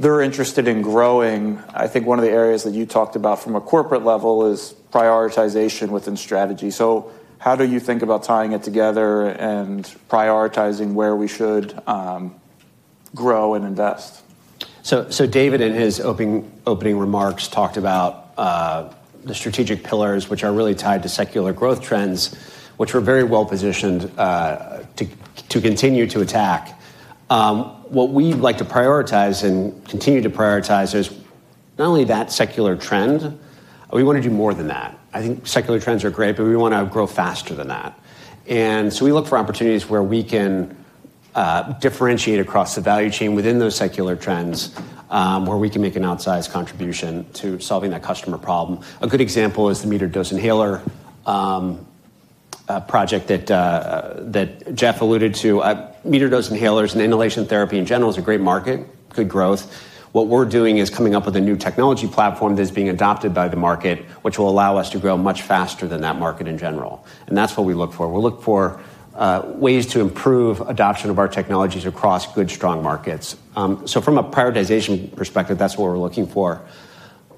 they are interested in growing. I think one of the areas that you talked about from a corporate level is prioritization within strategy. How do you think about tying it together and prioritizing where we should grow and invest? David, in his opening remarks, talked about the strategic pillars, which are really tied to secular growth trends, which we are very well positioned to continue to attack. What we would like to prioritize and continue to prioritize is not only that secular trend, we want to do more than that. I think secular trends are great, but we want to grow faster than that. We look for opportunities where we can differentiate across the value chain within those secular trends where we can make an outsized contribution to solving that customer problem. A good example is the meter-dose inhaler project that Jeff alluded to. Meter-dose inhalers and inhalation therapy in general is a great market, good growth. What we are doing is coming up with a new technology platform that is being adopted by the market, which will allow us to grow much faster than that market in general. That is what we look for. We will look for ways to improve adoption of our technologies across good, strong markets. From a prioritization perspective, that is what we are looking for.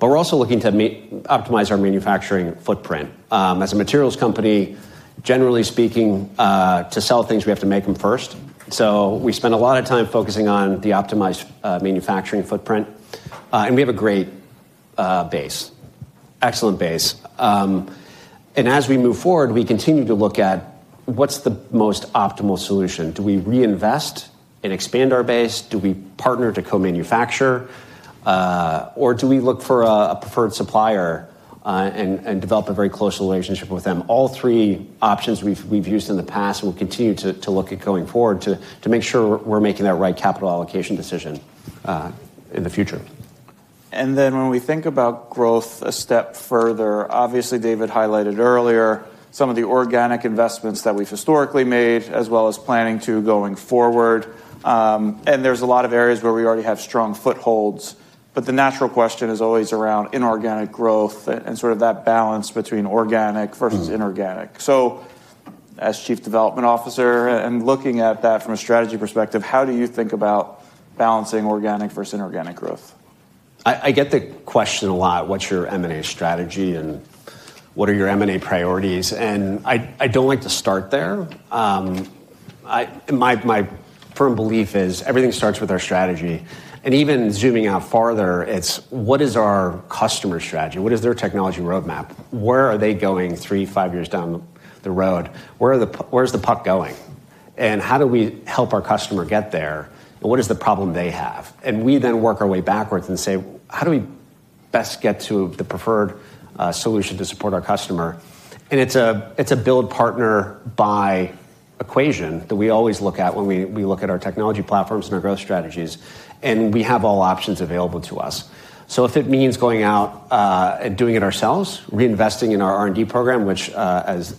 We are also looking to optimize our manufacturing footprint. As a materials company, generally speaking, to sell things, we have to make them first. We spend a lot of time focusing on the optimized manufacturing footprint. We have a great base, excellent base. As we move forward, we continue to look at what is the most optimal solution. Do we reinvest and expand our base? Do we partner to co-manufacture? Do we look for a preferred supplier and develop a very close relationship with them? All three options we have used in the past and will continue to look at going forward to make sure we are making that right capital allocation decision in the future. When we think about growth a step further, obviously, David highlighted earlier some of the organic investments that we've historically made as well as planning to going forward. There's a lot of areas where we already have strong footholds. The natural question is always around inorganic growth and sort of that balance between organic versus inorganic. As Chief Development Officer and looking at that from a strategy perspective, how do you think about balancing organic versus inorganic growth? I get the question a lot. What's your M&A strategy and what are your M&A priorities? I don't like to start there. My firm belief is everything starts with our strategy. Even zooming out farther, it's what is our customer strategy? What is their technology roadmap? Where are they going three, five years down the road? Where's the puck going? How do we help our customer get there? What is the problem they have? We then work our way backwards and say, how do we best get to the preferred solution to support our customer? It's a build partner-buy equation that we always look at when we look at our technology platforms and our growth strategies. We have all options available to us. If it means going out and doing it ourselves, reinvesting in our R&D program, which, as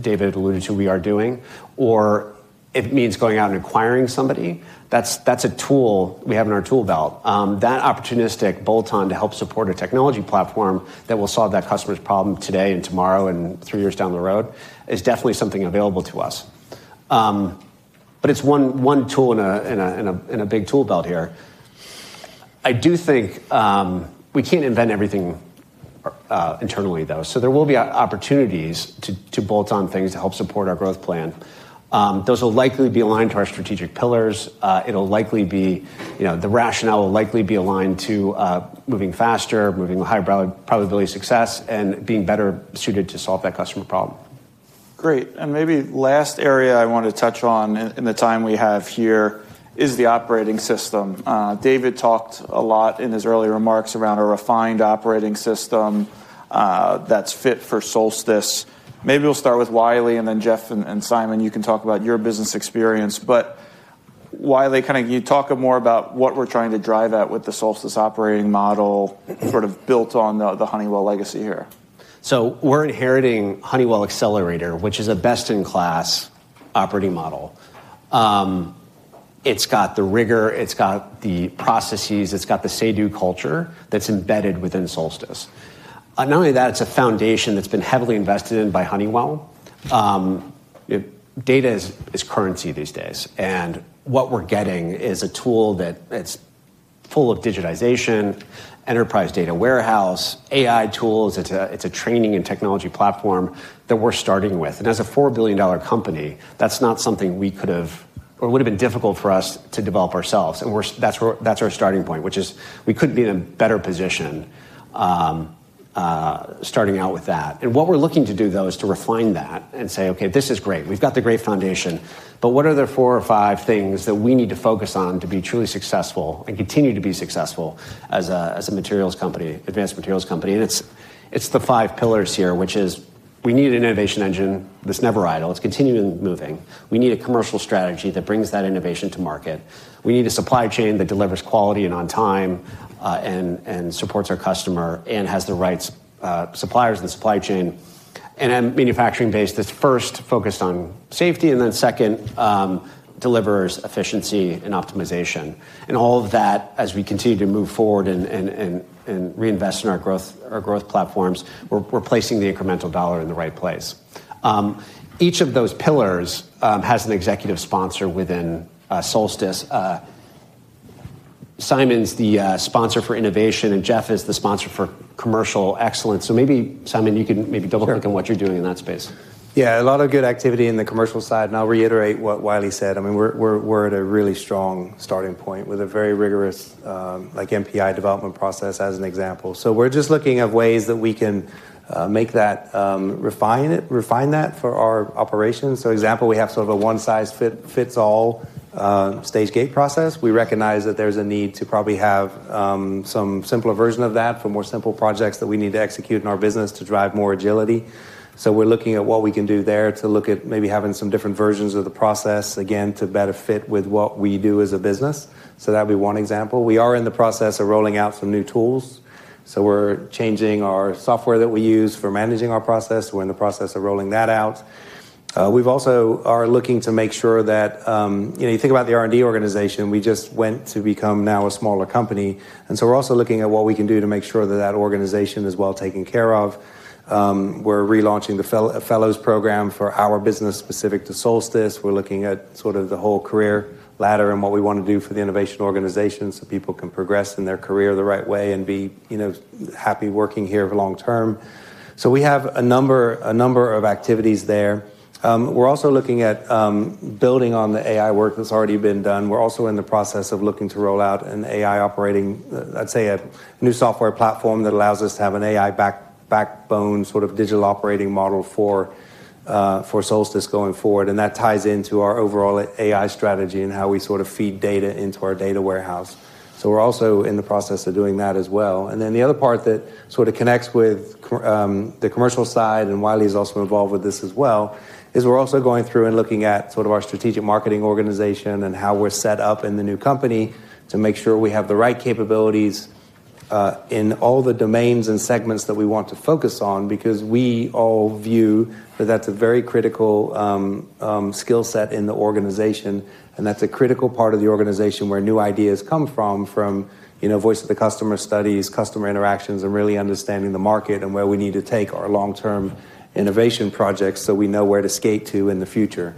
David alluded to, we are doing, or it means going out and acquiring somebody, that's a tool we have in our tool belt. That opportunistic bolt-on to help support a technology platform that will solve that customer's problem today and tomorrow and three years down the road is definitely something available to us. It is one tool in a big tool belt here. I do think we can't invent everything internally, though. There will be opportunities to bolt on things to help support our growth plan. Those will likely be aligned to our strategic pillars. It will likely be the rationale will likely be aligned to moving faster, moving higher probability success, and being better suited to solve that customer problem. Great. Maybe last area I want to touch on in the time we have here is the operating system. David talked a lot in his early remarks around a refined operating system that's fit for Solstice. Maybe we'll start with Wylie and then Jeff and Simon. You can talk about your business experience. Wylie, kind of can you talk more about what we're trying to drive at with the Solstice operating model sort of built on the Honeywell legacy here? We're inheriting Honeywell Accelerator, which is a best-in-class operating model. It's got the rigor. It's got the processes. It's got the say-do culture that's embedded within Solstice. Not only that, it's a foundation that's been heavily invested in by Honeywell. Data is currency these days. What we're getting is a tool that's full of digitization, enterprise data warehouse, AI tools. It's a training and technology platform that we're starting with. As a $4 billion company, that's not something we could have or would have been difficult for us to develop ourselves. That's our starting point, which is we couldn't be in a better position starting out with that. What we're looking to do, though, is to refine that and say, okay, this is great. We've got the great foundation, but what are the four or five things that we need to focus on to be truly successful and continue to be successful as a materials company, advanced materials company? It's the five pillars here, which is we need an innovation engine that's never idle. It's continuing moving. We need a commercial strategy that brings that innovation to market. We need a supply chain that delivers quality and on time and supports our customer and has the right suppliers in the supply chain. Manufacturing-based, that's first focused on safety and then second, delivers efficiency and optimization. All of that, as we continue to move forward and reinvest in our growth platforms, we're placing the incremental dollar in the right place. Each of those pillars has an executive sponsor within Solstice. Simon is the sponsor for innovation, and Jeff is the sponsor for commercial excellence. Maybe, Simon, you can maybe double-click on what you’re doing in that space. Yeah, a lot of good activity in the commercial side. I'll reiterate what Wylie said. I mean, we're at a really strong starting point with a very rigorous MPI development process, as an example. We're just looking at ways that we can make that, refine that for our operations. For example, we have sort of a one-size-fits-all stage gate process. We recognize that there's a need to probably have some simpler version of that for more simple projects that we need to execute in our business to drive more agility. We're looking at what we can do there to look at maybe having some different versions of the process, again, to better fit with what we do as a business. That would be one example. We are in the process of rolling out some new tools. We're changing our software that we use for managing our process. We're in the process of rolling that out. We also are looking to make sure that you think about the R&D organization. We just went to become now a smaller company. We are also looking at what we can do to make sure that that organization is well taken care of. We're relaunching the Fellows program for our business specific to Solstice. We're looking at sort of the whole career ladder and what we want to do for the innovation organization so people can progress in their career the right way and be happy working here long-term. We have a number of activities there. We're also looking at building on the AI work that's already been done. We're also in the process of looking to roll out an AI operating, I'd say, a new software platform that allows us to have an AI backbone, sort of digital operating model for Solstice going forward. That ties into our overall AI strategy and how we sort of feed data into our data warehouse. We're also in the process of doing that as well. The other part that sort of connects with the commercial side, and Wylie is also involved with this as well, is we're also going through and looking at sort of our strategic marketing organization and how we're set up in the new company to make sure we have the right capabilities in all the domains and segments that we want to focus on because we all view that that's a very critical skill set in the organization. That's a critical part of the organization where new ideas come from, from voice of the customer studies, customer interactions, and really understanding the market and where we need to take our long-term innovation projects so we know where to skate to in the future.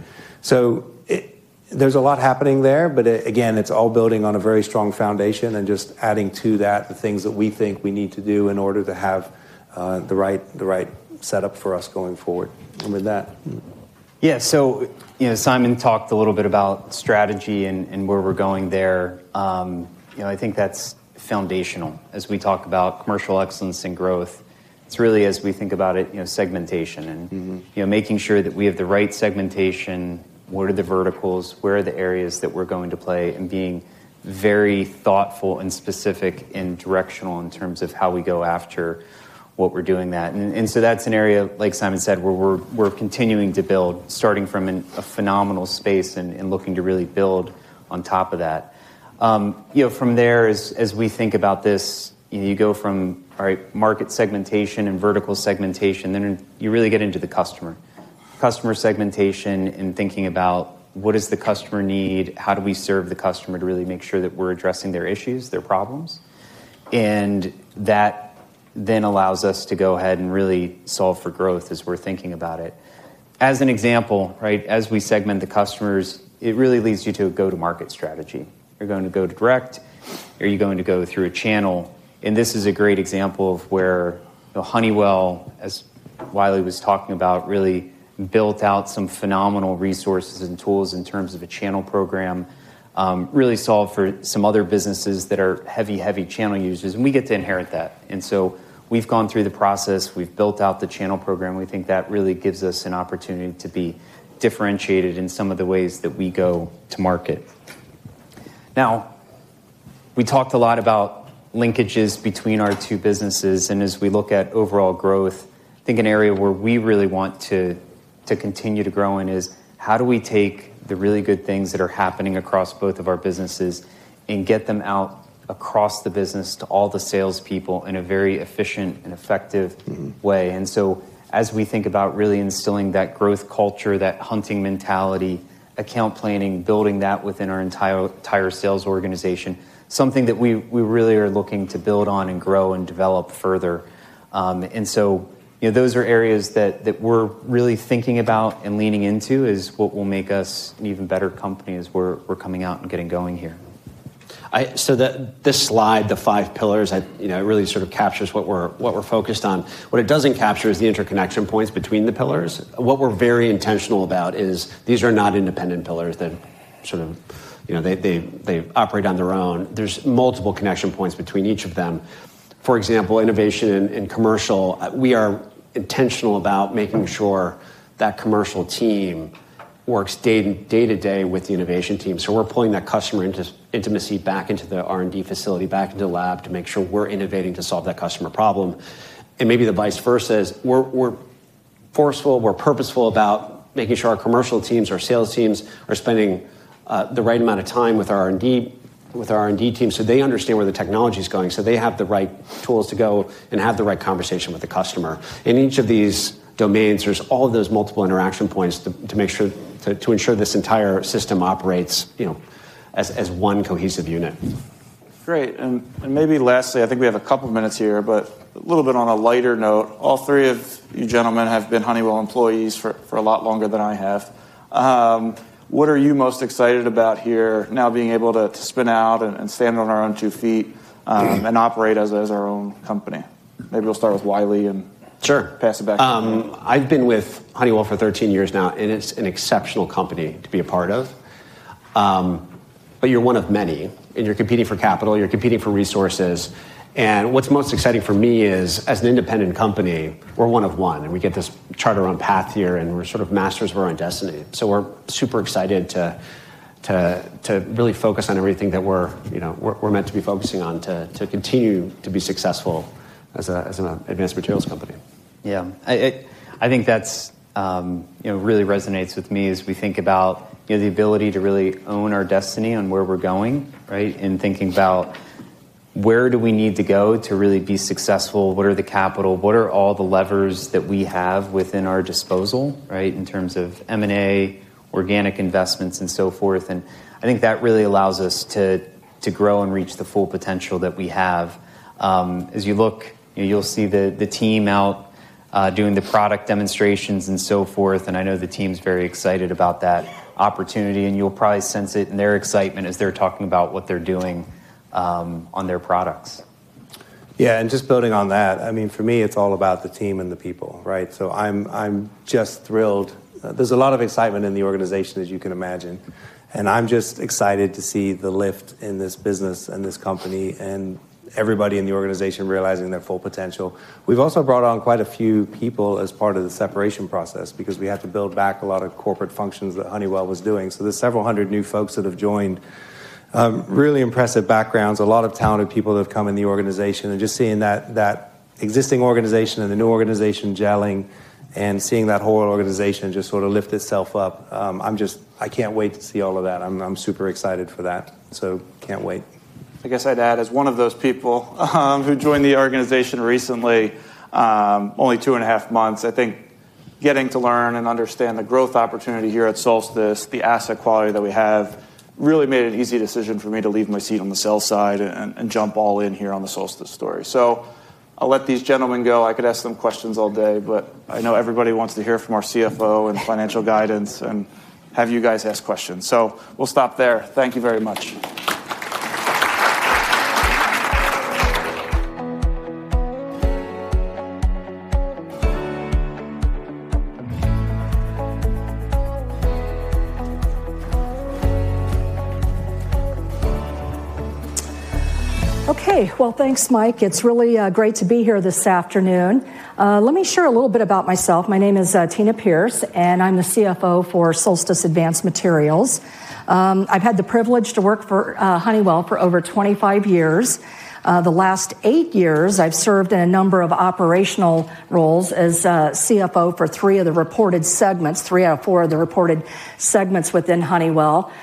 There is a lot happening there, but again, it's all building on a very strong foundation and just adding to that the things that we think we need to do in order to have the right setup for us going forward. With that. Yeah, Simon talked a little bit about strategy and where we're going there. I think that's foundational as we talk about commercial excellence and growth. It's really, as we think about it, segmentation and making sure that we have the right segmentation, what are the verticals, where are the areas that we're going to play, and being very thoughtful and specific and directional in terms of how we go after what we're doing. That's an area, like Simon said, where we're continuing to build, starting from a phenomenal space and looking to really build on top of that. From there, as we think about this, you go from market segmentation and vertical segmentation, then you really get into the customer. Customer segmentation and thinking about what does the customer need, how do we serve the customer to really make sure that we're addressing their issues, their problems. That then allows us to go ahead and really solve for growth as we're thinking about it. As an example, as we segment the customers, it really leads you to a go-to-market strategy. Are you going to go direct? Are you going to go through a channel? This is a great example of where Honeywell, as Wylie was talking about, really built out some phenomenal resources and tools in terms of a channel program, really solved for some other businesses that are heavy, heavy channel users. We get to inherit that. We have gone through the process. We have built out the channel program. We think that really gives us an opportunity to be differentiated in some of the ways that we go to market. We talked a lot about linkages between our two businesses. As we look at overall growth, I think an area where we really want to continue to grow in is how do we take the really good things that are happening across both of our businesses and get them out across the business to all the salespeople in a very efficient and effective way. As we think about really instilling that growth culture, that hunting mentality, account planning, building that within our entire sales organization, it is something that we really are looking to build on and grow and develop further. Those are areas that we're really thinking about and leaning into is what will make us an even better company as we're coming out and getting going here. This slide, the five pillars, it really sort of captures what we're focused on. What it doesn't capture is the interconnection points between the pillars. What we're very intentional about is these are not independent pillars that sort of operate on their own. There's multiple connection points between each of them. For example, innovation and commercial, we are intentional about making sure that commercial team works day-to-day with the innovation team. We're pulling that customer intimacy back into the R&D facility, back into the lab to make sure we're innovating to solve that customer problem. Maybe the vice versa is we're forceful, we're purposeful about making sure our commercial teams, our sales teams are spending the right amount of time with our R&D team so they understand where the technology is going, so they have the right tools to go and have the right conversation with the customer. In each of these domains, there's all of those multiple interaction points to ensure this entire system operates as one cohesive unit. Great. Maybe lastly, I think we have a couple of minutes here, but a little bit on a lighter note. All three of you gentlemen have been Honeywell employees for a lot longer than I have. What are you most excited about here now being able to spin out and stand on our own two feet and operate as our own company? Maybe we'll start with Wylie and pass it back to Wylie. Sure. I've been with Honeywell for 13 years now, and it's an exceptional company to be a part of. You're one of many, and you're competing for capital. You're competing for resources. What is most exciting for me is as an independent company, we're one of one. We get this charter on path here, and we're sort of masters of our own destiny. We're super excited to really focus on everything that we're meant to be focusing on to continue to be successful as an advanced materials company. Yeah. I think that really resonates with me as we think about the ability to really own our destiny on where we're going and thinking about where do we need to go to really be successful, what are the capital, what are all the levers that we have within our disposal in terms of M&A, organic investments, and so forth. I think that really allows us to grow and reach the full potential that we have. As you look, you'll see the team out doing the product demonstrations and so forth. I know the team's very excited about that opportunity. You'll probably sense it in their excitement as they're talking about what they're doing on their products. Yeah. Just building on that, I mean, for me, it's all about the team and the people. I'm just thrilled. There's a lot of excitement in the organization, as you can imagine. I'm just excited to see the lift in this business and this company and everybody in the organization realizing their full potential. We've also brought on quite a few people as part of the separation process because we had to build back a lot of corporate functions that Honeywell was doing. There are several hundred new folks that have joined, really impressive backgrounds, a lot of talented people that have come in the organization. Just seeing that existing organization and the new organization gelling and seeing that whole organization just sort of lift itself up, I can't wait to see all of that. I'm super excited for that. I can't wait. I guess I'd add, as one of those people who joined the organization recently, only two and a half months, I think getting to learn and understand the growth opportunity here at Solstice, the asset quality that we have really made it an easy decision for me to leave my seat on the sell side and jump all in here on the Solstice story. I'll let these gentlemen go. I could ask them questions all day, but I know everybody wants to hear from our CFO and financial guidance and have you guys ask questions. We'll stop there. Thank you very much. Okay. Thanks, Mike. It's really great to be here this afternoon. Let me share a little bit about myself. My name is Tina Pierce, and I'm the CFO for Solstice Advanced Materials. I've had the privilege to work for Honeywell for over 25 years. The last eight years, I've served in a number of operational roles as CFO for three of the reported segments, three out of four of the reported segments within Honeywell.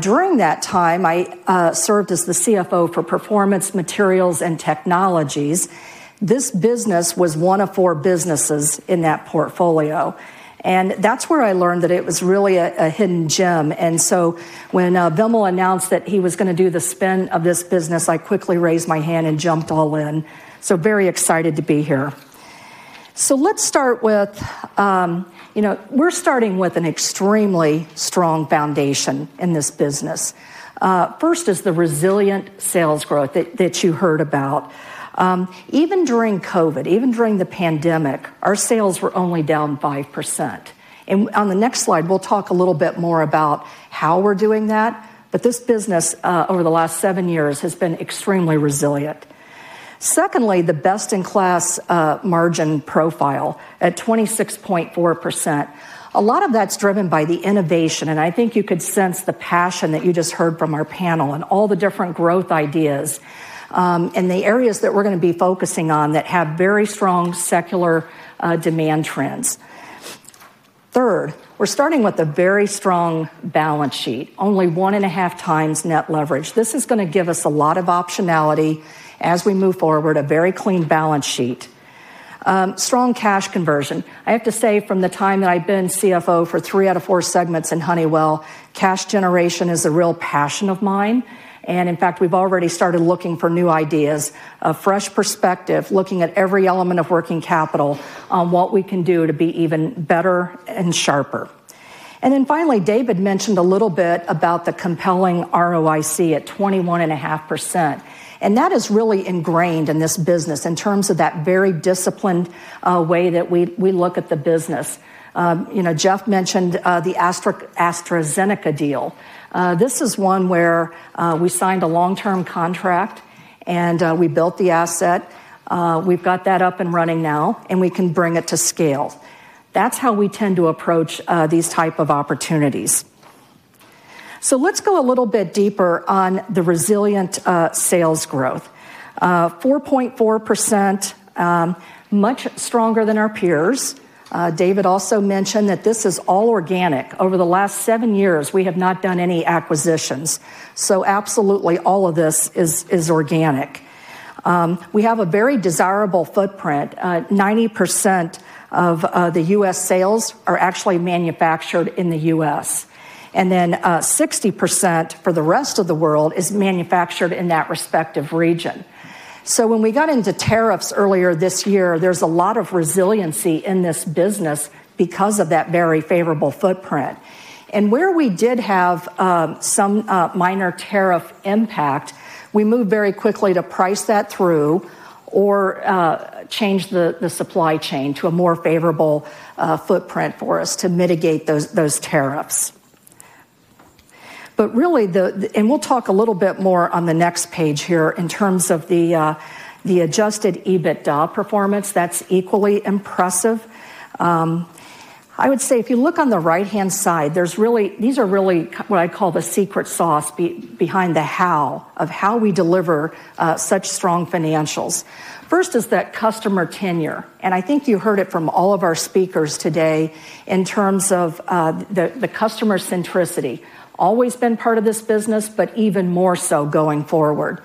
During that time, I served as the CFO for Performance Materials and Technologies. This business was one of four businesses in that portfolio. That's where I learned that it was really a hidden gem. When Vimal announced that he was going to do the spin of this business, I quickly raised my hand and jumped all in. Very excited to be here. Let's start with we're starting with an extremely strong foundation in this business. First is the resilient sales growth that you heard about. Even during COVID, even during the pandemic, our sales were only down 5%. On the next slide, we'll talk a little bit more about how we're doing that. This business, over the last seven years, has been extremely resilient. Secondly, the best-in-class margin profile at 26.4%. A lot of that's driven by the innovation. I think you could sense the passion that you just heard from our panel and all the different growth ideas and the areas that we're going to be focusing on that have very strong secular demand trends. Third, we're starting with a very strong balance sheet, only one and a half times net leverage. This is going to give us a lot of optionality as we move forward, a very clean balance sheet. Strong cash conversion. I have to say, from the time that I've been CFO for three out of four segments in Honeywell, cash generation is a real passion of mine. In fact, we've already started looking for new ideas, a fresh perspective, looking at every element of working capital on what we can do to be even better and sharper. Finally, David mentioned a little bit about the compelling ROIC at 21.5%. That is really ingrained in this business in terms of that very disciplined way that we look at the business. Jeff mentioned the AstraZeneca deal. This is one where we signed a long-term contract, and we built the asset. We've got that up and running now, and we can bring it to scale. That's how we tend to approach these types of opportunities. Let's go a little bit deeper on the resilient sales growth. 4.4%, much stronger than our peers. David also mentioned that this is all organic. Over the last seven years, we have not done any acquisitions. Absolutely all of this is organic. We have a very desirable footprint. 90% of the U.S. sales are actually manufactured in the U.S. 60% for the rest of the world is manufactured in that respective region. When we got into tariffs earlier this year, there is a lot of resiliency in this business because of that very favorable footprint. Where we did have some minor tariff impact, we moved very quickly to price that through or change the supply chain to a more favorable footprint for us to mitigate those tariffs. Really, and we'll talk a little bit more on the next page here in terms of the adjusted EBITDA performance. That's equally impressive. I would say if you look on the right-hand side, these are really what I call the secret sauce behind the how of how we deliver such strong financials. First is that customer tenure. I think you heard it from all of our speakers today in terms of the customer centricity, always been part of this business, but even more so going forward.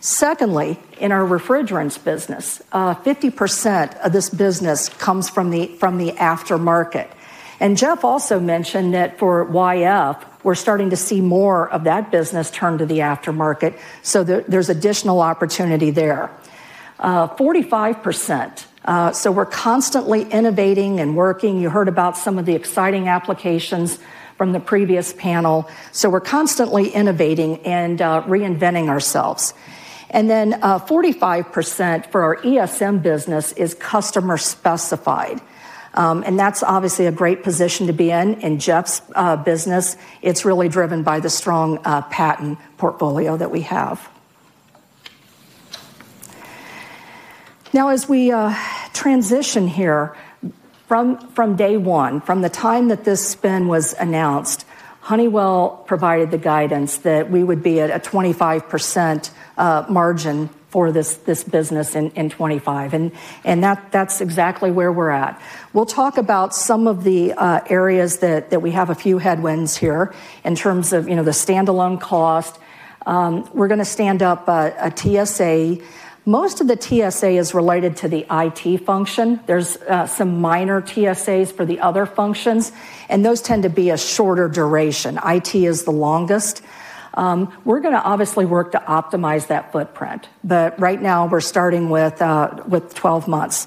Secondly, in our refrigerants business, 50% of this business comes from the aftermarket. Jeff also mentioned that for yf, we're starting to see more of that business turn to the aftermarket. There's additional opportunity there. 45%. We're constantly innovating and working. You heard about some of the exciting applications from the previous panel. We're constantly innovating and reinventing ourselves. Then 45% for our ESM business is customer specified. That's obviously a great position to be in. In Jeff's business, it's really driven by the strong patent portfolio that we have. Now, as we transition here from day one, from the time that this spin was announced, Honeywell provided the guidance that we would be at a 25% margin for this business in 2025. That's exactly where we're at. We'll talk about some of the areas that we have a few headwinds here in terms of the standalone cost. We're going to stand up a TSA. Most of the TSA is related to the IT function. There's some minor TSAs for the other functions, and those tend to be a shorter duration. IT is the longest. We're going to obviously work to optimize that footprint. Right now, we're starting with 12 months.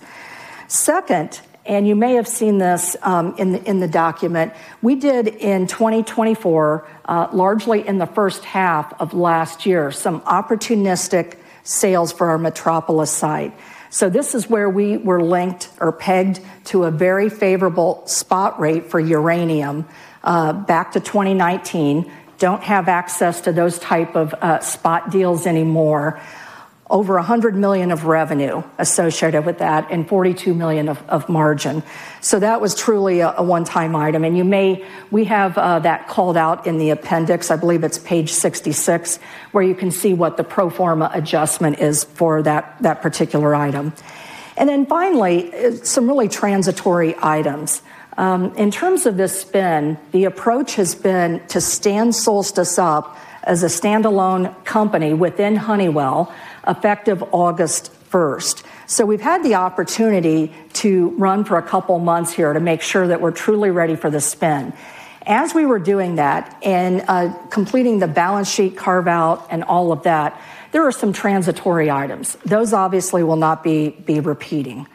Second, and you may have seen this in the document, we did in 2024, largely in the first half of last year, some opportunistic sales for our Metropolis site. This is where we were linked or pegged to a very favorable spot rate for uranium back to 2019. We do not have access to those types of spot deals anymore. Over $100 million of revenue associated with that and $42 million of margin. That was truly a one-time item. We have that called out in the appendix. I believe it's page 66 where you can see what the pro forma adjustment is for that particular item. Finally, some really transitory items. In terms of this spin, the approach has been to stand Solstice up as a standalone company within Honeywell effective August 1. We have had the opportunity to run for a couple of months here to make sure that we are truly ready for the spin. As we were doing that and completing the balance sheet carve-out and all of that, there were some transitory items. Those obviously will not be repeating.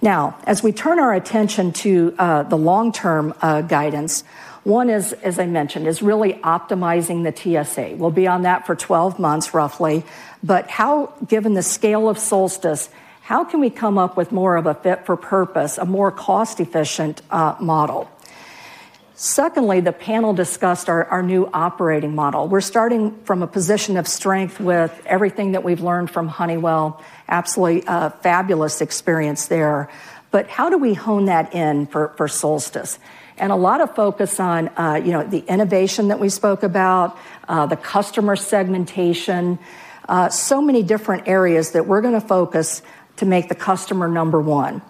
Now, as we turn our attention to the long-term guidance, one is, as I mentioned, really optimizing the TSA. We will be on that for 12 months, roughly. Given the scale of Solstice, how can we come up with more of a fit for purpose, a more cost-efficient model? Secondly, the panel discussed our new operating model. We are starting from a position of strength with everything that we have learned from Honeywell. Absolutely fabulous experience there. How do we hone that in for Solstice? A lot of focus on the innovation that we spoke about, the customer segmentation, so many different areas that we're going to focus to make the customer number one.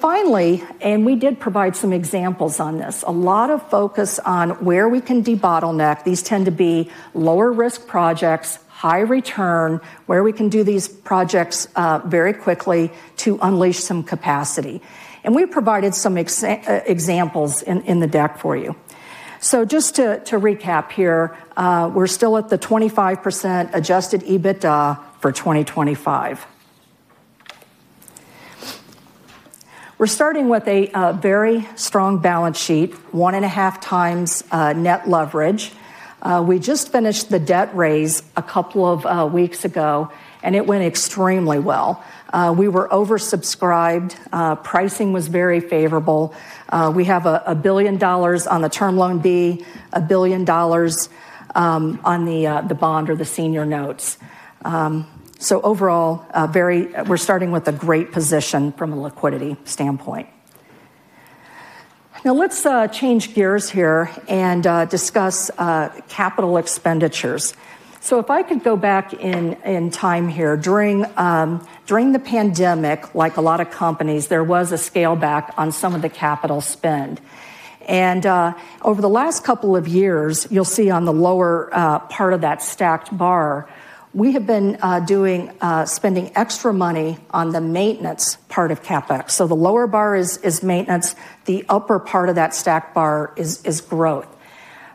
Finally, and we did provide some examples on this, a lot of focus on where we can debottleneck. These tend to be lower-risk projects, high-return, where we can do these projects very quickly to unleash some capacity. We provided some examples in the deck for you. Just to recap here, we're still at the 25% adjusted EBITDA for 2025. We're starting with a very strong balance sheet, one-and-a-half times net leverage. We just finished the debt raise a couple of weeks ago, and it went extremely well. We were oversubscribed. Pricing was very favorable. We have $1 billion on the Term Loan B, $1 billion on the bond or the senior notes. Overall, we're starting with a great position from a liquidity standpoint. Now, let's change gears here and discuss capital expenditures. If I could go back in time here, during the pandemic, like a lot of companies, there was a scale back on some of the capital spend. Over the last couple of years, you'll see on the lower part of that stacked bar, we have been spending extra money on the maintenance part of CapEx. The lower bar is maintenance. The upper part of that stacked bar is growth.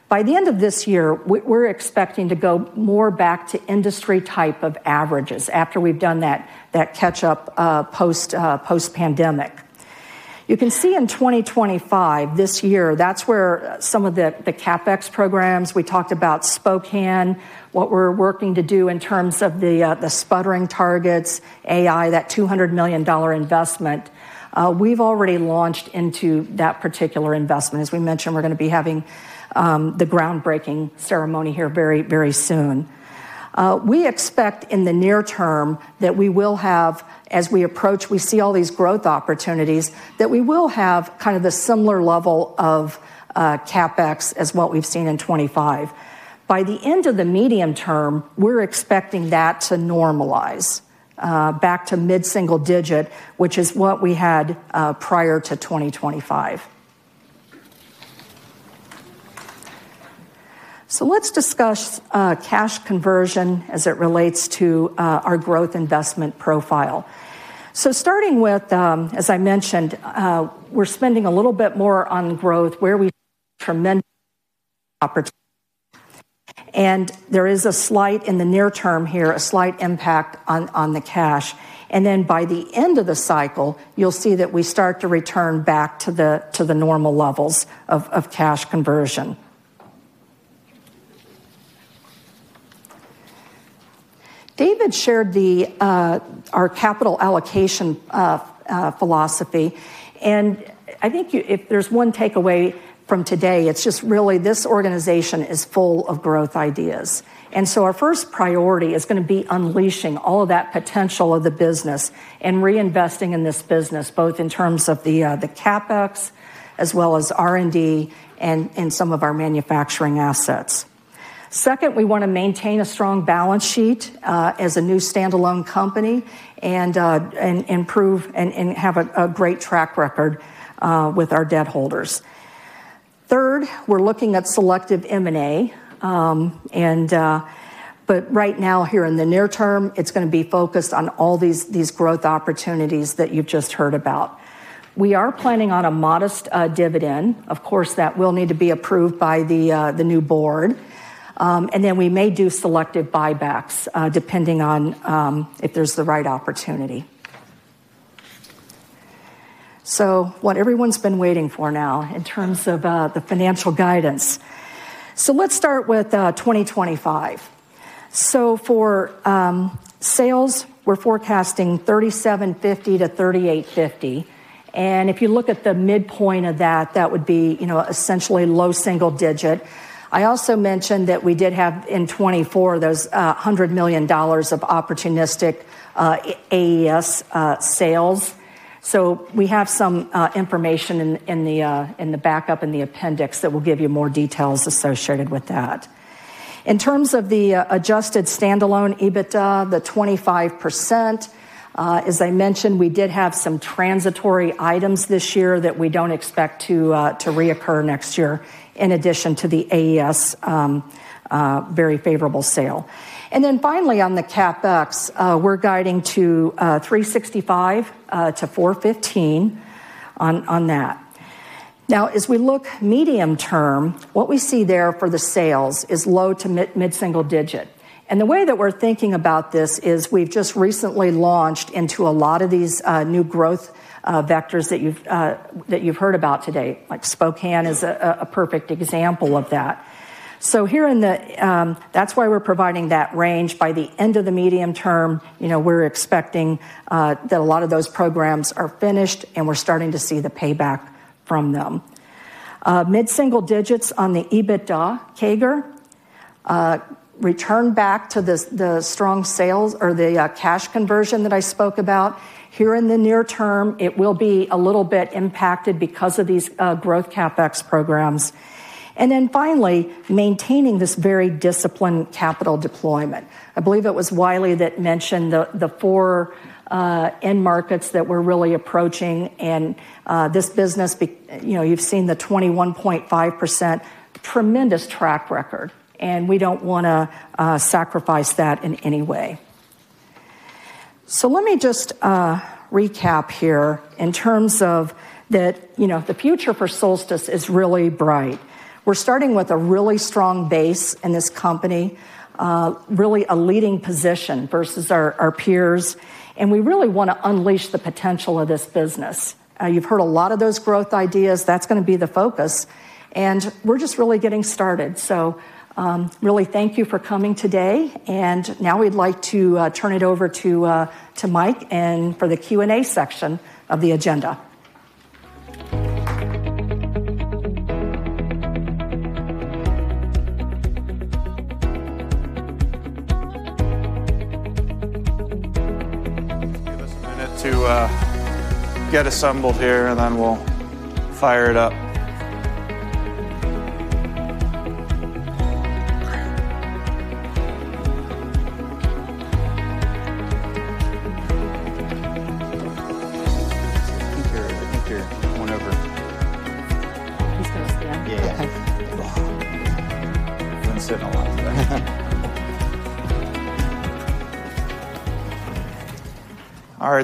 By the end of this year, we're expecting to go more back to industry type of averages after we've done that catch-up post-pandemic. You can see in 2025, this year, that's where some of the CapEx programs, we talked about Spokane, what we're working to do in terms of the sputtering targets, AI, that $200 million investment, we've already launched into that particular investment. As we mentioned, we're going to be having the groundbreaking ceremony here very, very soon. We expect in the near term that we will have, as we approach, we see all these growth opportunities, that we will have kind of a similar level of CapEx as what we've seen in 2025. By the end of the medium term, we're expecting that to normalize back to mid-single digit, which is what we had prior to 2025. Let's discuss cash conversion as it relates to our growth investment profile. Starting with, as I mentioned, we're spending a little bit more on growth where we have tremendous opportunity. There is a slight in the near term here, a slight impact on the cash. By the end of the cycle, you'll see that we start to return back to the normal levels of cash conversion. David shared our capital allocation philosophy. I think if there's one takeaway from today, it's just really this organization is full of growth ideas. Our first priority is going to be unleashing all of that potential of the business and reinvesting in this business, both in terms of the CapEx as well as R&D and some of our manufacturing assets. Second, we want to maintain a strong balance sheet as a new standalone company and improve and have a great track record with our debt holders. Third, we're looking at selective M&A. Right now, here in the near term, it's going to be focused on all these growth opportunities that you've just heard about. We are planning on a modest dividend. Of course, that will need to be approved by the new board. We may do selective buybacks depending on if there's the right opportunity. What everyone's been waiting for now in terms of the financial guidance. Let's start with 2025. For sales, we're forecasting $3,750 million-$3,850 million. If you look at the midpoint of that, that would be essentially low single digit. I also mentioned that we did have in 2024 those $100 million of opportunistic AES sales. We have some information in the backup in the appendix that will give you more details associated with that. In terms of the adjusted standalone EBITDA, the 25%, as I mentioned, we did have some transitory items this year that we do not expect to reoccur next year in addition to the AES very favorable sale. Finally, on the CapEx, we are guiding to $365 million-$415 million on that. Now, as we look medium term, what we see there for the sales is low to mid-single digit. The way that we are thinking about this is we have just recently launched into a lot of these new growth vectors that you have heard about today. Spokane is a perfect example of that. Here, that is why we are providing that range. By the end of the medium term, we are expecting that a lot of those programs are finished and we are starting to see the payback from them. Mid-single digits on the EBITDA, CAGR, return back to the strong sales or the cash conversion that I spoke about. Here in the near term, it will be a little bit impacted because of these growth CapEx programs. Finally, maintaining this very disciplined capital deployment. I believe it was Wylie that mentioned the four end markets that we're really approaching and this business, you've seen the 21.5% tremendous track record. We do not want to sacrifice that in any way. Let me just recap here in terms of that the future for Solstice Advanced Materials is really bright. We're starting with a really strong base in this company, really a leading position versus our peers. We really want to unleash the potential of this business. You've heard a lot of those growth ideas. That's going to be the focus. We're just really getting started. Really thank you for coming today. Now we'd like to turn it over to Mike for the Q&A section of the agenda. Give us a minute to get assembled here, and then we'll fire it up.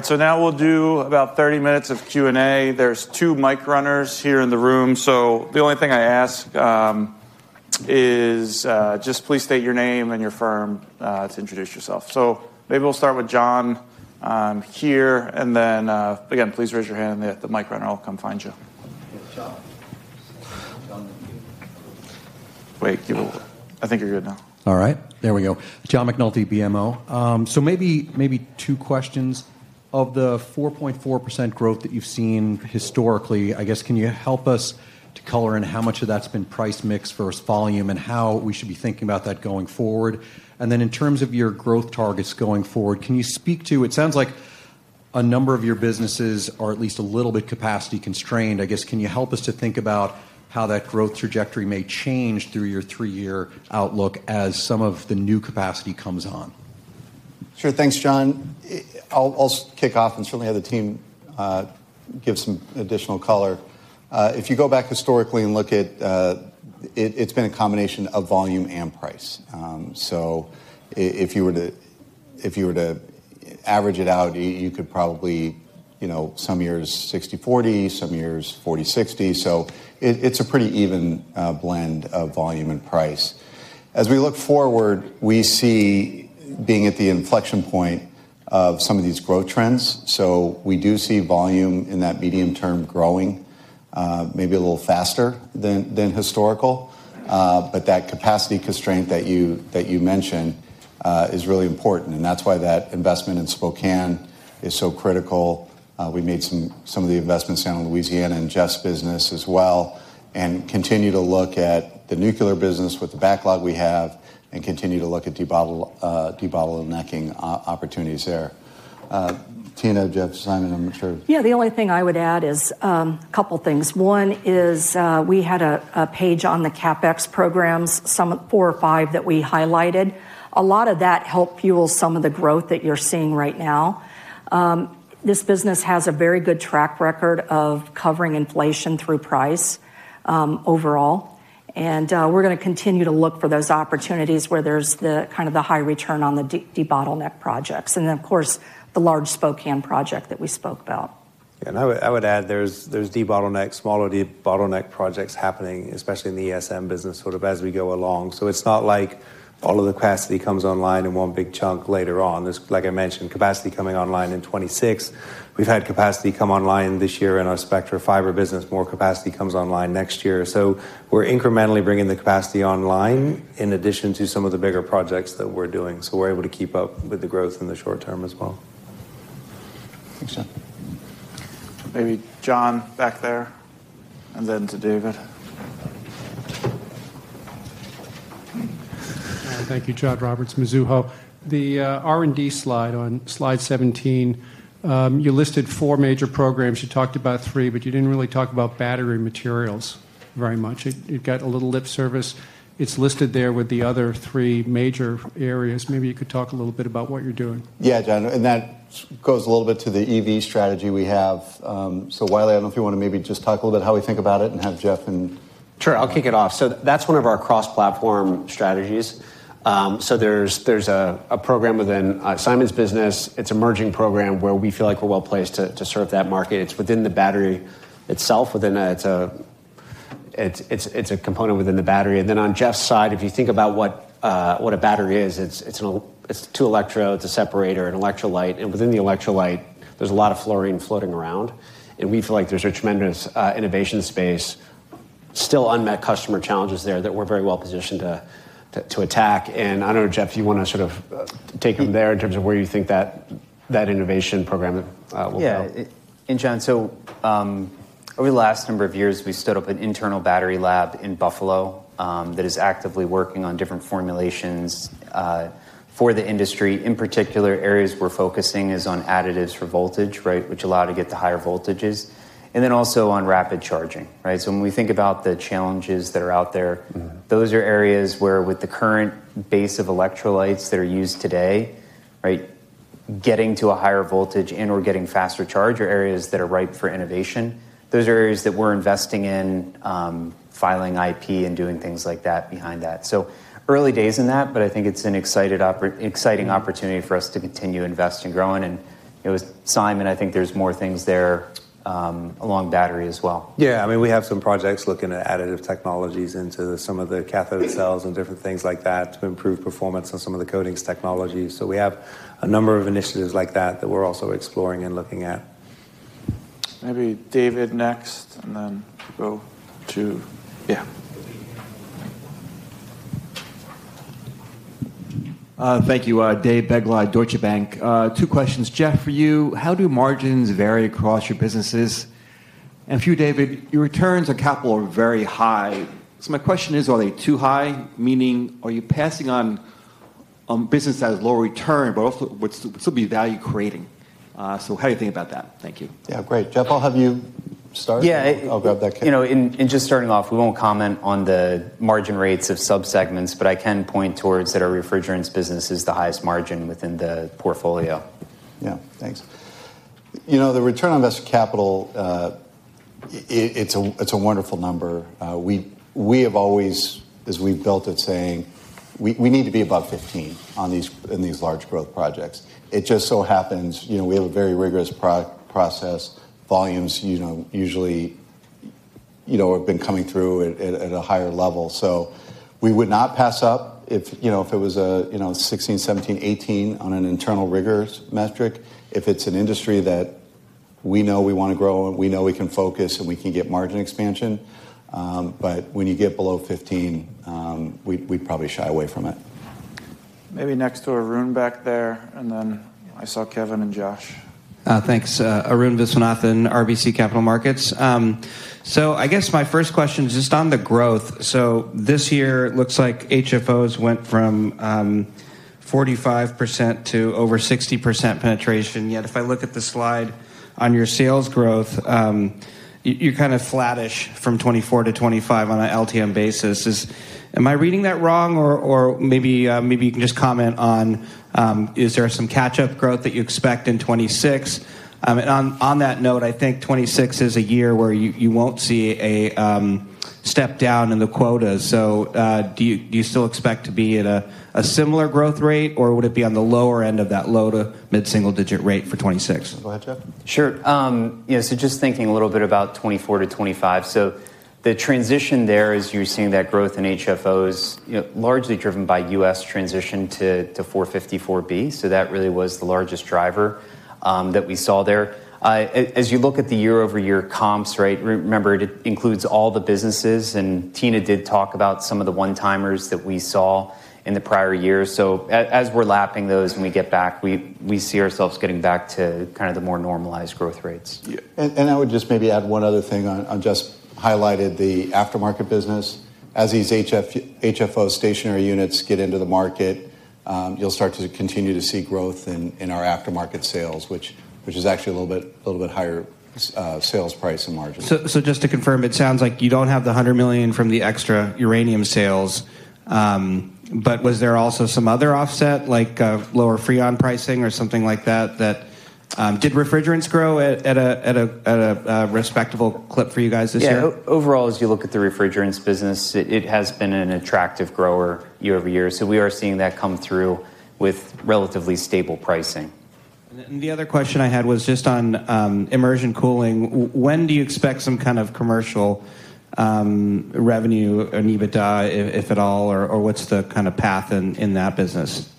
I think you're whenever. He's going to stand. Yeah. He's going to sit in a while. All right. Now we'll do about 30 minutes of Q&A. There are two mic runners here in the room. The only thing I ask is just please state your name and your firm to introduce yourself. Maybe we'll start with John here. Again, please raise your hand and let the mic runner come find you. Wait, give a word. I think you're good now. All right. There we go. John McNulty, BMO. Maybe two questions. Of the 4.4% growth that you've seen historically, I guess, can you help us to color in how much of that's been price mixed versus volume and how we should be thinking about that going forward? In terms of your growth targets going forward, can you speak to it sounds like a number of your businesses are at least a little bit capacity constrained. I guess, can you help us to think about how that growth trajectory may change through your three-year outlook as some of the new capacity comes on? Sure. Thanks, John. I'll kick off and certainly have the team give some additional color. If you go back historically and look at it, it's been a combination of volume and price. If you were to average it out, you could probably some years 60/40, some years 40/60. It is a pretty even blend of volume and price. As we look forward, we see being at the inflection point of some of these growth trends. We do see volume in that medium term growing maybe a little faster than historical. That capacity constraint that you mentioned is really important. That is why that investment in Spokane is so critical. We made some of the investments in Louisiana in Jeff's business as well and continue to look at the nuclear business with the backlog we have and continue to look at debottlenecking opportunities there. Tina, Jeff, Simon, I am sure. Yeah. The only thing I would add is a couple of things. One is we had a page on the CapEx programs, some four or five that we highlighted. A lot of that helped fuel some of the growth that you are seeing right now. This business has a very good track record of covering inflation through price overall. We are going to continue to look for those opportunities where there is kind of the high return on the debottleneck projects. Of course, the large Spokane project that we spoke about. I would add there is debottleneck, smaller debottleneck projects happening, especially in the ESM business sort of as we go along. It is not like all of the capacity comes online in one big chunk later on. Like I mentioned, capacity coming online in 2026. We have had capacity come online this year in our Spectra fiber business. More capacity comes online next year. We are incrementally bringing the capacity online in addition to some of the bigger projects that we are doing. We are able to keep up with the growth in the short term as well. Thanks, John. Maybe John back there and then to David. Thank you, John Roberts, Mizuho. The R&D slide on slide 17, you listed four major programs. You talked about three, but you did not really talk about battery materials very much. It got a little lip service. It is listed there with the other three major areas. Maybe you could talk a little bit about what you are doing. Yeah, John. That goes a little bit to the EV strategy we have. Wylie, I do not know if you want to maybe just talk a little bit how we think about it and have Jeff and. Sure. I will kick it off. That is one of our cross-platform strategies. There is a program within Simon's business. It is a merging program where we feel like we are well placed to serve that market. It is within the battery itself. It is a component within the battery. On Jeff's side, if you think about what a battery is, it's two electrodes, a separator, an electrolyte. Within the electrolyte, there's a lot of fluorine floating around. We feel like there's a tremendous innovation space, still unmet customer challenges there that we're very well positioned to attack. I don't know, Jeff, if you want to sort of take them there in terms of where you think that innovation program will go. Yeah. John, over the last number of years, we stood up an internal battery lab in Buffalo that is actively working on different formulations for the industry. In particular, areas we're focusing is on additives for voltage, right, which allow to get the higher voltages. Also on rapid charging, right? When we think about the challenges that are out there, those are areas where with the current base of electrolytes that are used today, right, getting to a higher voltage and/or getting faster charge are areas that are ripe for innovation. Those are areas that we're investing in, filing IP, and doing things like that behind that. Early days in that, but I think it's an exciting opportunity for us to continue to invest and grow in. With Simon, I think there's more things there along battery as well. Yeah. I mean, we have some projects looking at additive technologies into some of the cathode cells and different things like that to improve performance on some of the coatings technologies. We have a number of initiatives like that that we're also exploring and looking at. Maybe David next and then go to. Yeah. Thank you. David Begleiter, Deutsche Bank. Two questions, Jeff, for you. How do margins vary across your businesses? And for you, David, your returns on capital are very high. My question is, are they too high? Meaning, are you passing on a business that has low return but also would still be value-creating? How do you think about that? Thank you. Yeah. Great. Jeff, I'll have you start. Yeah. I'll grab that. Just starting off, we won't comment on the margin rates of subsegments, but I can point towards that our refrigerants business is the highest margin within the portfolio. Yeah. Thanks. The return on invested capital, it's a wonderful number. We have always, as we've built it, saying we need to be above 15% in these large growth projects. It just so happens we have a very rigorous process. Volumes usually have been coming through at a higher level. We would not pass up if it was a 16, 17, 18 on an internal rigorous metric. If it is an industry that we know we want to grow and we know we can focus and we can get margin expansion. When you get below 15, we would probably shy away from it. Maybe next to Arun back there. I saw Kevin and Josh. Thanks. Arun Viswanathan, RBC Capital Markets. I guess my first question is just on the growth. This year looks like HFOs went from 45% to over 60% penetration. Yet if I look at the slide on your sales growth, you are kind of flattish from 2024 to 2025 on an LTM basis. Am I reading that wrong? Maybe you can just comment on is there some catch-up growth that you expect in 2026? On that note, I think 2026 is a year where you will not see a step down in the quotas. Do you still expect to be at a similar growth rate, or would it be on the lower end of that low to mid-single digit rate for 2026? Go ahead, Jeff. Sure. Yeah. Just thinking a little bit about 2024 to 2025. The transition there is you are seeing that growth in HFOs largely driven by U.S. transition to 454B. That really was the largest driver that we saw there. As you look at the year-over-year comps, right, remember it includes all the businesses. Tina did talk about some of the one-timers that we saw in the prior year. As we're lapping those and we get back, we see ourselves getting back to kind of the more normalized growth rates. Yeah. I would just maybe add one other thing. I just highlighted the aftermarket business. As these HFO stationary units get into the market, you'll start to continue to see growth in our aftermarket sales, which is actually a little bit higher sales price and margin. Just to confirm, it sounds like you do not have the $100 million from the extra uranium sales. Was there also some other offset, like lower freon pricing or something like that, that did refrigerants grow at a respectable clip for you guys this year? Yeah. Overall, as you look at the refrigerants business, it has been an attractive grower year-over-year. We are seeing that come through with relatively stable pricing. The other question I had was just on immersion cooling. When do you expect some kind of commercial revenue or EBITDA, if at all, or what's the kind of path in that business?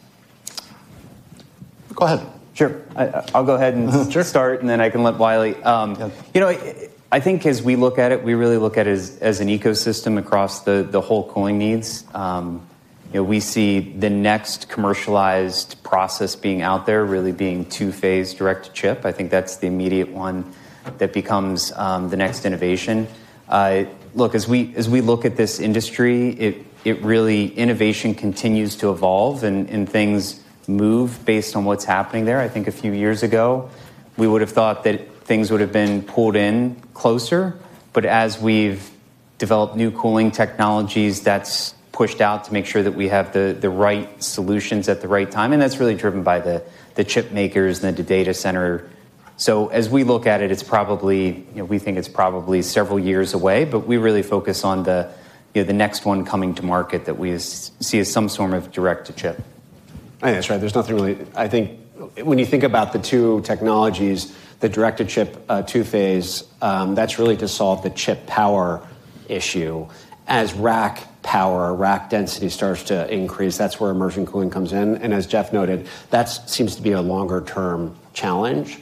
Go ahead. Sure. I'll go ahead and start, and then I can let Wylie. I think as we look at it, we really look at it as an ecosystem across the whole cooling needs. We see the next commercialized process being out there really being two-phase direct-to-chip. I think that's the immediate one that becomes the next innovation. Look, as we look at this industry, innovation continues to evolve and things move based on what's happening there. I think a few years ago, we would have thought that things would have been pulled in closer. As we've developed new cooling technologies, that's pushed out to make sure that we have the right solutions at the right time. That's really driven by the chip makers and the data center. As we look at it, we think it's probably several years away, but we really focus on the next one coming to market that we see as some form of direct to chip. That's right. There's nothing really. I think when you think about the two technologies, the direct to chip two-phase, that's really to solve the chip power issue. As rack power, rack density starts to increase, that's where immersion cooling comes in. As Jeff noted, that seems to be a longer-term challenge.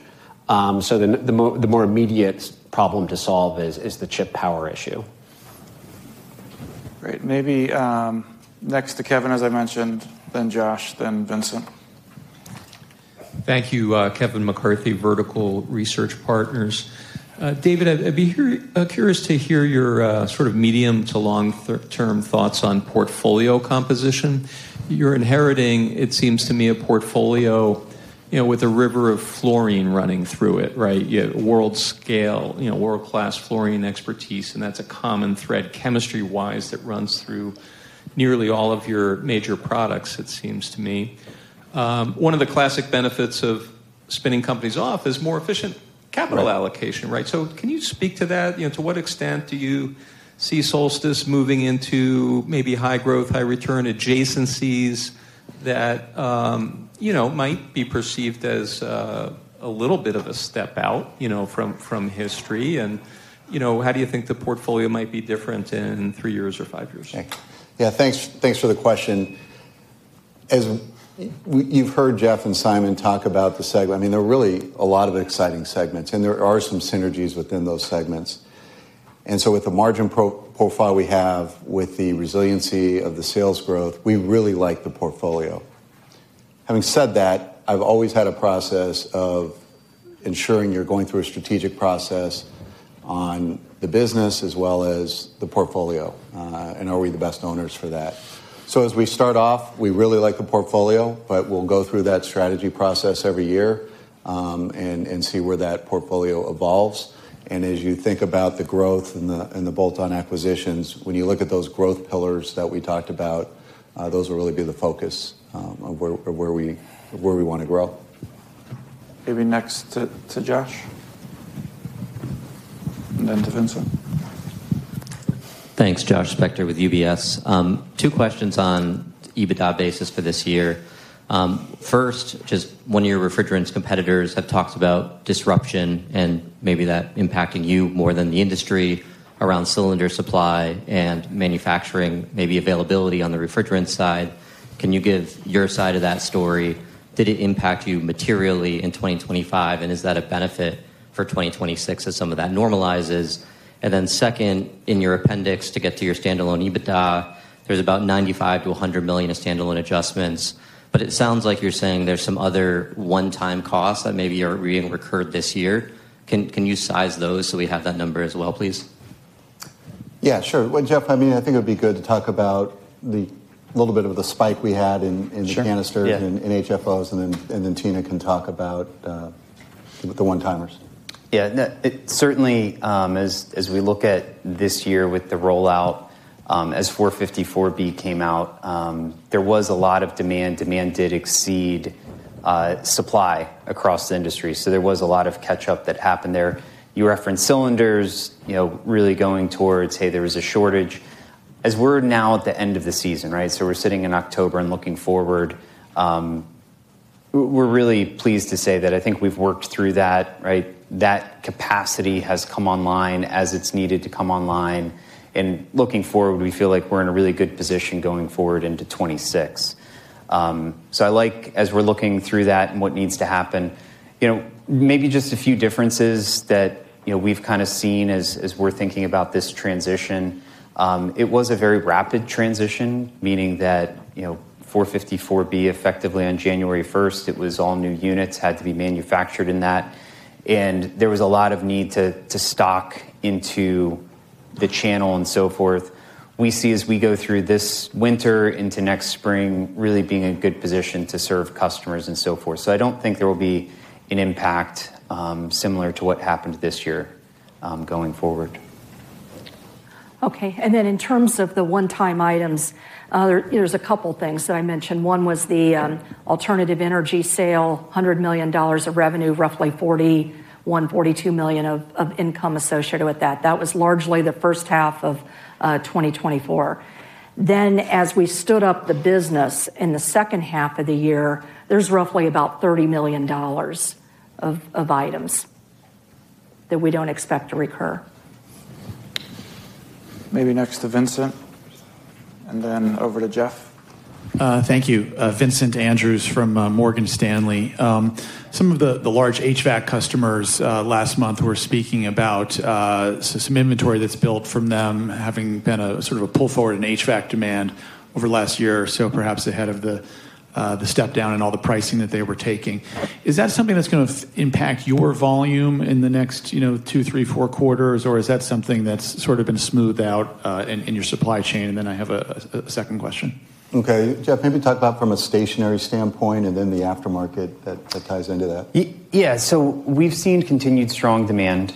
The more immediate problem to solve is the chip power issue. Great. Maybe next to Kevin, as I mentioned, then Josh, then Vincent. Thank you, Kevin McCarthy, Vertical Research Partners. David, I'd be curious to hear your sort of medium to long-term thoughts on portfolio composition. You're inheriting, it seems to me, a portfolio with a river of fluorine running through it, right? World scale, world-class fluorine expertise. And that's a common thread chemistry-wise that runs through nearly all of your major products, it seems to me. One of the classic benefits of spinning companies off is more efficient capital allocation, right? Can you speak to that? To what extent do you see Solstice moving into maybe high growth, high return adjacencies that might be perceived as a little bit of a step out from history? How do you think the portfolio might be different in three years or five years? Yeah. Thanks for the question. As you've heard Jeff and Simon talk about the segment, I mean, there are really a lot of exciting segments, and there are some synergies within those segments. With the margin profile we have with the resiliency of the sales growth, we really like the portfolio. Having said that, I've always had a process of ensuring you're going through a strategic process on the business as well as the portfolio. Are we the best owners for that? As we start off, we really like the portfolio, but we'll go through that strategy process every year and see where that portfolio evolves. As you think about the growth and the bolt-on acquisitions, when you look at those growth pillars that we talked about, those will really be the focus of where we want to grow. Maybe next to Josh. Next to Vincent. Thanks, Josh Spector with UBS. Two questions on EBITDA basis for this year. First, just one-year refrigerants competitors have talked about disruption and maybe that impacting you more than the industry around cylinder supply and manufacturing, maybe availability on the refrigerant side. Can you give your side of that story? Did it impact you materially in 2025? Is that a benefit for 2026 as some of that normalizes? Second, in your appendix to get to your standalone EBITDA, there's about $95 million-$100 million of standalone adjustments. It sounds like you're saying there's some other one-time costs that maybe are being recurred this year. Can you size those so we have that number as well, please? Yeah, sure. Jeff, I mean, I think it would be good to talk about a little bit of the spike we had in the canister in HFOs. Tina can talk about the one-timers. Yeah. Certainly, as we look at this year with the rollout, as 454B came out, there was a lot of demand. Demand did exceed supply across the industry. There was a lot of catch-up that happened there. You referenced cylinders really going towards, hey, there was a shortage. As we're now at the end of the season, right? We are sitting in October and looking forward. We are really pleased to say that I think we've worked through that, right? That capacity has come online as it's needed to come online. Looking forward, we feel like we're in a really good position going forward into 2026. I like, as we're looking through that and what needs to happen, maybe just a few differences that we've kind of seen as we're thinking about this transition. It was a very rapid transition, meaning that 454B, effectively on January 1, it was all new units had to be manufactured in that. There was a lot of need to stock into the channel and so forth. We see as we go through this winter into next spring really being in a good position to serve customers and so forth. I do not think there will be an impact similar to what happened this year going forward. Okay. In terms of the one-time items, there are a couple of things that I mentioned. One was the alternative energy sale, $100 million of revenue, roughly $41 million-$42 million of income associated with that. That was largely the first half of 2024. As we stood up the business in the second half of the year, there is roughly about $30 million of items that we do not expect to recur. Maybe next to Vincent. And then over to Jeff. Thank you. Vincent Andrews from Morgan Stanley. Some of the large HVAC customers last month were speaking about some inventory that's built from them having been a sort of a pull forward in HVAC demand over the last year, so perhaps ahead of the step down in all the pricing that they were taking. Is that something that's going to impact your volume in the next two, three, four quarters, or is that something that's sort of been smoothed out in your supply chain? And then I have a second question. Okay. Jeff, maybe talk about from a stationary standpoint and then the aftermarket that ties into that. Yeah. We have seen continued strong demand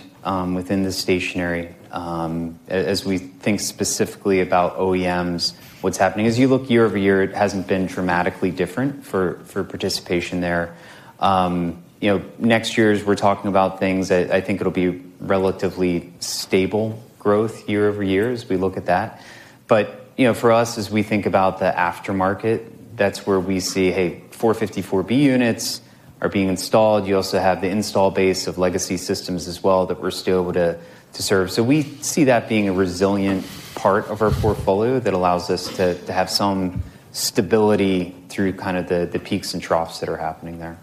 within the stationary. As we think specifically about OEMs, what's happening as you look year-over-year, it hasn't been dramatically different for participation there. Next year, we're talking about things that I think it'll be relatively stable growth year over year as we look at that. For us, as we think about the aftermarket, that's where we see, hey, 454B units are being installed. You also have the install base of legacy systems as well that we're still able to serve. We see that being a resilient part of our portfolio that allows us to have some stability through kind of the peaks and troughs that are happening there.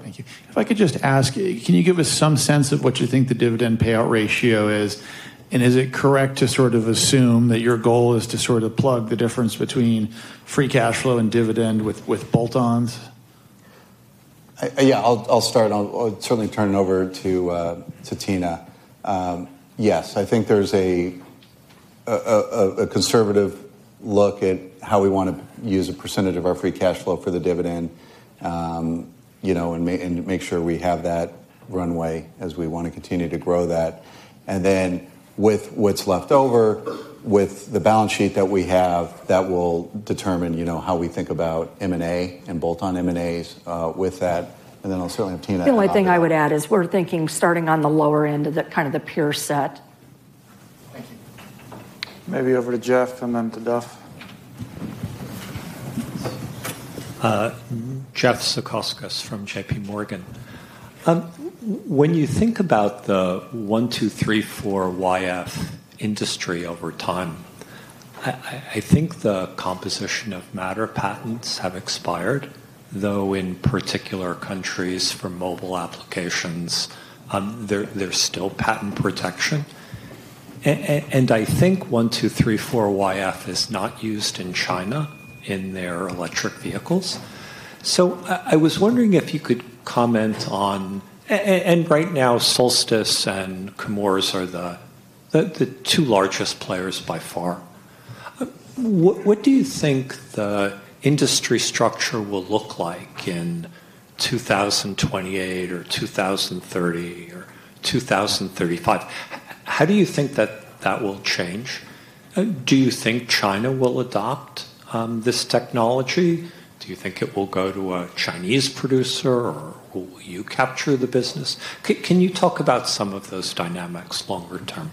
Thank you. If I could just ask, can you give us some sense of what you think the dividend payout ratio is? Is it correct to sort of assume that your goal is to sort of plug the difference between free cash flow and dividend with bolt-ons? Yeah. I'll start. I'll certainly turn it over to Tina. Yes. I think there's a conservative look at how we want to use a percentage of our free cash flow for the dividend and make sure we have that runway as we want to continue to grow that. With what's left over, with the balance sheet that we have, that will determine how we think about M&A and bolt-on M&As with that. I'll certainly have Tina comment. The only thing I would add is we're thinking starting on the lower end of kind of the peer set. Thank you. Maybe over to Jeff and then to Duff. Jeff Zekauskas from JPMorgan. When you think about the 1234yf industry over time, I think the composition of matter patents have expired, though in particular countries for mobile applications, there's still patent protection. I think 1234yf is not used in China in their electric vehicles. I was wondering if you could comment on, and right now, Solstice and Chemours are the two largest players by far. What do you think the industry structure will look like in 2028 or 2030 or 2035? How do you think that that will change? Do you think China will adopt this technology? Do you think it will go to a Chinese producer, or will you capture the business? Can you talk about some of those dynamics longer term?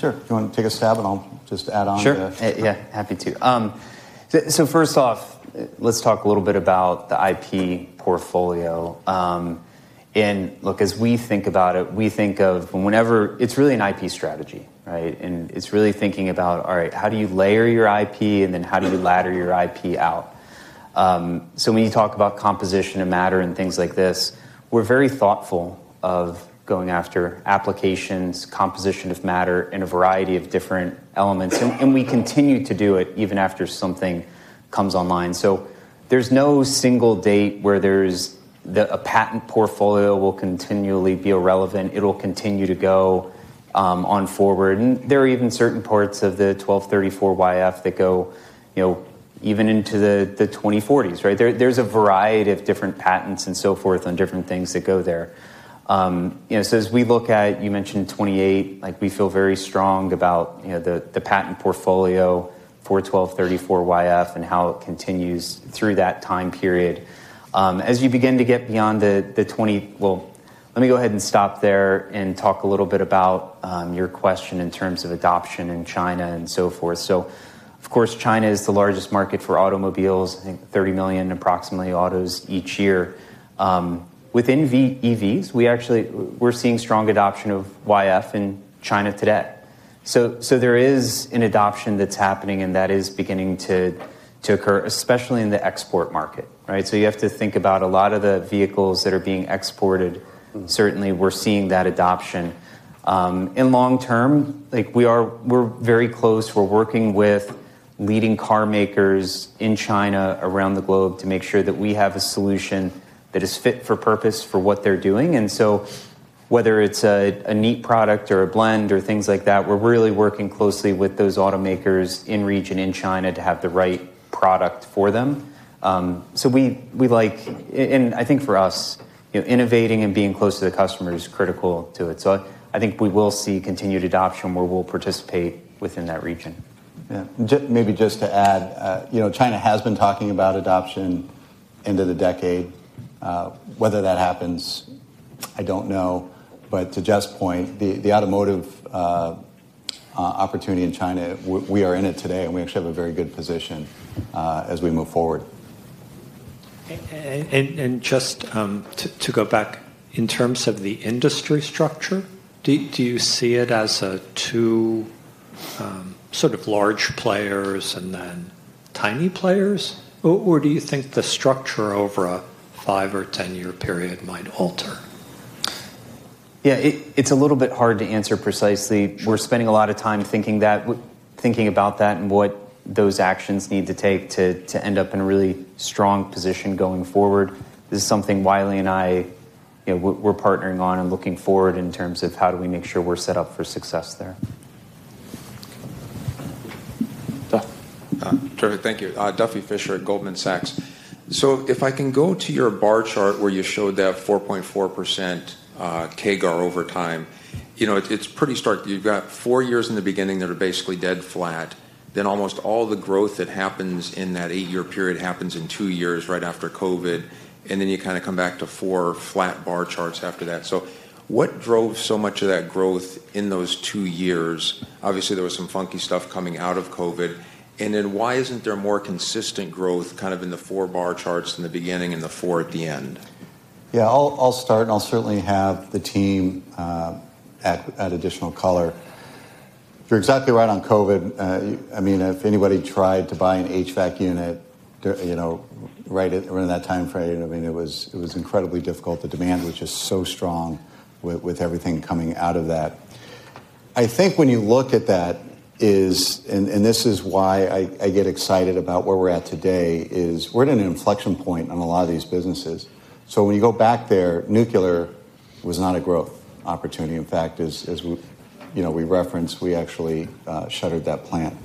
Sure. Do you want to take a stab, and I'll just add on to that? Sure. Yeah. Happy to. First off, let's talk a little bit about the IP portfolio. Look, as we think about it, we think of whenever it's really an IP strategy, right? It's really thinking about, all right, how do you layer your IP, and then how do you ladder your IP out? When you talk about composition of matter and things like this, we're very thoughtful of going after applications, composition of matter in a variety of different elements. We continue to do it even after something comes online. There is no single date where a patent portfolio will continually be irrelevant. It will continue to go on forward. There are even certain parts of the 1234yf that go even into the 2040s, right? There is a variety of different patents and so forth on different things that go there. As we look at, you mentioned 2028, we feel very strong about the patent portfolio for 1234yf and how it continues through that time period. As you begin to get beyond the 2020s, let me go ahead and stop there and talk a little bit about your question in terms of adoption in China and so forth. Of course, China is the largest market for automobiles, I think 30 million approximately autos each year. Within EVs, we're seeing strong adoption of yf in China today. There is an adoption that's happening, and that is beginning to occur, especially in the export market, right? You have to think about a lot of the vehicles that are being exported. Certainly, we're seeing that adoption. In long term, we're very close. We're working with leading car makers in China around the globe to make sure that we have a solution that is fit for purpose for what they're doing. Whether it's a neat product or a blend or things like that, we're really working closely with those automakers in region in China to have the right product for them. We like, and I think for us, innovating and being close to the customer is critical to it. I think we will see continued adoption where we will participate within that region. Yeah. Maybe just to add, China has been talking about adoption into the decade. Whether that happens, I do not know. To Jeff's point, the automotive opportunity in China, we are in it today, and we actually have a very good position as we move forward. Just to go back, in terms of the industry structure, do you see it as two sort of large players and then tiny players? Or do you think the structure over a 5 or 10-year period might alter? Yeah. It is a little bit hard to answer precisely. We're spending a lot of time thinking about that and what those actions need to take to end up in a really strong position going forward. This is something Wylie and I were partnering on and looking forward in terms of how do we make sure we're set up for success there. Duffy. Terrific. Thank you. Duffy Fischer at Goldman Sachs. If I can go to your bar chart where you showed that 4.4% KGAR over time, it's pretty stark. You've got four years in the beginning that are basically dead flat. Then almost all the growth that happens in that eight-year period happens in two years right after COVID. You kind of come back to four or flat bar charts after that. What drove so much of that growth in those two years? Obviously, there was some funky stuff coming out of COVID. Why is there not more consistent growth in the four bar charts in the beginning and the four at the end? Yeah. I'll start, and I'll certainly have the team add additional color. You're exactly right on COVID. I mean, if anybody tried to buy an HVAC unit right in that time frame, I mean, it was incredibly difficult. The demand was just so strong with everything coming out of that. I think when you look at that, and this is why I get excited about where we're at today, is we're at an inflection point on a lot of these businesses. When you go back there, nuclear was not a growth opportunity. In fact, as we referenced, we actually shuttered that plant.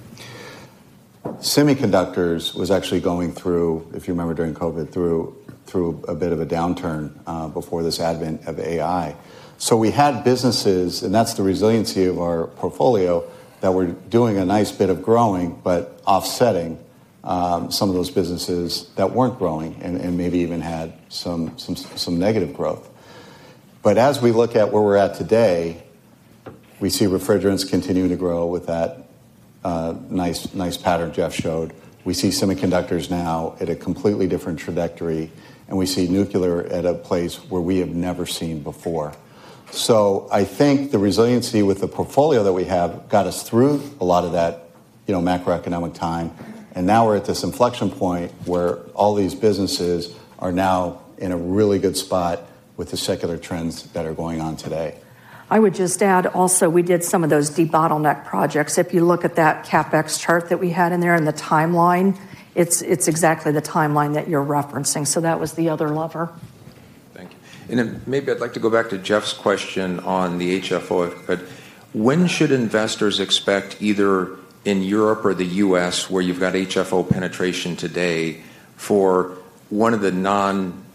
Semiconductors was actually going through, if you remember during COVID, through a bit of a downturn before this advent of AI. We had businesses, and that's the resiliency of our portfolio, that were doing a nice bit of growing, but offsetting some of those businesses that weren't growing and maybe even had some negative growth. As we look at where we're at today, we see refrigerants continuing to grow with that nice pattern Jeff showed. We see semiconductors now at a completely different trajectory, and we see nuclear at a place where we have never seen before. I think the resiliency with the portfolio that we have got us through a lot of that macroeconomic time. Now we're at this inflection point where all these businesses are now in a really good spot with the secular trends that are going on today. I would just add also, we did some of those debottleneck projects. If you look at that CapEx chart that we had in there and the timeline, it's exactly the timeline that you're referencing. That was the other lever. Thank you. Maybe I'd like to go back to Jeff's question on the HFO. When should investors expect either in Europe or the U.S. where you've got HFO penetration today for one of the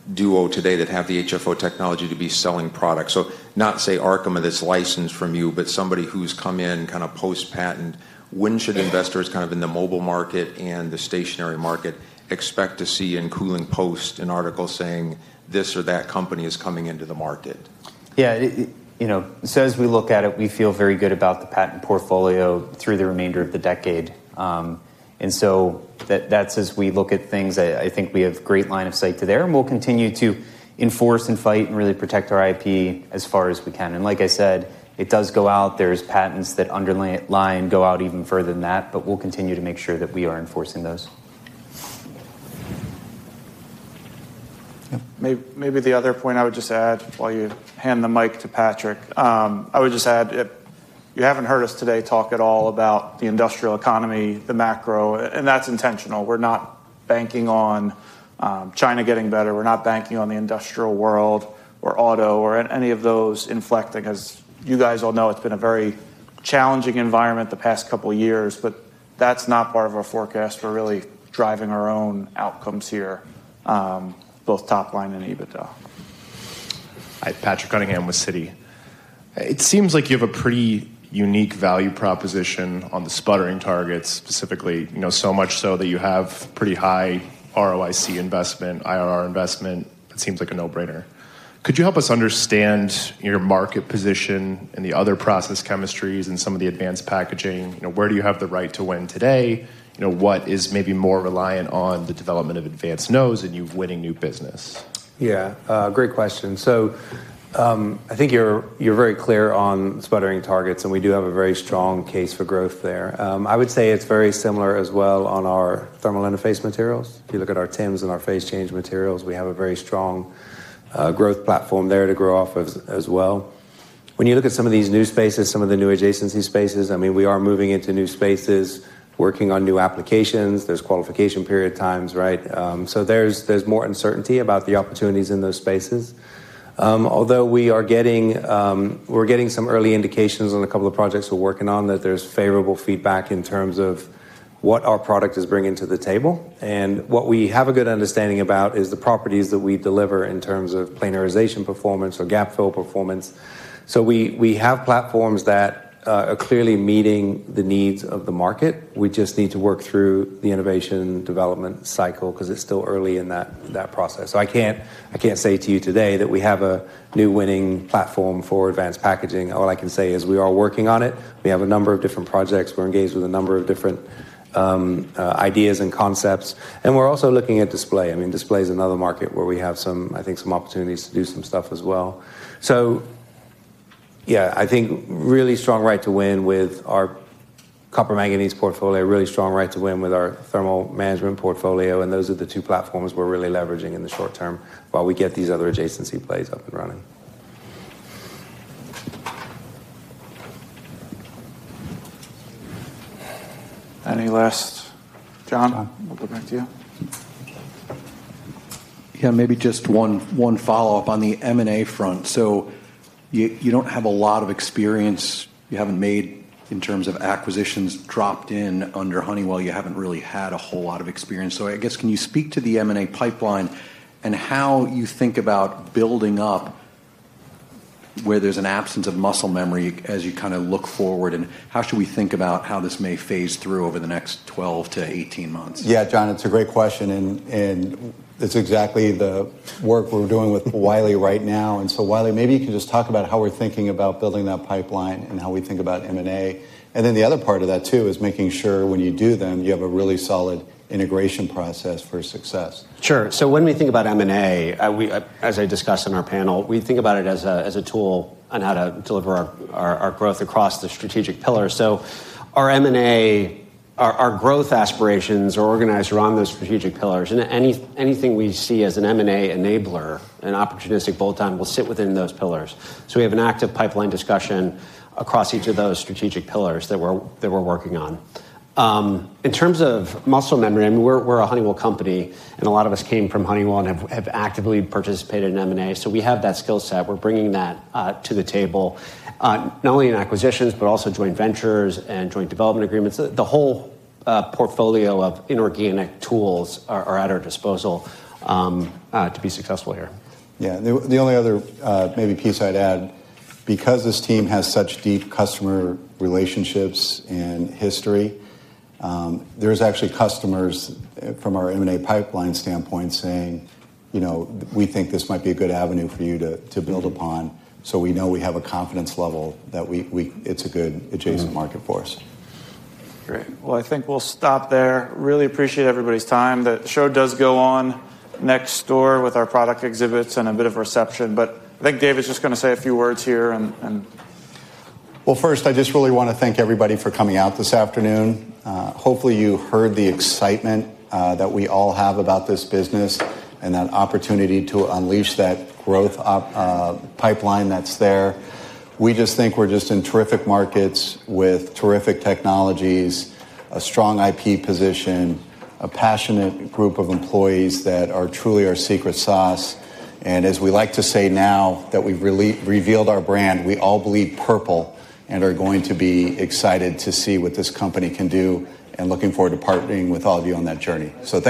[non-DUO] today that have the HFO technology to be selling products? Not say Arkema that's licensed from you, but somebody who's come in kind of post-patent. When should investors kind of in the mobile market and the stationary market expect to see in Cooling Post an article saying this or that company is coming into the market? Yeah. As we look at it, we feel very good about the patent portfolio through the remainder of the decade. That is as we look at things, I think we have great line of sight to there. We will continue to enforce and fight and really protect our IP as far as we can. Like I said, it does go out. There are patents that underline go out even further than that, but we will continue to make sure that we are enforcing those. Maybe the other point I would just add while you hand the mic to Patrick. I would just add, you have not heard us today talk at all about the industrial economy, the macro, and that is intentional. We are not banking on China getting better. We are not banking on the industrial world or auto or any of those inflecting. As you guys all know, it has been a very challenging environment the past couple of years, but that is not part of our forecast. We're really driving our own outcomes here, both top line and EBITDA. Hi, Patrick Cunningham with Citi. It seems like you have a pretty unique value proposition on the sputtering targets, specifically so much so that you have pretty high ROIC investment, IRR investment. It seems like a no-brainer. Could you help us understand your market position and the other process chemistries and some of the advanced packaging? Where do you have the right to win today? What is maybe more reliant on the development of advanced nodes and you winning new business? Yeah. Great question. I think you're very clear on sputtering targets, and we do have a very strong case for growth there. I would say it's very similar as well on our thermal interface materials. If you look at our TIMs and our phase change materials, we have a very strong growth platform there to grow off of as well. When you look at some of these new spaces, some of the new adjacency spaces, I mean, we are moving into new spaces, working on new applications. There's qualification period times, right? So there's more uncertainty about the opportunities in those spaces. Although we are getting some early indications on a couple of projects we're working on that there's favorable feedback in terms of what our product is bringing to the table. What we have a good understanding about is the properties that we deliver in terms of planarization performance or gap fill performance. We have platforms that are clearly meeting the needs of the market. We just need to work through the innovation development cycle because it's still early in that process. I can't say to you today that we have a new winning platform for advanced packaging. All I can say is we are working on it. We have a number of different projects. We're engaged with a number of different ideas and concepts. We're also looking at display. I mean, display is another market where we have, I think, some opportunities to do some stuff as well. Yeah, I think really strong right to win with our copper manganese portfolio, really strong right to win with our thermal management portfolio. Those are the two platforms we're really leveraging in the short term while we get these other adjacency plays up and running. Any last, John? We'll go back to you. Yeah. Maybe just one follow-up on the M&A front. You don't have a lot of experience. You haven't made in terms of acquisitions dropped in under Honeywell. You haven't really had a whole lot of experience. I guess, can you speak to the M&A pipeline and how you think about building up where there's an absence of muscle memory as you kind of look forward? How should we think about how this may phase through over the next 12 to 18 months? Yeah, John, it's a great question. It's exactly the work we're doing with Wylie right now. Wylie, maybe you can just talk about how we're thinking about building that pipeline and how we think about M&A. The other part of that too is making sure when you do them, you have a really solid integration process for success. Sure. When we think about M&A, as I discussed in our panel, we think about it as a tool on how to deliver our growth across the strategic pillars. Our M&A, our growth aspirations are organized around those strategic pillars. Anything we see as an M&A enabler, an opportunistic bolt-on, will sit within those pillars. We have an active pipeline discussion across each of those strategic pillars that we're working on. In terms of muscle memory, I mean, we're a Honeywell company, and a lot of us came from Honeywell and have actively participated in M&A. We have that skill set. We're bringing that to the table, not only in acquisitions, but also joint ventures and joint development agreements. The whole portfolio of inorganic tools are at our disposal to be successful here. Yeah. The only other maybe piece I'd add, because this team has such deep customer relationships and history, there's actually customers from our M&A pipeline standpoint saying, "We think this might be a good avenue for you to build upon." We know we have a confidence level that it's a good adjacent market for us. Great. I think we'll stop there. Really appreciate everybody's time. The show does go on next door with our product exhibits and a bit of reception. I think David's just going to say a few words here. First, I just really want to thank everybody for coming out this afternoon. Hopefully, you heard the excitement that we all have about this business and that opportunity to unleash that growth pipeline that's there. We just think we're just in terrific markets with terrific technologies, a strong IP position, a passionate group of employees that are truly our secret sauce. As we like to say now that we've revealed our brand, we all bleed purple and are going to be excited to see what this company can do and looking forward to partnering with all of you on that journey. Thanks.